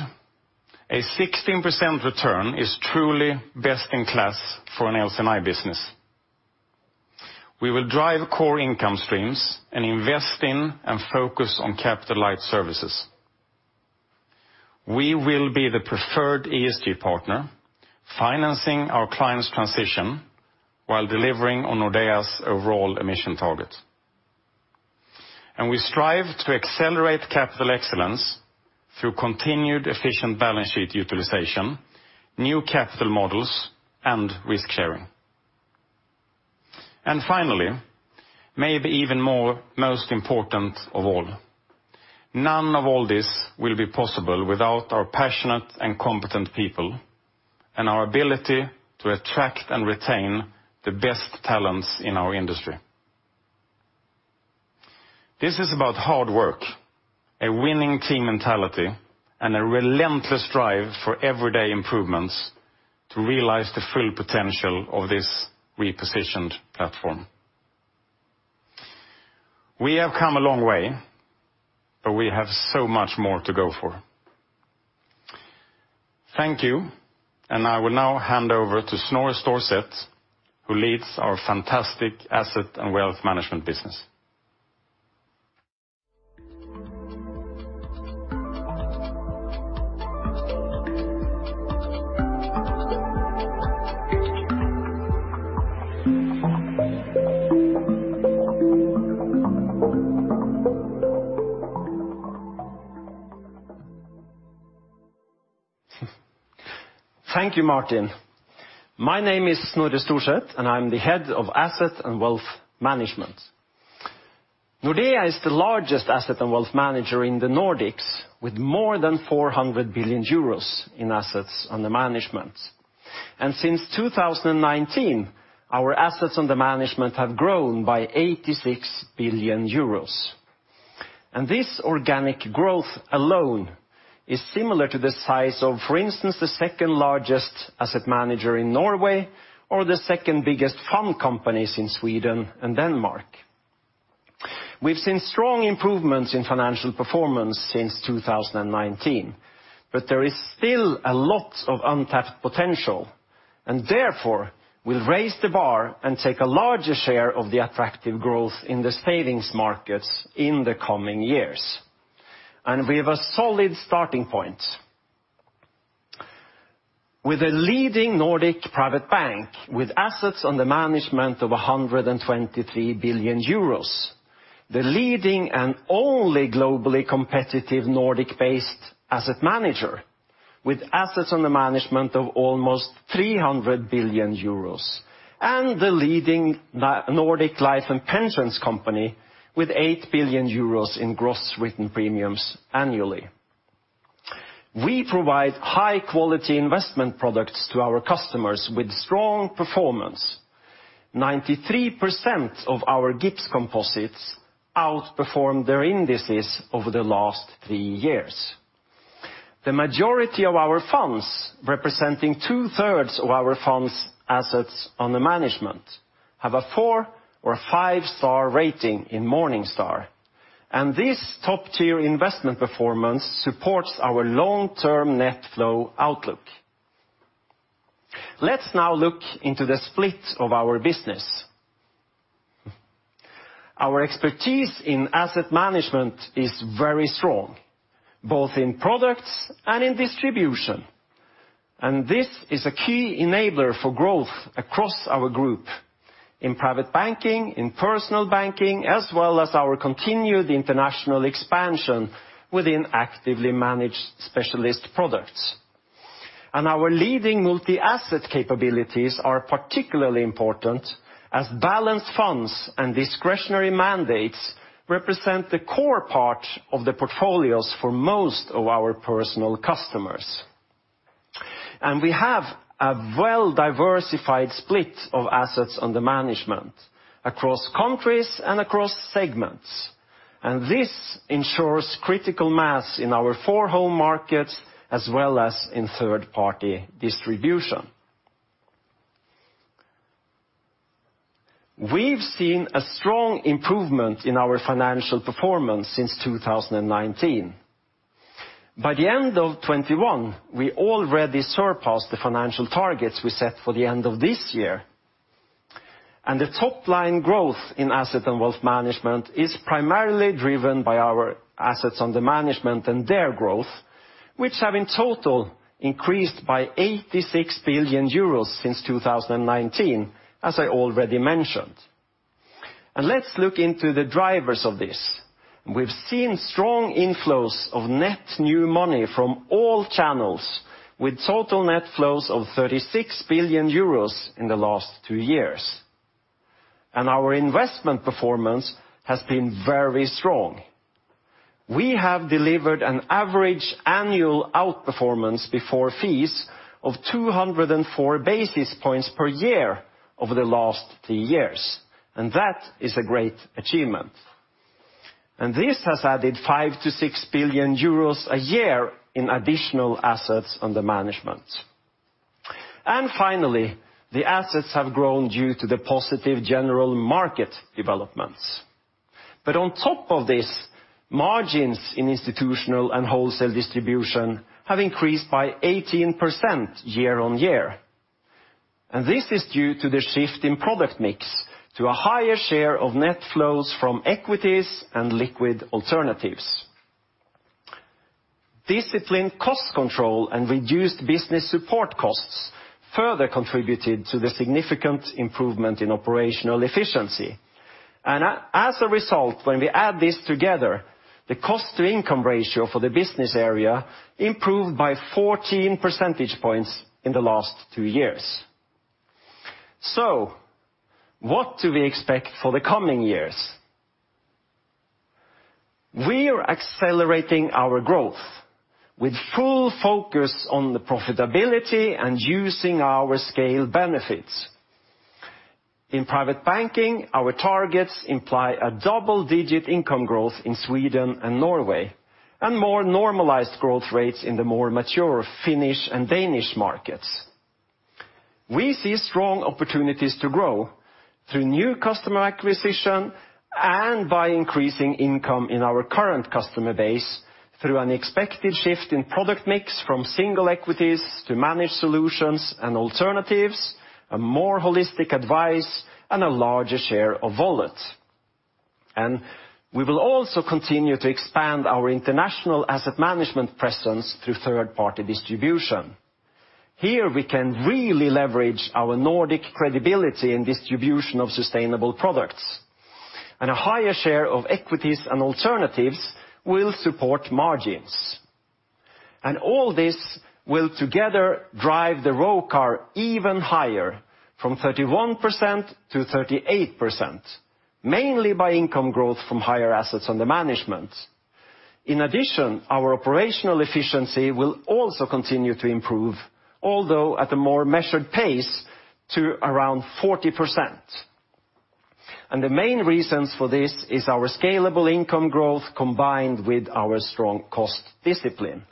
a 16% return is truly best in class for an LC&I business. We will drive core income streams and invest in and focus on capital light services. We will be the preferred ESG partner financing our clients transition while delivering on Nordea's overall emission target. We strive to accelerate capital excellence through continued efficient balance sheet utilization, new capital models and risk sharing. Finally, maybe even more most important of all, none of all this will be possible without our passionate and competent people and our ability to attract and retain the best talents in our industry. This is about hard work, a winning team mentality, and a relentless drive for everyday improvements to realize the full potential of this repositioned platform. We have come a long way, but we have so much more to go for. Thank you, and I will now hand over to Snorre Storset, who leads our fantastic Asset and Wealth Management business. Thank you, Martin. My name is Snorre Storset, and I'm the head of Asset & Wealth Management. Nordea is the largest asset and wealth manager in the Nordics with more than 400 billion euros in assets under management. Since 2019, our assets under management have grown by 86 billion euros. This organic growth alone is similar to the size of, for instance, the second largest asset manager in Norway or the second biggest fund companies in Sweden and Denmark. We've seen strong improvements in financial performance since 2019, but there is still a lot of untapped potential, and therefore we'll raise the bar and take a larger share of the attractive growth in the savings markets in the coming years. We have a solid starting point. With a leading Nordic private bank with assets under management of 123 billion euros, the leading and only globally competitive Nordic-based asset manager with assets under management of almost 300 billion euros, and the leading Nordic life and pensions company with 8 billion euros in gross written premiums annually. We provide high quality investment products to our customers with strong performance. 93% of our GIPS composites outperformed their indices over the last three years. The majority of our funds, representing 2/3 of our funds assets under management, have a 4 or a 5-star rating in Morningstar. This top-tier investment performance supports our long-term net flow outlook. Let's now look into the split of our business. Our expertise in asset management is very strong, both in products and in distribution. This is a key enabler for growth across our group in private banking, in Personal Banking, as well as our continued international expansion within actively managed specialist products. Our leading multi-asset capabilities are particularly important as balance funds and discretionary mandates represent the core part of the portfolios for most of our personal customers. We have a well-diversified split of assets under management across countries and across segments. This ensures critical mass in our four home markets as well as in third-party distribution. We've seen a strong improvement in our financial performance since 2019. By the end of 2021, we already surpassed the financial targets we set for the end of this year. The top line growth in asset and wealth management is primarily driven by our assets under management and their growth, which have in total increased by 86 billion euros since 2019, as I already mentioned. Let's look into the drivers of this. We've seen strong inflows of net new money from all channels with total net flows of 36 billion euros in the last two years. Our investment performance has been very strong. We have delivered an average annual outperformance before fees of 204 basis points per year over the last three years, and that is a great achievement. This has added 5 billion-6 billion euros a year in additional assets under management. Finally, the assets have grown due to the positive general market developments. On top of this, margins in institutional and wholesale distribution have increased by 18% year-on-year. This is due to the shift in product mix to a higher share of net flows from equities and liquid alternatives. Disciplined cost control and reduced business support costs further contributed to the significant improvement in operational efficiency. As a result, when we add this together, the cost-to-income ratio for the business area improved by 14 percentage points in the last two years. What do we expect for the coming years? We are accelerating our growth with full focus on the profitability and using our scale benefits. In private banking, our targets imply a double-digit income growth in Sweden and Norway, and more normalized growth rates in the more mature Finnish and Danish markets. We see strong opportunities to grow through new customer acquisition and by increasing income in our current customer base through an expected shift in product mix from single equities to managed solutions and alternatives, a more holistic advice, and a larger share of wallet. We will also continue to expand our international asset management presence through third-party distribution. Here, we can really leverage our Nordic credibility in distribution of sustainable products. A higher share of equities and alternatives will support margins. All this will together drive the ROCAR even higher from 31% to 38%, mainly by income growth from higher assets under management. In addition, our operational efficiency will also continue to improve, although at a more measured pace to around 40%. The main reasons for this is our scalable income growth combined with our strong cost discipline.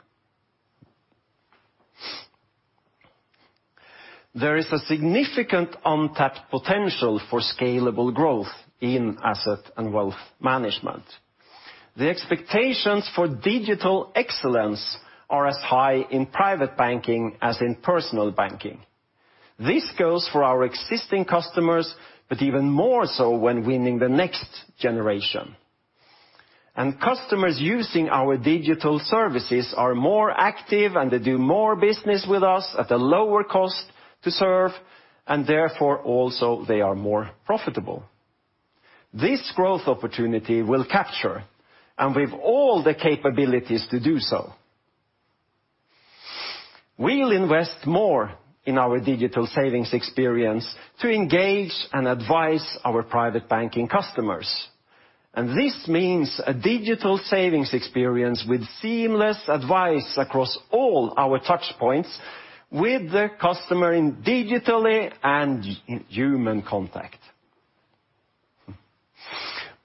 There is a significant untapped potential for scalable growth in asset and wealth management. The expectations for digital excellence are as high in private banking as in Personal Banking. This goes for our existing customers, but even more so when winning the next generation. Customers using our digital services are more active, and they do more business with us at a lower cost to serve, and therefore, also they are more profitable. This growth opportunity we'll capture with all the capabilities to do so. We'll invest more in our digital savings experience to engage and advise our private banking customers. This means a digital savings experience with seamless advice across all our touch points with the customer in digital and in human contact.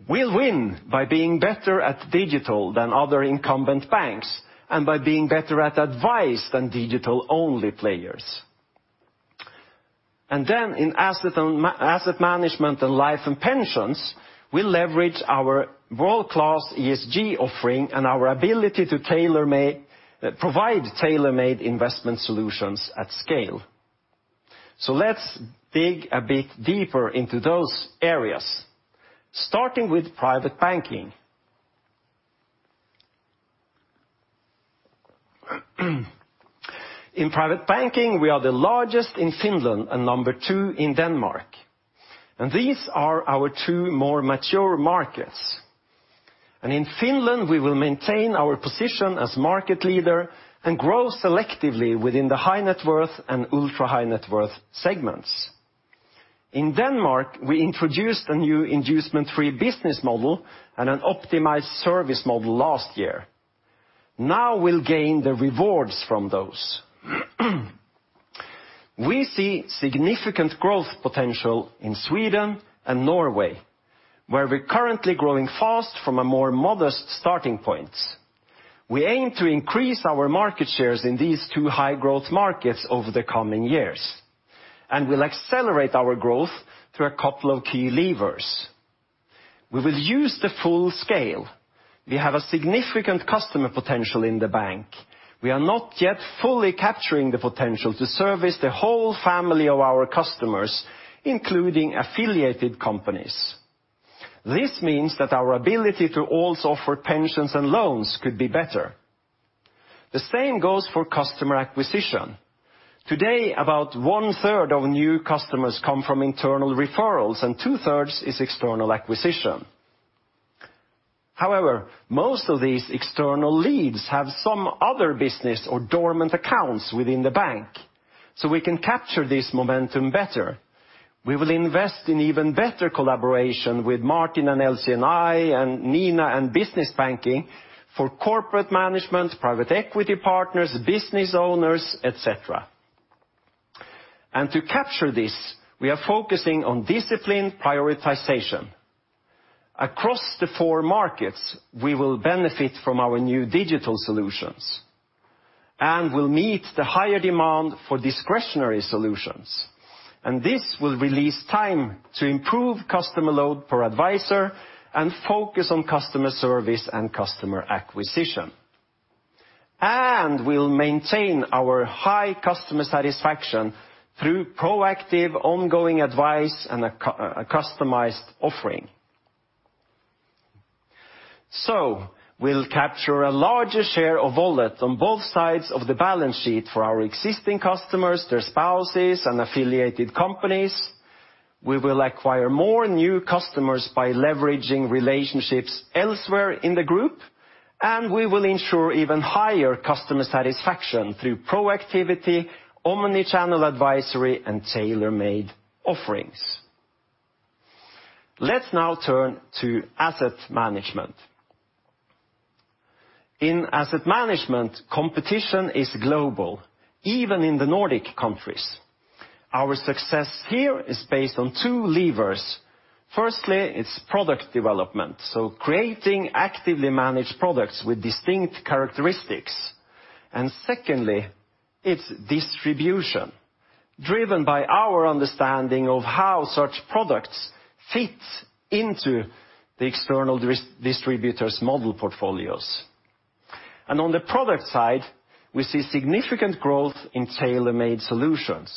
We'll win by being better at digital than other incumbent banks and by being better at advice than digital-only players. In asset management and life and pensions, we leverage our world-class ESG offering and our ability to provide tailor-made investment solutions at scale. Let's dig a bit deeper into those areas, starting with private banking. In private banking, we are the largest in Finland and number two in Denmark, and these are our two more mature markets. In Finland, we will maintain our position as market leader and grow selectively within the high net worth and ultra-high net worth segments. In Denmark, we introduced a new inducement-free business model and an optimized service model last year. Now we'll gain the rewards from those. We see significant growth potential in Sweden and Norway, where we're currently growing fast from a more modest starting point. We aim to increase our market shares in these two high-growth markets over the coming years, and we'll accelerate our growth through a couple of key levers. We will use the full scale. We have a significant customer potential in the bank. We are not yet fully capturing the potential to service the whole family of our customers, including affiliated companies. This means that our ability to also offer pensions and loans could be better. The same goes for customer acquisition. Today, about one-third of new customers come from internal referrals, and two-thirds is external acquisition. However, most of these external leads have some other business or dormant accounts within the bank, so we can capture this momentum better. We will invest in even better collaboration with Martin and LC&I and Nina and Business Banking for corporate management, private equity partners, business owners, et cetera. To capture this, we are focusing on disciplined prioritization. Across the four markets, we will benefit from our new digital solutions and will meet the higher demand for discretionary solutions. This will release time to improve customer load per advisor and focus on customer service and customer acquisition. We'll maintain our high customer satisfaction through proactive ongoing advice and a customized offering. We'll capture a larger share of wallet on both sides of the balance sheet for our existing customers, their spouses, and affiliated companies. We will acquire more new customers by leveraging relationships elsewhere in the group, and we will ensure even higher customer satisfaction through proactivity, omnichannel advisory, and tailor-made offerings. Let's now turn to asset management. In asset management, competition is global, even in the Nordic countries. Our success here is based on two levers. Firstly, it's product development, so creating actively managed products with distinct characteristics. Secondly, it's distribution, driven by our understanding of how such products fit into the external distributors' model portfolios. On the product side, we see significant growth in tailor-made solutions.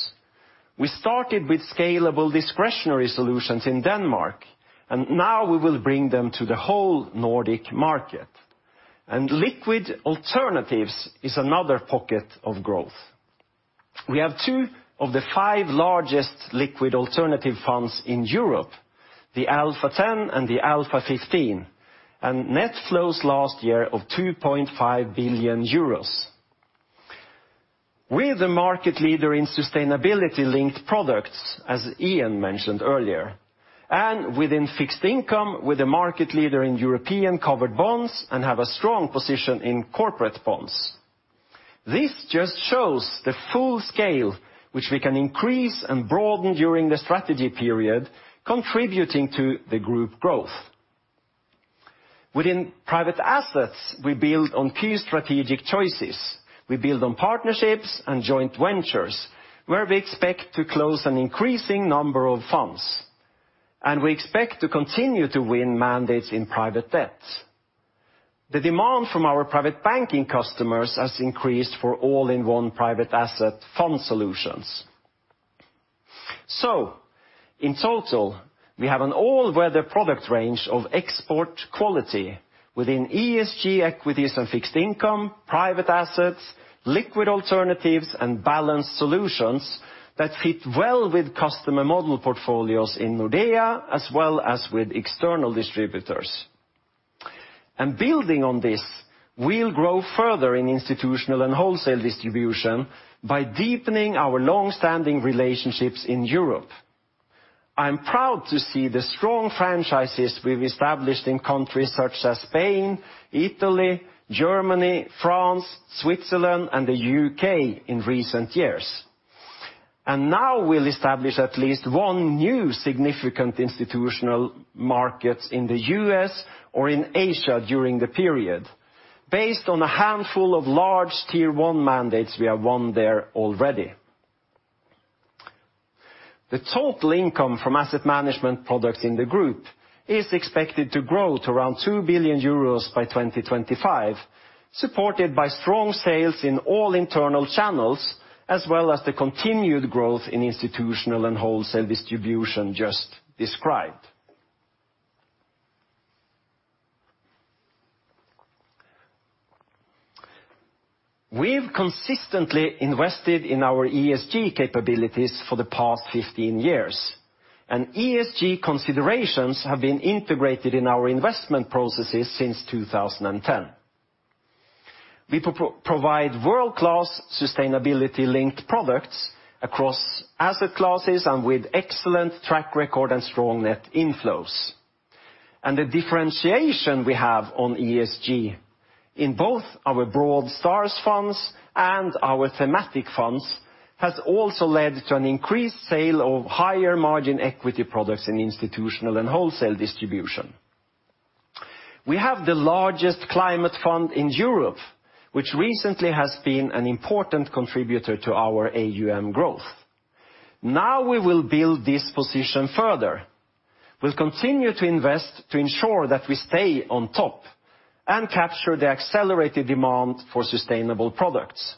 We started with scalable discretionary solutions in Denmark, and now we will bring them to the whole Nordic market. Liquid alternatives is another pocket of growth. We have two of the five largest liquid alternative funds in Europe, the Alpha 10 and the Alpha 15, and net flows last year of 2.5 billion euros. We're the market leader in sustainability-linked products, as Ian mentioned earlier, and within fixed income, we're the market leader in European covered bonds and have a strong position in corporate bonds. This just shows the full scale which we can increase and broaden during the strategy period, contributing to the group growth. Within private assets, we build on key strategic choices. We build on partnerships and joint ventures, where we expect to close an increasing number of funds. We expect to continue to win mandates in private debt. The demand from our private banking customers has increased for all-in-one private asset fund solutions. In total, we have an all-weather product range of export quality within ESG equities and fixed income, private assets, liquid alternatives, and balanced solutions that fit well with customer model portfolios in Nordea as well as with external distributors. Building on this, we'll grow further in institutional and wholesale distribution by deepening our long-standing relationships in Europe. I'm proud to see the strong franchises we've established in countries such as Spain, Italy, Germany, France, Switzerland, and the U.K. in recent years. Now we'll establish at least one new significant institutional markets in the U.S. or in Asia during the period based on a handful of large tier-one mandates we have won there already. The total income from asset management products in the group is expected to grow to around 2 billion euros by 2025, supported by strong sales in all internal channels as well as the continued growth in institutional and wholesale distribution just described. We've consistently invested in our ESG capabilities for the past 15 years, and ESG considerations have been integrated in our investment processes since 2010. We provide world-class sustainability-linked products across asset classes and with excellent track record and strong net inflows. The differentiation we have on ESG in both our broad STARS funds and our thematic funds has also led to an increased sale of higher margin equity products in institutional and wholesale distribution. We have the largest climate fund in Europe, which recently has been an important contributor to our AUM growth. Now we will build this position further. We'll continue to invest to ensure that we stay on top and capture the accelerated demand for sustainable products.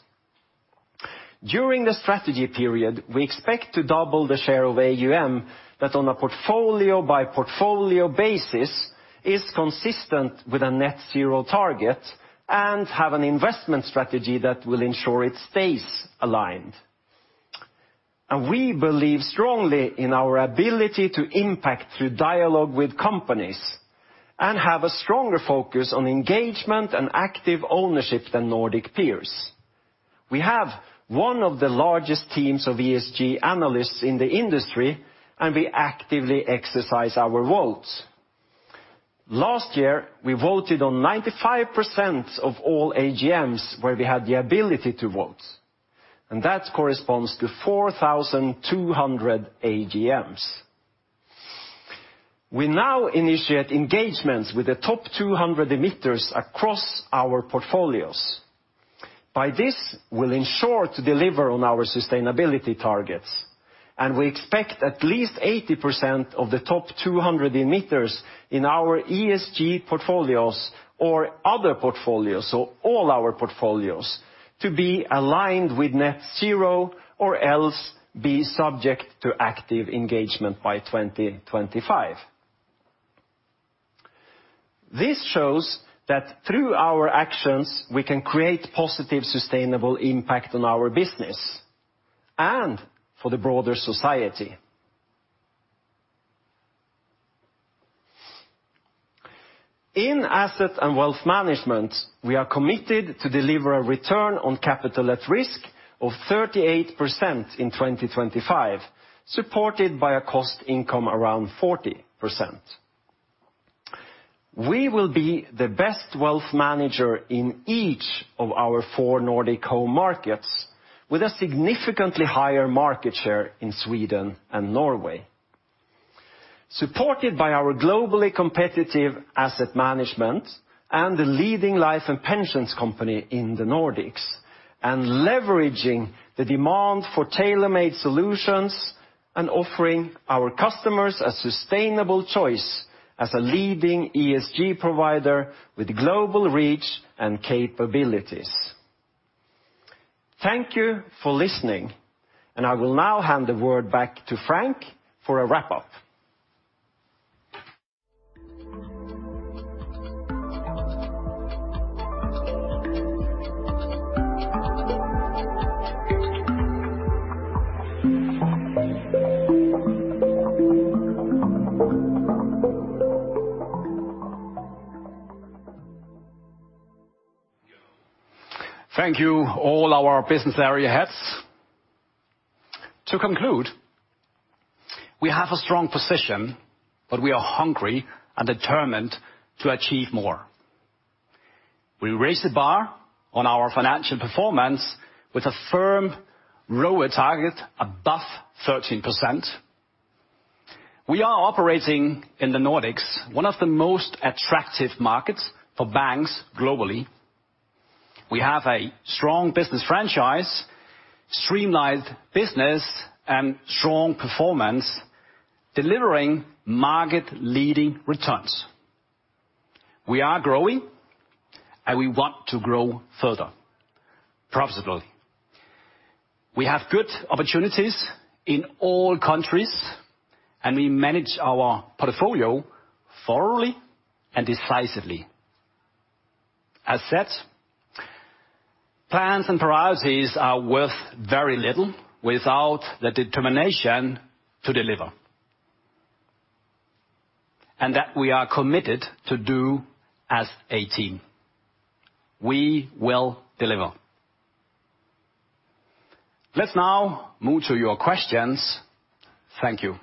During the strategy period, we expect to double the share of AUM that on a portfolio by portfolio basis is consistent with a net zero target and have an investment strategy that will ensure it stays aligned. We believe strongly in our ability to impact through dialogue with companies and have a stronger focus on engagement and active ownership than Nordic peers. We have one of the largest teams of ESG analysts in the industry, and we actively exercise our votes. Last year, we voted on 95% of all AGMs where we had the ability to vote. That corresponds to 4,200 AGMs. We now initiate engagements with the top 200 emitters across our portfolios. By this, we'll ensure to deliver on our sustainability targets, and we expect at least 80% of the top 200 emitters in our ESG portfolios or other portfolios, so all our portfolios, to be aligned with net zero or else be subject to active engagement by 2025. This shows that through our actions, we can create positive, sustainable impact on our business and for the broader society. In asset and wealth management, we are committed to deliver a return on capital at risk of 38% in 2025, supported by a cost income around 40%. We will be the best wealth manager in each of our four Nordic home markets with a significantly higher market share in Sweden and Norway, supported by our globally competitive asset management and the leading life and pensions company in the Nordics, and leveraging the demand for tailor-made solutions and offering our customers a sustainable choice as a leading ESG provider with global reach and capabilities. Thank you for listening, and I will now hand the word back to Frank for a wrap-up. Thank you, all our business area heads. To conclude, we have a strong position, but we are hungry and determined to achieve more. We raise the bar on our financial performance with a firm ROE target above 13%. We are operating in the Nordics, one of the most attractive markets for banks globally. We have a strong business franchise, streamlined business, and strong performance, delivering market-leading returns. We are growing, and we want to grow further, profitably. We have good opportunities in all countries, and we manage our portfolio thoroughly and decisively. As said, plans and priorities are worth very little without the determination to deliver. That we are committed to do as a team. We will deliver. Let's now move to your questions. Thank you.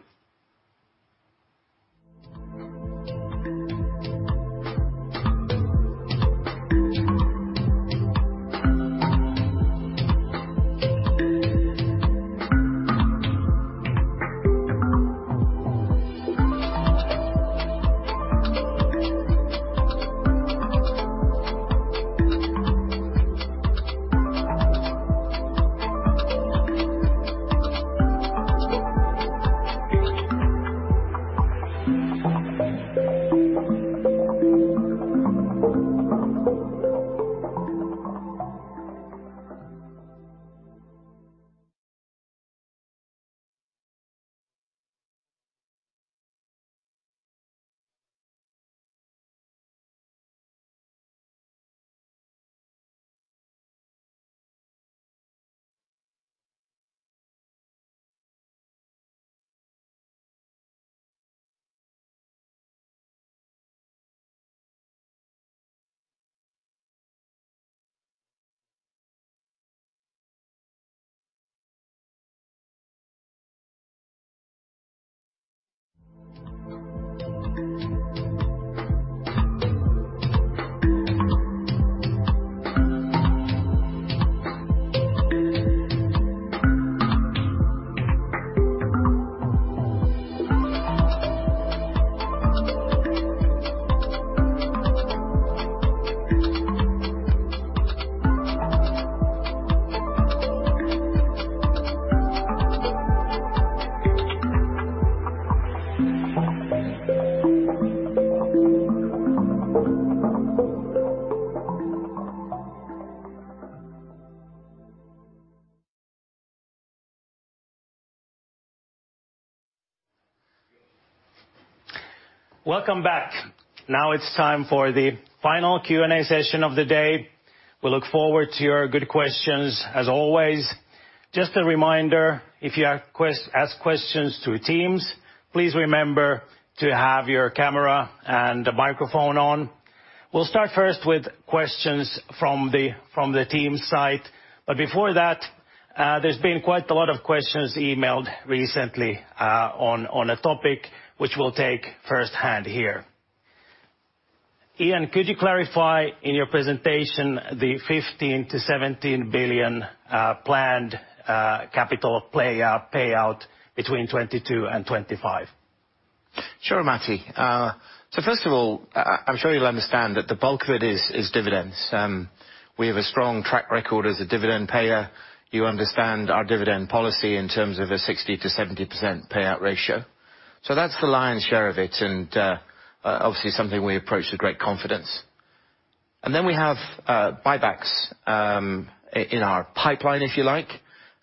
Welcome back. Now it's time for the final Q&A session of the day. We look forward to your good questions as always. Just a reminder, if you ask questions through Teams, please remember to have your camera and microphone on. We'll start first with questions from the Teams side. Before that, there's been quite a lot of questions emailed recently, on a topic which we'll take firsthand here. Ian, could you clarify in your presentation the 15 billion-17 billion planned capital payout between 2022 and 2025? Sure, Matti. First of all, I'm sure you'll understand that the bulk of it is dividends. We have a strong track record as a dividend payer. You understand our dividend policy in terms of a 60%-70% payout ratio. That's the lion's share of it and, obviously, something we approach with great confidence. We have buybacks in our pipeline, if you like.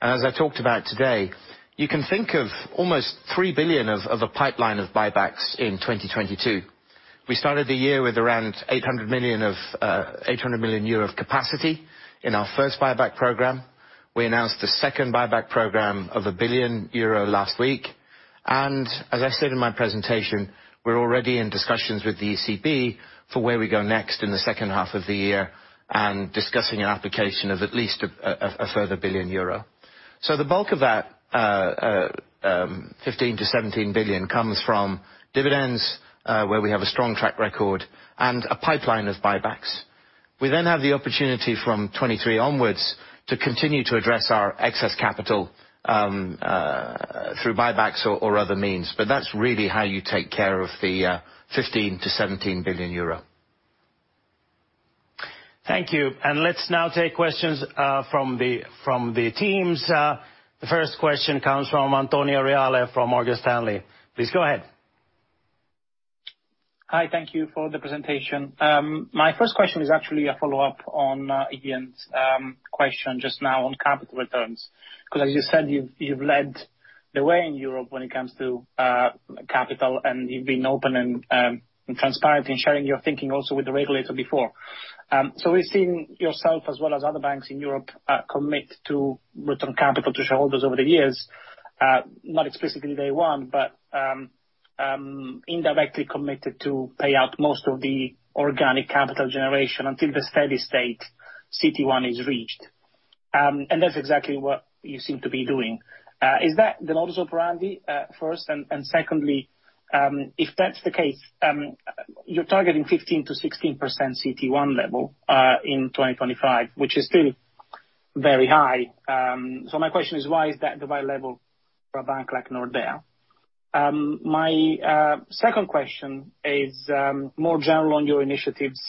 As I talked about today, you can think of almost 3 billion of a pipeline of buybacks in 2022. We started the year with around 800 million of capacity in our first buyback program. We announced the second buyback program of 1 billion euro last week. As I said in my presentation, we're already in discussions with the ECB for where we go next in the second half of the year and discussing an application of at least a further 1 billion euro. The bulk of that, 15 billion-17 billion comes from dividends, where we have a strong track record and a pipeline of buybacks. We then have the opportunity from 2023 onwards to continue to address our excess capital, through buybacks or other means. That's really how you take care of the 15 billion-17 billion euro. Thank you. Let's now take questions from the teams. The first question comes from Antonio Reale from Morgan Stanley. Please go ahead. Hi. Thank you for the presentation. My first question is actually a follow-up on Ian's question just now on capital returns, because as you said, you've led the way in Europe when it comes to capital, and you've been open and transparent in sharing your thinking also with the regulator before. We're seeing yourself as well as other banks in Europe commit to return capital to shareholders over the years, not explicitly day one, but indirectly committed to pay out most of the organic capital generation until the steady-state CET1 is reached. That's exactly what you seem to be doing. Is that the modus operandi, first and secondly, if that's the case, you're targeting 15%-16% CET1 level in 2025, which is still very high. My question is, why is that the right level for a bank like Nordea? My second question is more general on your initiatives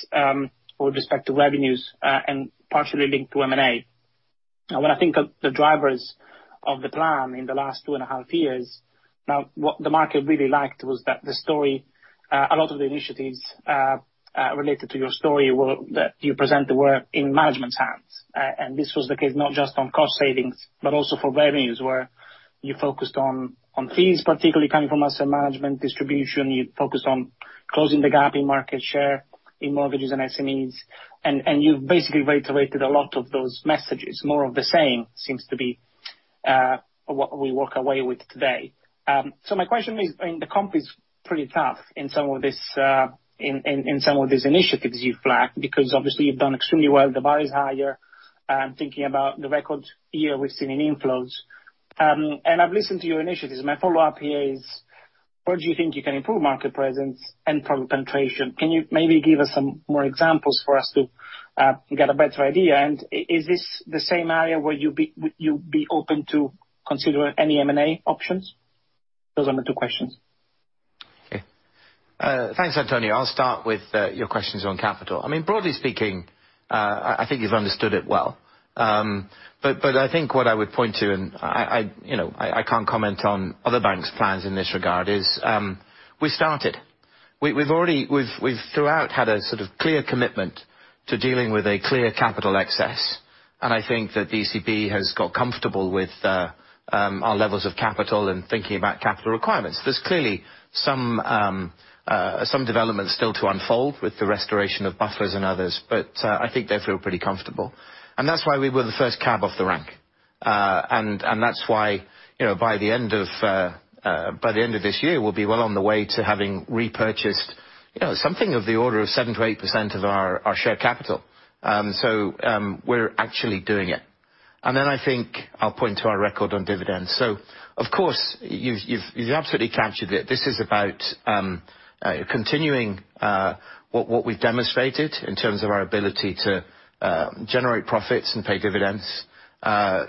with respect to revenues and partially linked to M&A. When I think of the drivers of the plan in the last 2.5 years, what the market really liked was that the story, a lot of the initiatives related to your story were that you present the work in management's hands. This was the case not just on cost savings, but also for revenues, where you focused on fees, particularly coming from asset management distribution. You focused on closing the gap in market share in mortgages and SMEs. You've basically reiterated a lot of those messages. More of the same seems to be what we walk away with today. My question is, I mean the comp is pretty tough in some of this, in some of these initiatives you flagged, because obviously you've done extremely well. The bar is higher. Thinking about the record year we've seen in inflows. I've listened to your initiatives. My follow-up here is where do you think you can improve market presence and product penetration? Can you maybe give us some more examples for us to get a better idea? Is this the same area where you'd be open to consider any M&A options? Those are my two questions. Okay. Thanks, Antonio. I'll start with your questions on capital. I mean, broadly speaking, I think you've understood it well. I think what I would point to, you know, I can't comment on other banks' plans in this regard, is we've already, we've throughout had a sort of clear commitment to dealing with a clear capital excess. I think the ECB has got comfortable with our levels of capital and thinking about capital requirements. There's clearly some developments still to unfold with the restoration of buffers and others, but I think they feel pretty comfortable. That's why we were the first cab off the rank. That's why, you know, by the end of this year, we'll be well on the way to having repurchased, you know, something of the order of 7%-8% of our share capital. We're actually doing it. I think I'll point to our record on dividends. Of course, you've absolutely captured it. This is about continuing what we've demonstrated in terms of our ability to generate profits and pay dividends,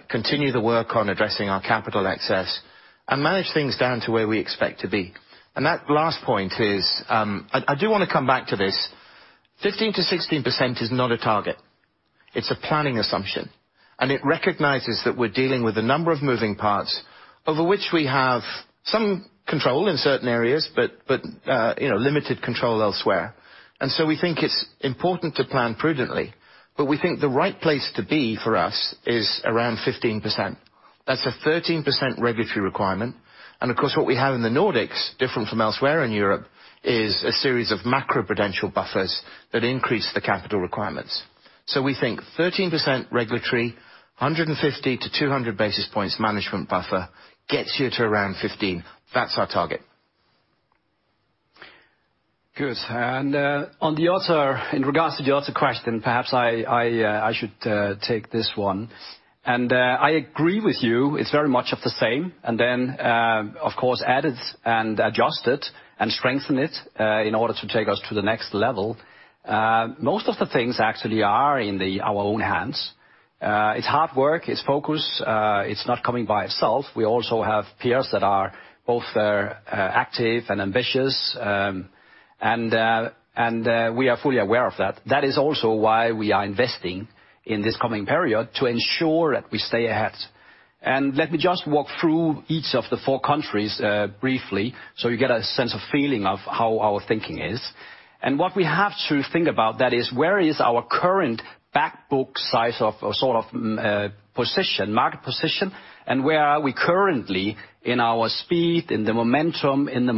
continue the work on addressing our capital excess and manage things down to where we expect to be. That last point is, I do wanna come back to this. 15%-16% is not a target. It's a planning assumption. It recognizes that we're dealing with a number of moving parts over which we have some control in certain areas, but you know, limited control elsewhere. We think it's important to plan prudently, but we think the right place to be for us is around 15%. That's a 13% regulatory requirement. Of course, what we have in the Nordics, different from elsewhere in Europe, is a series of macro-prudential buffers that increase the capital requirements. We think 13% regulatory, 150-200 basis points management buffer gets you to around 15%. That's our target. Good. On the other, in regards to the other question, perhaps I should take this one. I agree with you, it's very much of the same. Of course, added and adjusted and strengthened it in order to take us to the next level. Most of the things actually are in our own hands. It's hard work, it's focus, it's not coming by itself. We also have peers that are both active and ambitious. We are fully aware of that. That is also why we are investing in this coming period to ensure that we stay ahead. Let me just walk through each of the four countries briefly, so you get a sense of feeling of how our thinking is. What we have to think about that is where is our current back book size of sort of position, market position, and where are we currently in our speed, in the momentum in the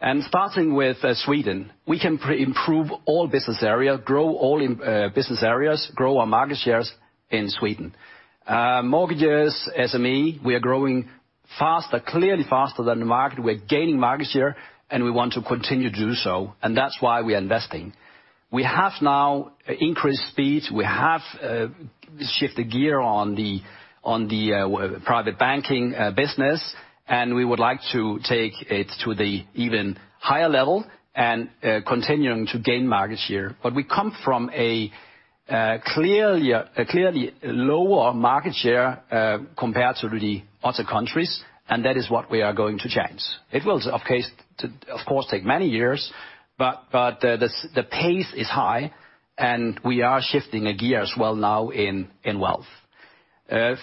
market. Starting with Sweden, we can improve all business area, grow all in business areas, grow our market shares in Sweden. Mortgages, SME, we are growing faster, clearly faster than the market. We're gaining market share, and we want to continue to do so, and that's why we are investing. We have now increased speed. We have shifted gear on the private banking business, and we would like to take it to the even higher level and continuing to gain market share. We come from a clearly lower market share compared to the other countries, and that is what we are going to change. It will, of course, take many years. The pace is high, and we are shifting a gear as well now in wealth.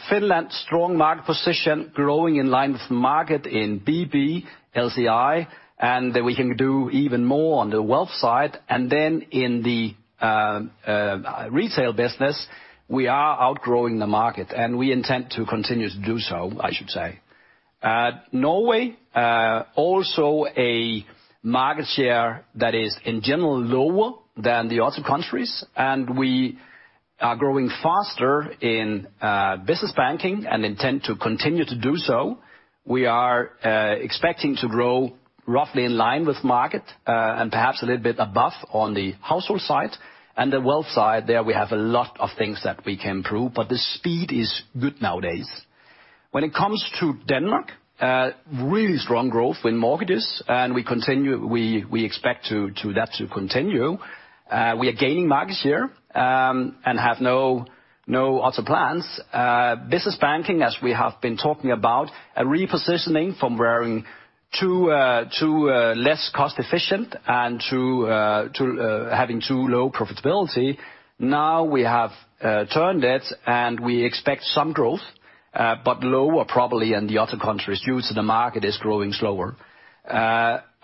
Finland, strong market position, growing in line with market in BB, LC&I, and we can do even more on the wealth side. Then in the retail business, we are outgrowing the market, and we intend to continue to do so, I should say. Norway, also a market share that is in general lower than the other countries. We are growing faster in business banking and intend to continue to do so. We are expecting to grow roughly in line with market and perhaps a little bit above on the household side. The wealth side, there we have a lot of things that we can improve, but the speed is good nowadays. When it comes to Denmark, really strong growth in mortgages, and we expect that to continue. We are gaining market share and have no other plans. Business Banking, as we have been talking about, a repositioning from where we were too less cost-efficient and too low profitability. Now we have turned it, and we expect some growth but lower probably in the other countries due to the market is growing slower.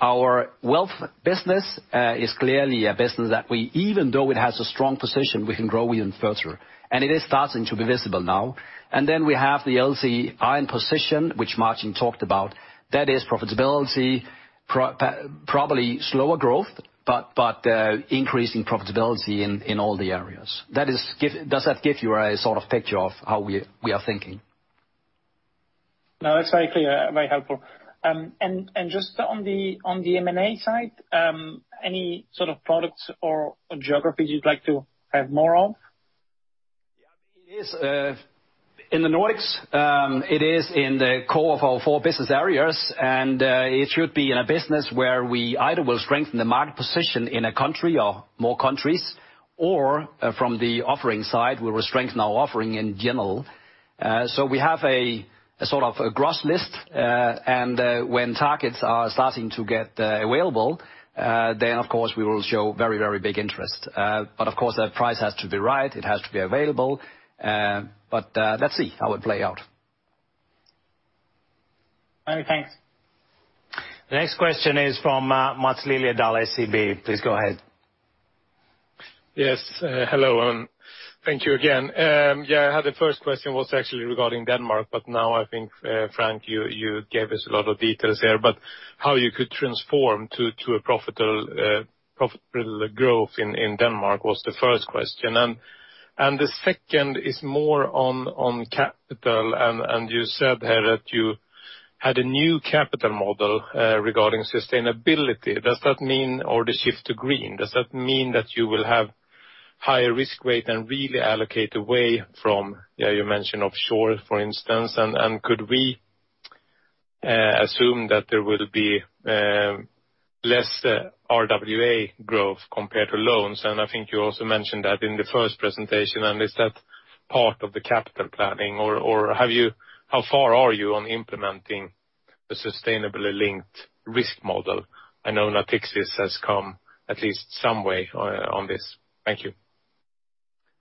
Our wealth business is clearly a business that we even though it has a strong position, we can grow even further, and it is starting to be visible now. We have the LC&I position, which Martin talked about. That is profitability, probably slower growth, but increasing profitability in all the areas. Does that give you a sort of picture of how we are thinking? No, it's very clear, very helpful. Just on the M&A side, any sort of products or geographies you'd like to have more of? Yeah. It is in the Nordics. It is in the core of our four business areas, and it should be in a business where we either will strengthen the market position in a country or more countries, or from the offering side, we will strengthen our offering in general. We have sort of a short list. When targets are starting to get available, then of course, we will show very, very big interest. Of course, the price has to be right, it has to be available. Let's see how it play out. Okay, thanks. The next question is from, Maths Liljedahl, SEB. Please go ahead. Yes. Hello, and thank you again. Yeah, the first question was actually regarding Denmark, but now I think, Frank, you gave us a lot of details here. How you could transform to a profitable growth in Denmark was the first question. The second is more on capital. You said here that you had a new capital model regarding sustainability. Does that mean or the shift to green, does that mean that you will have higher risk weight and really allocate away from, yeah, you mentioned offshore, for instance? Could we assume that there will be less RWA growth compared to loans? I think you also mentioned that in the first presentation. Is that part of the capital planning or how far are you on implementing the sustainability-linked risk model? I know Natixis has come at least some way on this. Thank you.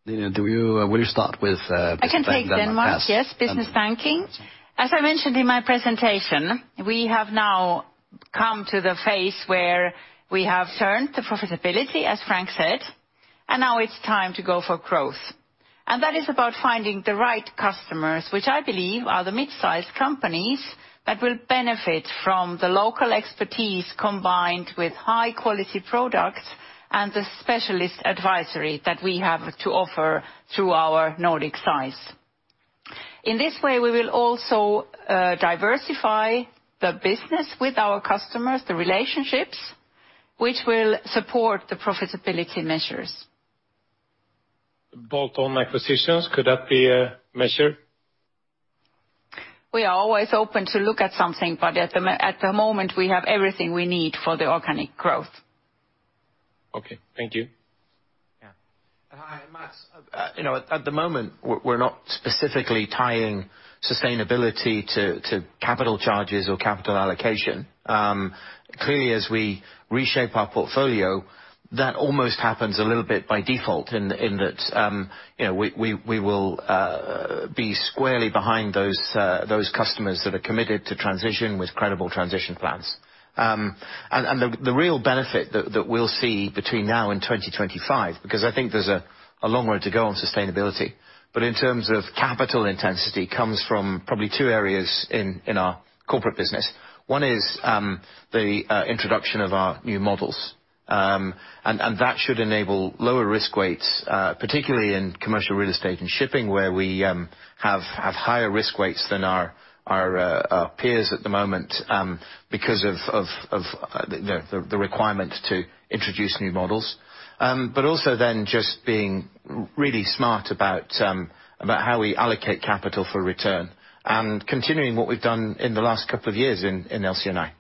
Nina, will you start with business bank then- I can take then, Maths. Yes, Business Banking. As I mentioned in my presentation, we have now come to the phase where we have turned the profitability, as Frank said, and now it's time to go for growth. That is about finding the right customers, which I believe are the mid-sized companies that will benefit from the local expertise combined with high quality products and the specialist advisory that we have to offer through our Nordic size. In this way, we will also diversify the business with our customers, the relationships, which will support the profitability measures. Bolt-on acquisitions, could that be a measure? We are always open to look at something, but at the moment, we have everything we need for the organic growth. Okay. Thank you. Yeah. Hi, Maths. You know what? At the moment we're not specifically tying sustainability to capital charges or capital allocation. Clearly, as we reshape our portfolio, that almost happens a little bit by default in that, you know, we will be squarely behind those customers that are committed to transition with credible transition plans. The real benefit that we'll see between now and 2025, because I think there's a long way to go on sustainability, but in terms of capital intensity comes from probably two areas in our corporate business. One is the introduction of our new models. That should enable lower risk weights, particularly in commercial real estate and shipping, where we have higher risk weights than our peers at the moment, because of the requirement to introduce new models. Also then just being really smart about how we allocate capital for return and continuing what we've done in the last couple of years in LC&I.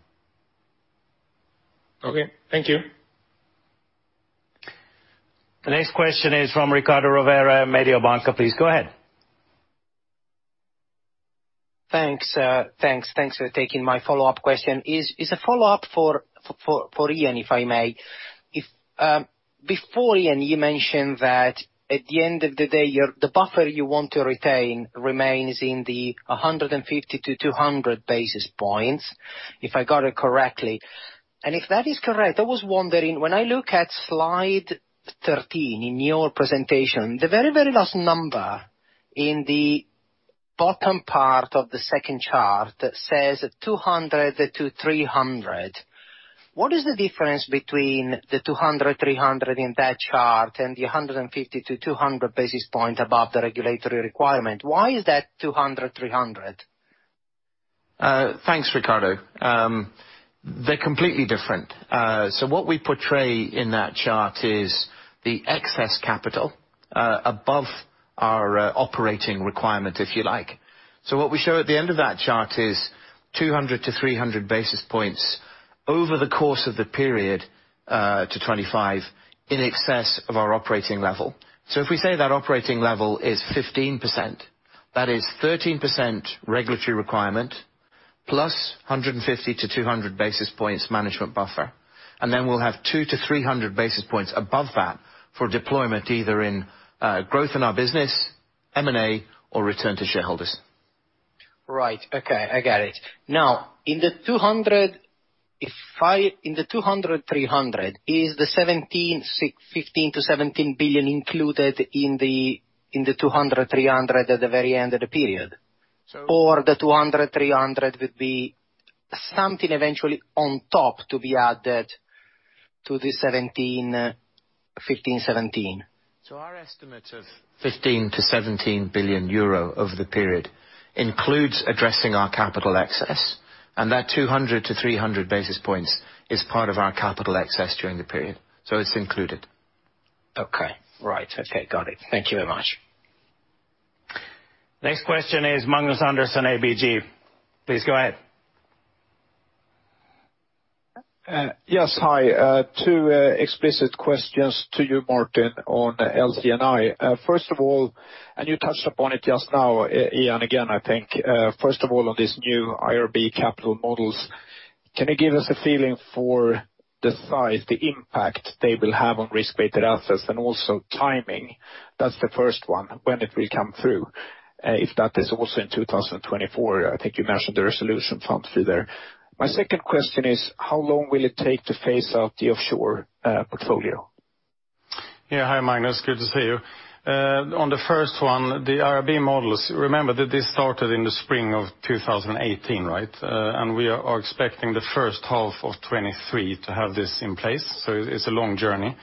Okay. Thank you. The next question is from Riccardo Rovere, Mediobanca. Please go ahead. Thanks, thanks for taking my follow-up question. It's a follow-up for Ian, if I may. Before, Ian, you mentioned that at the end of the day, the buffer you want to retain remains in the 150-200 basis points, if I got it correctly. If that is correct, I was wondering, when I look at slide 13 in your presentation, the very last number in the bottom part of the second chart says 200-300 basis points. What is the difference between the 200-300 basis points in that chart and the 150-200 basis points above the regulatory requirement? Why is that 200-300 basis points? Thanks, Riccardo. They're completely different. What we portray in that chart is the excess capital above our operating requirement, if you like. What we show at the end of that chart is 200-300 basis points over the course of the period to 2025 in excess of our operating level. If we say that operating level is 15%, that is 13% regulatory requirement plus 150-200 basis points management buffer. Then we'll have 200-300 basis points above that for deployment, either in growth in our business, M&A, or return to shareholders. Right. Okay. I got it. Now, in the 200-300 basis points, is the 15 billion-17 billion included in the 200-300 basis points at the very end of the period? So- The 200-300 basis points would be something eventually on top to be added to the 17 billion euro, 15 billion-17 billion. Our estimate of 15 billion-17 billion euro over the period includes addressing our capital excess, and that 200-300 basis points is part of our capital excess during the period. It's included. Okay. Right. Okay. Got it. Thank you very much. Next question is Magnus Andersson, ABG. Please go ahead. Yes. Hi. Two explicit questions to you, Martin, on LC&I. First of all, you touched upon it just now, Ian, again I think, first of all, on this new IRB capital models, can you give us a feeling for the size, the impact they will have on risk-weighted assets and also timing? That's the first one. When it will come through, if that is also in 2024? I think you mentioned the resolution fund fee there. My second question is: how long will it take to phase out the offshore portfolio? Yeah. Hi, Magnus. Good to see you. On the first one, the IRB models, remember that this started in the spring of 2018, right? We are expecting the first half of 2023 to have this in place, so it's a long journey.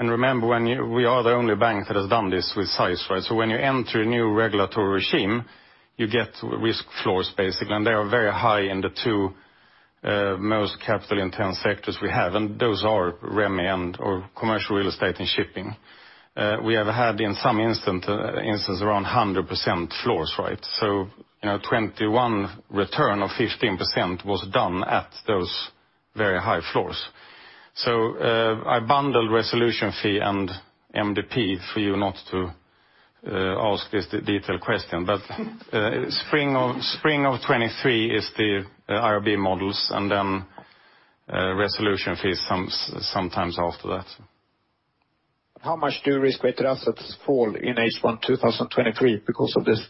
Remember, we are the only bank that has done this with size, right? When you enter a new regulatory regime, you get risk floors, basically, and they are very high in the two most capital-intense sectors we have, and those are CRE or commercial real estate and shipping. We have had in some instance around 100% floors, right? You know, 2021 return of 15% was done at those very high floors. I bundle resolution fee and MDA for you not to ask this detailed question. Spring of 2023 is the IRB models and then resolution fees sometimes after that. How much do risk-weighted assets fall in H1 2023 because of this?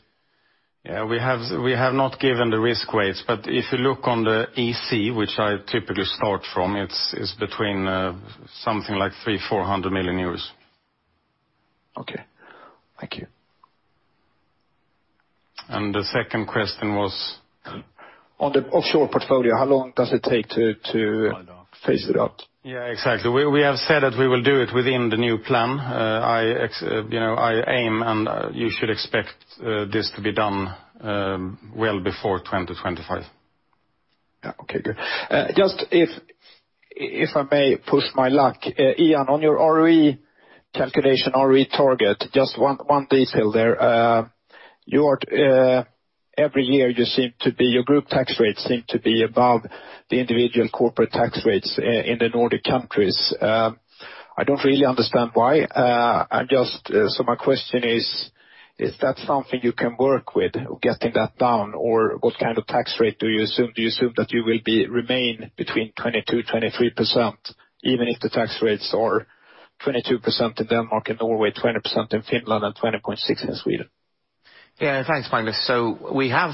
Yeah. We have not given the risk weights, but if you look on the EC, which I typically start from, it's between something like 300 million-400 million euros. Okay. Thank you. The second question was? On the offshore portfolio, how long does it take to phase it out? Yeah, exactly. We have said that we will do it within the new plan. You know, I aim, and you should expect this to be done well before 2025. Yeah. Okay, good. Just if I may push my luck, Ian, on your ROE calculation, ROE target, just one detail there. Your group tax rates seem to be above the individual corporate tax rates in the Nordic countries. I don't really understand why. Just so my question is that something you can work with, getting that down? Or what kind of tax rate do you assume? Do you assume that you will remain between 22%-23%, even if the tax rates are 22% in Denmark and Norway, 20% in Finland and 20.6% in Sweden? Thanks, Magnus. We have,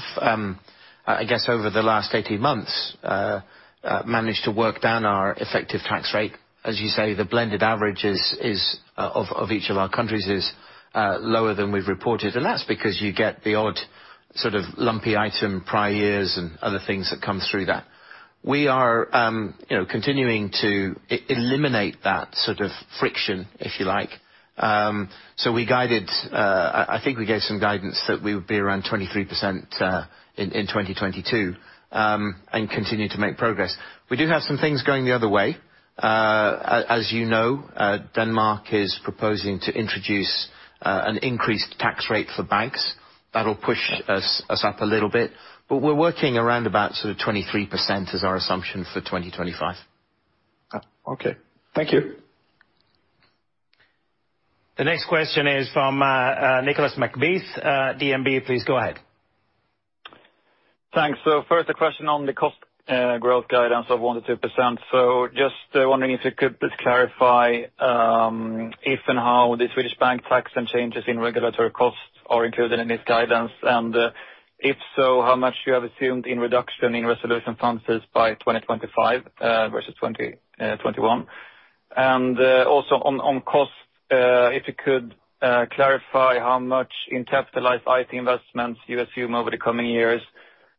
I guess over the last 18 months, managed to work down our effective tax rate. As you say, the blended average of each of our countries is lower than we've reported. That's because you get the odd sort of lumpy item, prior years and other things that come through that. We are, you know, continuing to eliminate that sort of friction, if you like. We guided, I think we gave some guidance that we would be around 23% in 2022 and continue to make progress. We do have some things going the other way. As you know, Denmark is proposing to introduce an increased tax rate for banks. That'll push us up a little bit, but we're working around about sort of 23% as our assumption for 2025. Oh, okay. Thank you. The next question is from Nicolas McBeath, DNB. Please go ahead. Thanks. First a question on the cost growth guidance of 1%-2%. Just wondering if you could please clarify if and how the Swedish bank tax and changes in regulatory costs are included in this guidance. If so, how much you have assumed in reduction in resolution funds is by 2025 versus 2021. Also on cost, if you could clarify how much in capitalized IT investments you assume over the coming years,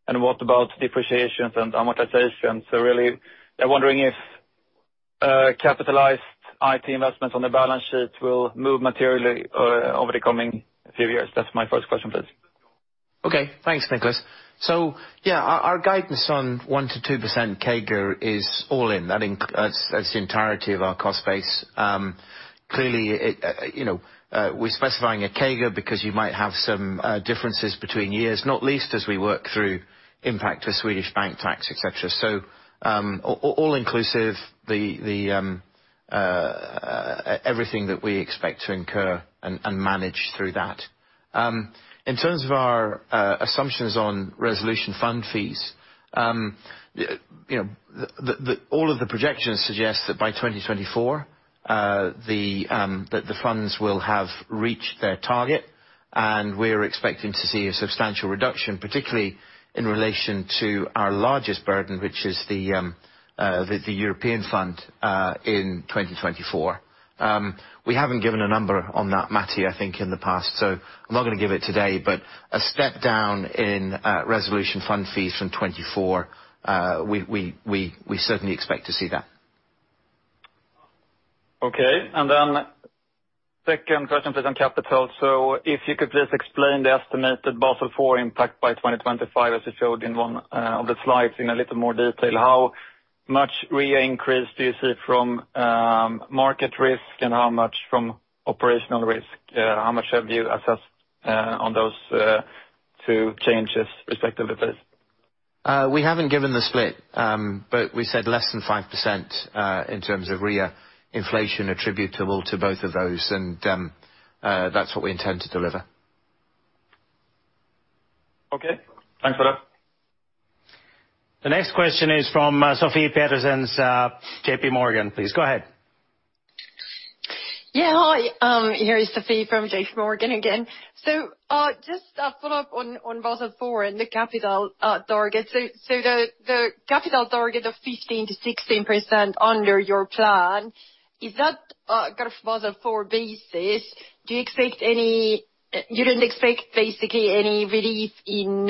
and what about depreciation and amortization. Really, I'm wondering if capitalized IT investments on the balance sheet will move materially over the coming few years. That's my first question, please. Okay. Thanks, Nicolas. Our guidance on 1%-2% CAGR is all in. That's the entirety of our cost base. Clearly, we're specifying a CAGR because you might have some differences between years, not least as we work through impact of Swedish bank tax, et cetera. All inclusive, everything that we expect to incur and manage through that. In terms of our assumptions on resolution fund fees, all of the projections suggest that by 2024, the funds will have reached their target, and we're expecting to see a substantial reduction, particularly in relation to our largest burden, which is the European fund, in 2024. We haven't given a number on that, Matt, I think, in the past, so I'm not gonna give it today, but a step down in resolution fund fees from 2024, we certainly expect to see that. Okay. Second question please, on capital. If you could please explain the estimated Basel IV impact by 2025, as you showed in one of the slides in a little more detail. How much RWA increase do you see from market risk and how much from operational risk? How much have you assessed on those two changes respectively, please? We haven't given the split, but we said less than 5% in terms of RWA inflation attributable to both of those, and that's what we intend to deliver. Okay. Thanks for that. The next question is from Sofie Peterzens, J.P. Morgan. Please go ahead. Yeah. Hi, here is Sofie from J.P. Morgan again. Just a follow-up on Basel IV and the capital target. The capital target of 15%-16% under your plan, is that kind of Basel IV basis? You don't expect basically any relief in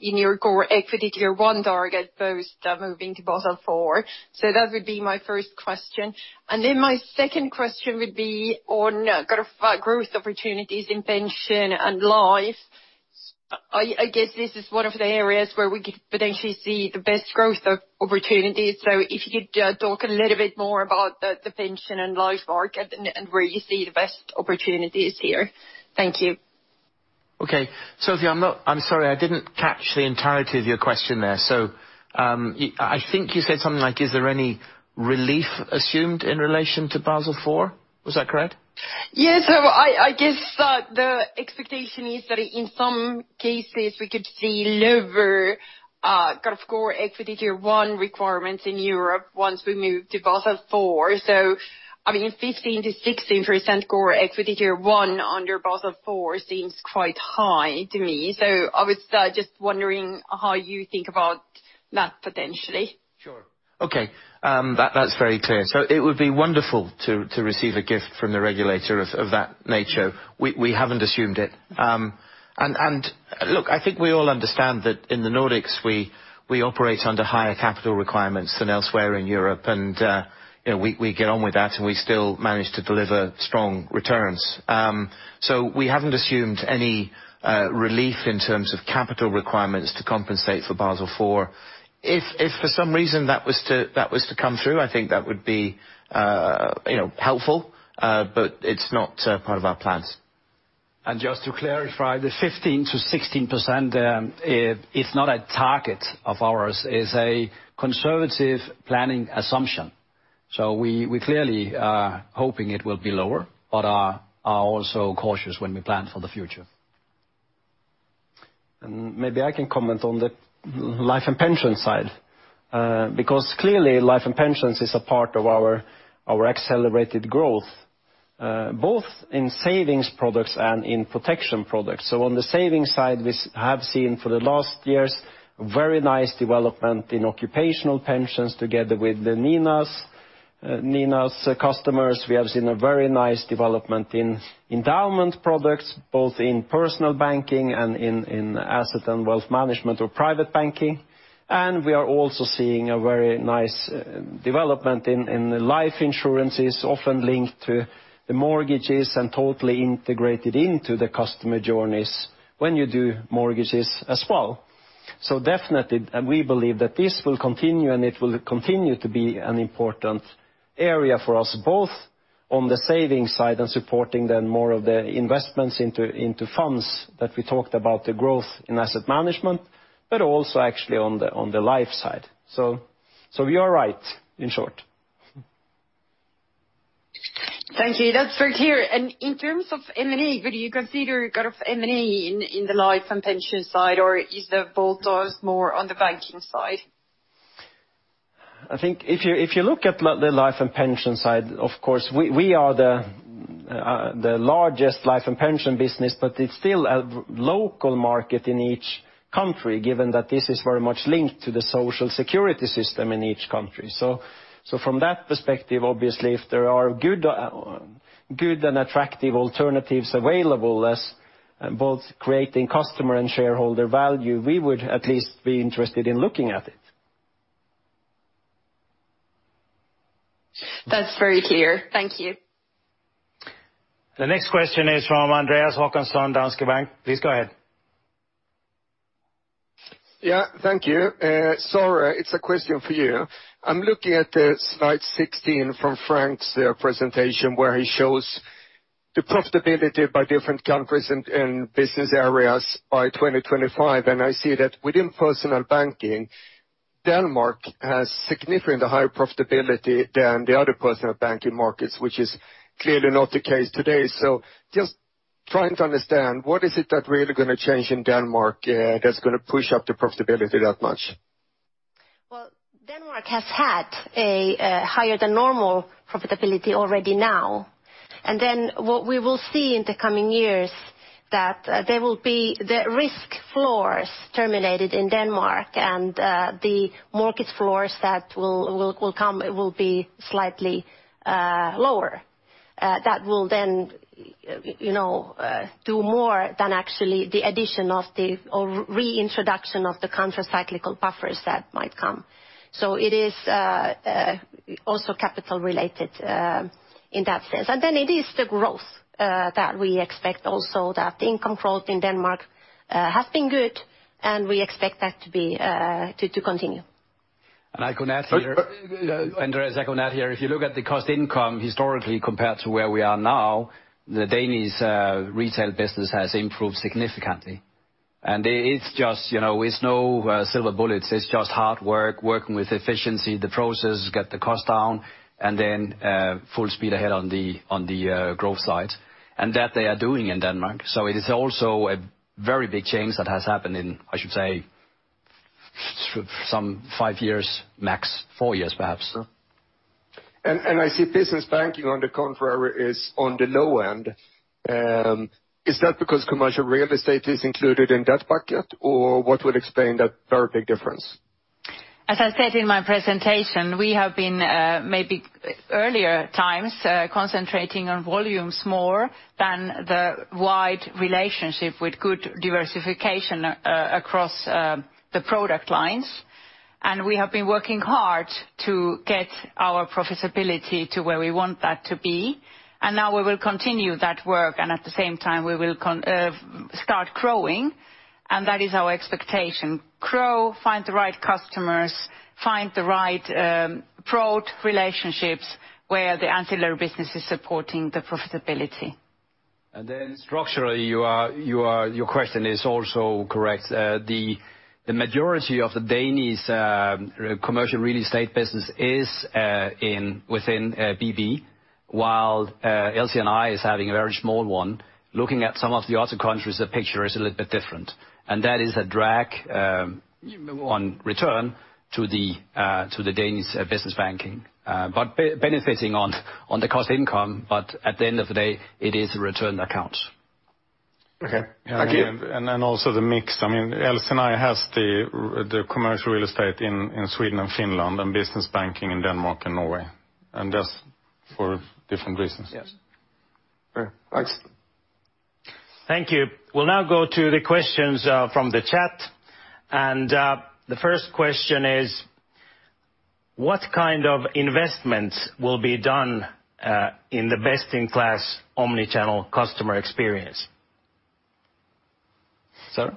your core equity tier one target post moving to Basel IV. That would be my first question. Then my second question would be on kind of growth opportunities in pension and life. I guess this is one of the areas where we could potentially see the best growth opportunities. If you could talk a little bit more about the pension and life market and where you see the best opportunities here. Thank you. Okay. Sophie, I'm sorry, I didn't catch the entirety of your question there. I think you said something like, is there any relief assumed in relation to Basel IV? Was that correct? Yeah. I guess the expectation is that in some cases we could see lower, kind of Common Equity Tier 1 requirements in Europe once we move to Basel IV. I mean, 15%-16% Common Equity Tier 1 under Basel IV seems quite high to me. I was just wondering how you think about that potentially. Sure. Okay. That's very clear. It would be wonderful to receive a gift from the regulator of that nature. We haven't assumed it. Look, I think we all understand that in the Nordics we operate under higher capital requirements than elsewhere in Europe. You know, we get on with that, and we still manage to deliver strong returns. We haven't assumed any relief in terms of capital requirements to compensate for Basel IV. If for some reason that was to come through, I think that would be you know, helpful, but it's not part of our plans. Just to clarify, the 15%-16%, it is not a target of ours. It's a conservative planning assumption. We clearly are hoping it will be lower, but are also cautious when we plan for the future. Maybe I can comment on the life and pension side. Because clearly, life and pensions is a part of our accelerated growth, both in savings products and in protection products. On the savings side, we have seen for the last years, very nice development in occupational pensions together with the Nina's customers. We have seen a very nice development in endowment products, both in Personal Banking and in asset and wealth management or private banking. We are also seeing a very nice development in the life insurances, often linked to the mortgages and totally integrated into the customer journeys when you do mortgages as well. Definitely, and we believe that this will continue, and it will continue to be an important area for us, both on the savings side and supporting then more of the investments into funds that we talked about the growth in asset management, but also actually on the life side. You are right, in short. Thank you. That's very clear. In terms of M&A, would you consider kind of M&A in the life and pension side, or is the focus more on the banking side? I think if you look at the life and pension side, of course, we are the largest life and pension business, but it's still a local market in each country, given that this is very much linked to the Social Security system in each country. From that perspective, obviously, if there are good and attractive alternatives available as both creating customer and shareholder value, we would at least be interested in looking at it. That's very clear. Thank you. The next question is from Anders Håkansson, Danske Bank. Please go ahead. Yeah, thank you. Sara, it's a question for you. I'm looking at slide 16 from Frank's presentation, where he shows the profitability by different countries and business areas by 2025. I see that within Personal Banking, Denmark has significantly higher profitability than the other Personal Banking markets, which is clearly not the case today. Just trying to understand, what is it that really gonna change in Denmark that's gonna push up the profitability that much? Well, Denmark has had a higher than normal profitability already now. What we will see in the coming years is that there will be the risk floors terminated in Denmark and the market floors that will come. It will be slightly lower. That will then you know do more than actually the addition of the or reintroduction of the countercyclical buffers that might come. It is also capital related in that sense. It is the growth that we expect also that the income growth in Denmark has been good, and we expect that to be to continue. I can add here. So- Anders, I can add here, if you look at the cost-to-income historically compared to where we are now, the Danish retail business has improved significantly. It's just, you know, it's no silver bullet. It's just hard work, working with efficiency, the process, get the cost down, and then full speed ahead on the growth side. That they are doing in Denmark. It is also a very big change that has happened in, I should say, some five years max, four years, perhaps. I see Business Banking, on the contrary, is on the low end. Is that because Commercial Real Estate is included in that bucket? Or what would explain that very big difference? As I said in my presentation, we have been maybe earlier times concentrating on volumes more than the wider relationship with good diversification across the product lines. We have been working hard to get our profitability to where we want that to be. Now we will continue that work, and at the same time, we will start growing, and that is our expectation. Grow, find the right customers, find the right broad relationships where the ancillary business is supporting the profitability. Structurally, you are, your question is also correct. The majority of the Danish commercial real estate business is within BB, while LC&I is having a very small one. Looking at some of the other countries, the picture is a little bit different. That is a drag on return to the Danish business banking, but benefiting on the cost income, but at the end of the day, it is a return account. Okay. Thank you. also the mix. I mean, LC&I has the commercial real estate in Sweden and Finland and business banking in Denmark and Norway, and that's for different reasons. Yes. Great. Thanks. Thank you. We'll now go to the questions from the chat. The first question is, what kind of investments will be done in the best-in-class omnichannel customer experience? Sara?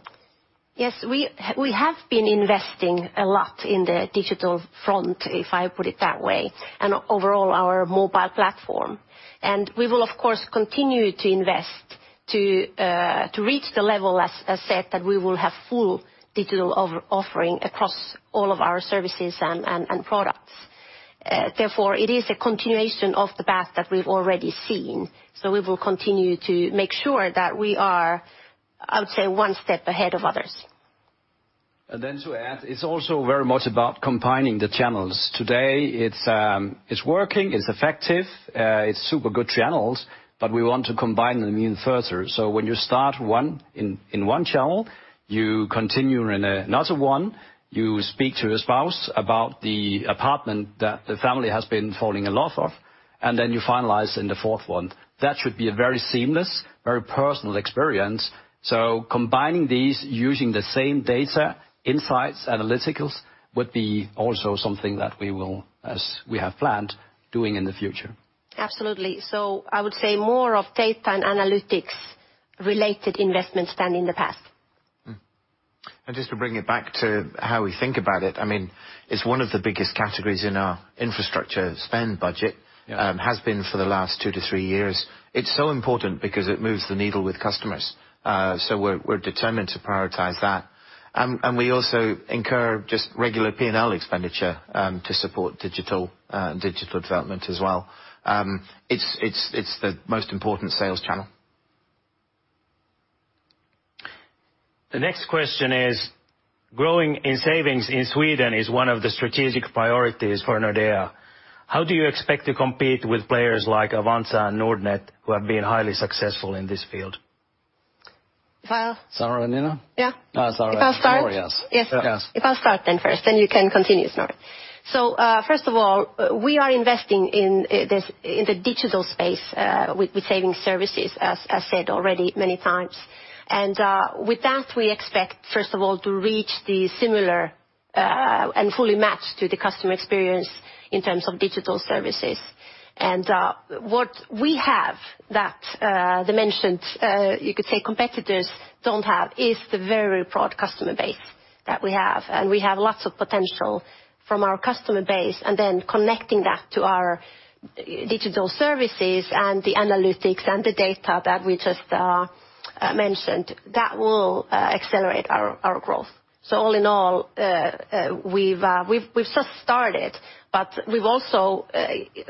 Yes, we have been investing a lot in the digital front, if I put it that way, and overall our mobile platform. We will of course continue to invest to reach the level as said, that we will have full digital offering across all of our services and products. Therefore, it is a continuation of the path that we've already seen. We will continue to make sure that we are, I would say, one step ahead of others. To add, it's also very much about combining the channels. Today, it's working, it's effective, it's super good channels, but we want to combine them even further. When you start one in one channel, you continue in another one, you speak to a spouse about the apartment that the family has been falling in love with, and then you finalize in the fourth one. That should be a very seamless, very personal experience. Combining these using the same data, insights, analytics would be also something that we will, as we have planned, doing in the future. Absolutely. I would say more of data and analytics related investments than in the past. Mm. Just to bring it back to how we think about it, I mean, it's one of the biggest categories in our infrastructure spend budget. Yeah. Has been for the last two to three years. It's so important because it moves the needle with customers. We're determined to prioritize that. We also incur just regular P&L expenditure to support digital development as well. It's the most important sales channel. The next question is: growing in savings in Sweden is one of the strategic priorities for Nordea. How do you expect to compete with players like Avanza and Nordnet who have been highly successful in this field? If I'll- Sara and Nina? Yeah. Oh, Sara. I'll start. Snorre, yes. Yes. Yes. I'll start then first, then you can continue, Snorre. First of all, we are investing in this, in the digital space, with savings services, as said already many times. With that, we expect, first of all, to reach the similar and fully match to the customer experience in terms of digital services. What we have that the mentioned you could say competitors don't have is the very broad customer base that we have. We have lots of potential from our customer base, and then connecting that to our digital services and the analytics and the data that we just mentioned. That will accelerate our growth. All in all, we've just started, but we've also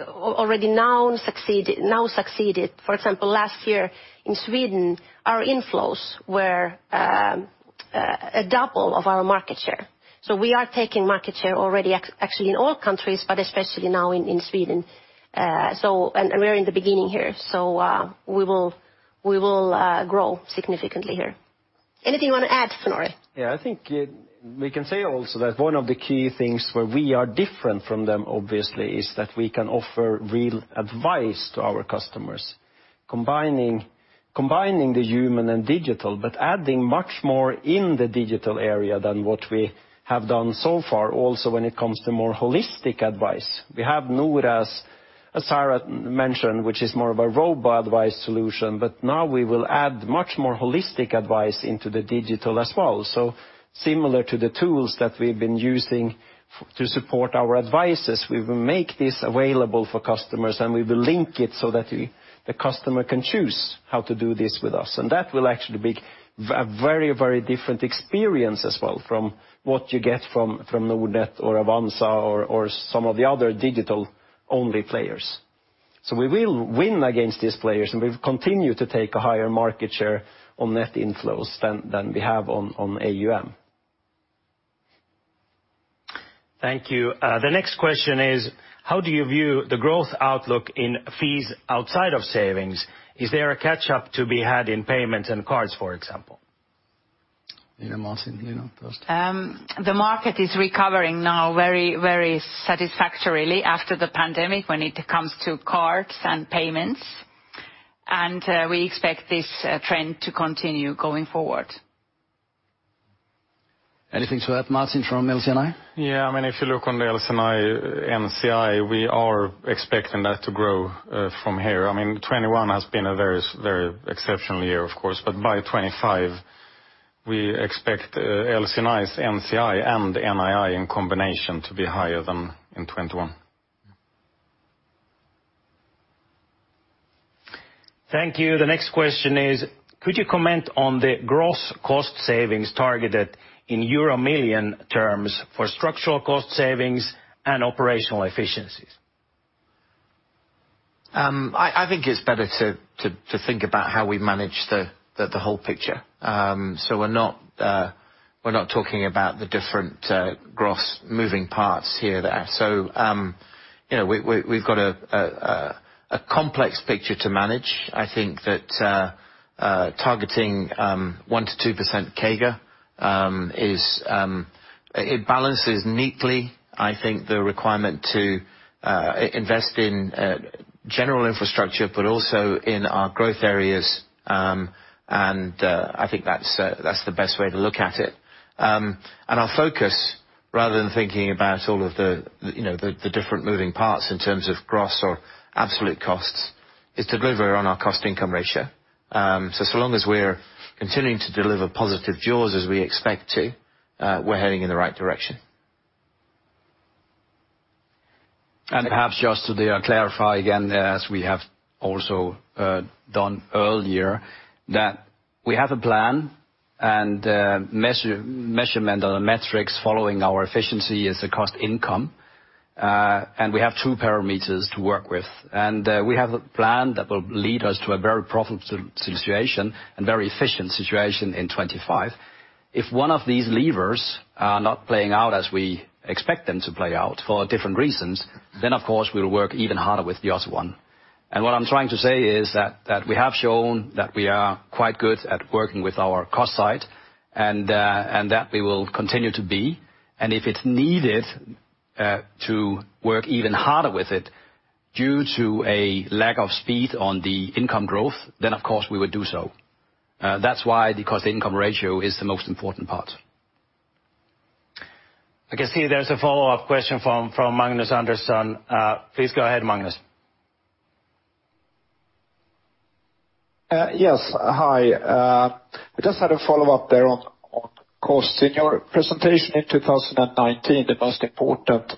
already now succeeded. For example, last year in Sweden, our inflows were double of our market share. We are taking market share already actually in all countries, but especially now in Sweden. We're in the beginning here. We will grow significantly here. Anything you wanna add, Snorre? Yeah. I think we can say also that one of the key things where we are different from them, obviously, is that we can offer real advice to our customers, combining the human and digital, but adding much more in the digital area than what we have done so far, also when it comes to more holistic advice. We have Nora's, as Sara mentioned, which is more of a robo-advice solution, but now we will add much more holistic advice into the digital as well. Similar to the tools that we've been using to support our advices, we will make this available for customers, and we will link it so that we, the customer can choose how to do this with us. That will actually be a very, very different experience as well from what you get from Nordnet or Avanza or some of the other digital-only players. We will win against these players, and we've continued to take a higher market share on net inflows than we have on AUM. Thank you. The next question is, how do you view the growth outlook in fees outside of savings? Is there a catch-up to be had in payments and cards, for example? Nina, Martin, Nina first. The market is recovering now very, very satisfactorily after the pandemic when it comes to cards and payments. We expect this trend to continue going forward. Anything to add, Martin, from LC&I? I mean, if you look on the LC&I NCI, we are expecting that to grow from here. I mean, 2021 has been a very, very exceptional year, of course. By 2025, we expect LC&I's NCI and NII in combination to be higher than in 2021. Thank you. The next question is, could you comment on the gross cost savings targeted in euro million terms for structural cost savings and operational efficiencies? I think it's better to think about how we manage the whole picture. We're not talking about the different gross moving parts here. We've got a complex picture to manage. I think that targeting 1%-2% CAGR is. It balances neatly, I think, the requirement to invest in general infrastructure, but also in our growth areas. I think that's the best way to look at it. Our focus, rather than thinking about all of the different moving parts in terms of gross or absolute costs Is to deliver on our cost-to-income ratio. As long as we're continuing to deliver positive jaws as we expect to, we're heading in the right direction. Perhaps just to clarify again, as we have also done earlier, that we have a plan and measurement or metrics following our efficiency is the cost income. We have two parameters to work with. We have a plan that will lead us to a very profitable situation and very efficient situation in 2025. If one of these levers are not playing out as we expect them to play out for different reasons, then of course, we'll work even harder with the other one. What I'm trying to say is that we have shown that we are quite good at working with our cost side and that we will continue to be. If it's needed to work even harder with it due to a lack of speed on the income growth, then of course we would do so. That's why the cost-to-income ratio is the most important part. I can see there's a follow-up question from Magnus Andersson. Please go ahead, Magnus. Yes, hi. I just had a follow-up there on cost. In your presentation in 2019, the most important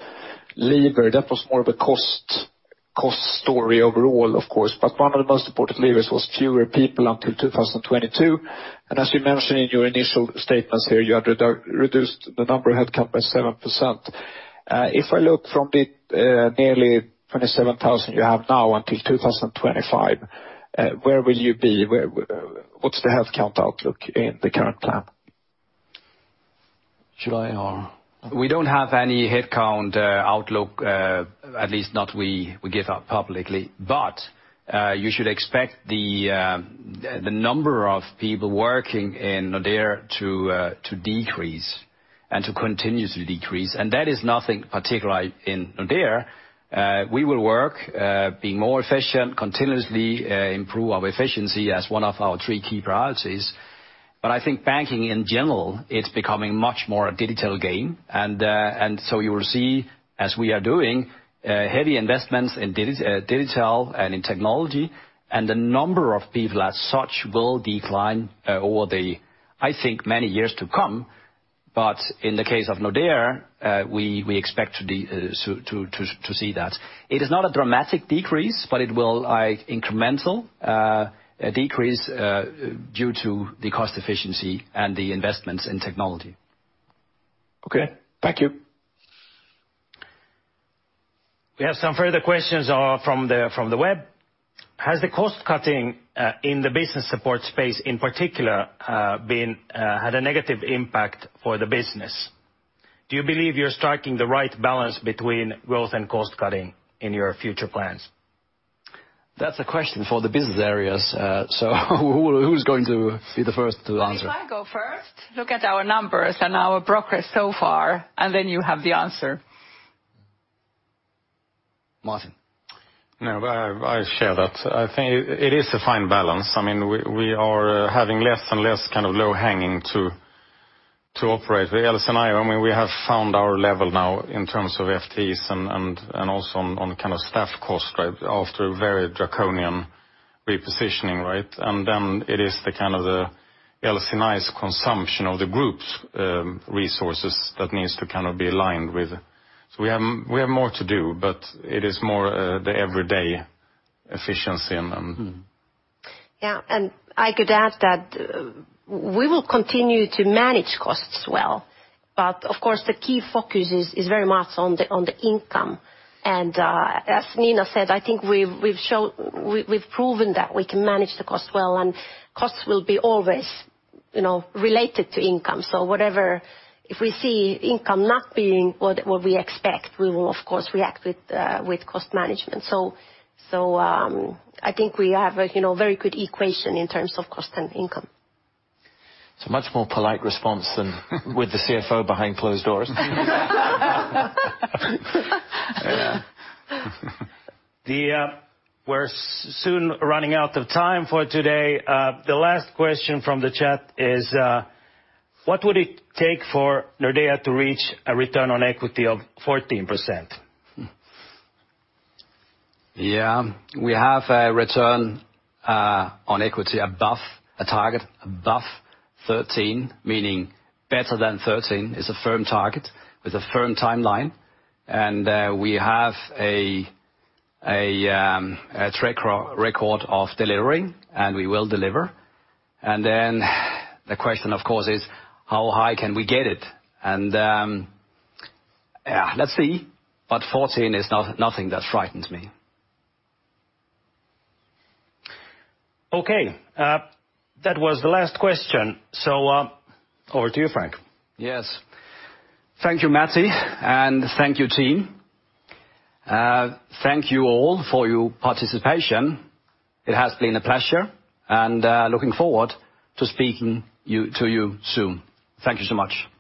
lever, that was more of a cost story overall, of course, but one of the most important levers was fewer people until 2022. As you mentioned in your initial statements here, you have reduced the number of headcount by 7%. If I look from the nearly 27,000 you have now until 2025, where will you be? What's the headcount outlook in the current plan? We don't have any headcount outlook, at least not that we give out publicly. You should expect the number of people working in Nordea to decrease and to continuously decrease. That is nothing particular in Nordea. We will be more efficient, continuously improve our efficiency as one of our three key priorities. I think banking in general, it's becoming much more a digital game. You will see, as we are doing, heavy investments in digital and in technology, and the number of people as such will decline over, I think, many years to come. In the case of Nordea, we expect to see that. It is not a dramatic decrease, but it will, like, incremental decrease due to the cost efficiency and the investments in technology. Okay, thank you. We have some further questions from the web. Has the cost cutting in the business support space, in particular, had a negative impact for the business? Do you believe you're striking the right balance between growth and cost cutting in your future plans? That's a question for the business areas. Who's going to be the first to answer? I'll go first. Look at our numbers and our progress so far, and then you have the answer. Martin. No, I share that. I think it is a fine balance. I mean, we are having less and less kind of low-hanging fruit to operate. I mean, we have found our level now in terms of FTEs and also on kind of staff costs, right? After a very draconian repositioning, right? Then it is kind of the LC&I's consumption of the group's resources that needs to kind of be aligned with. We have more to do, but it is more the everyday efficiency and Yeah, I could add that we will continue to manage costs well. Of course, the key focus is very much on the income. As Nina said, I think we've proven that we can manage the cost well, and costs will be always related to income. If we see income not being what we expect, we will of course react with cost management. I think we have a very good equation in terms of cost and income. It's a much more polite response than with the CFO behind closed doors. We're soon running out of time for today. The last question from the chat is, what would it take for Nordea to reach a return on equity of 14%? Yeah. We have a return on equity above a target, above 13%, meaning better than 13% is a firm target with a firm timeline. We have a track record of delivering, and we will deliver. The question, of course, is how high can we get it? Let's see, but 14% is nothing that frightens me. Okay. That was the last question. Over to you, Frank. Yes. Thank you, Matti, and thank you, team. Thank you all for your participation. It has been a pleasure, and looking forward to speaking to you soon. Thank you so much.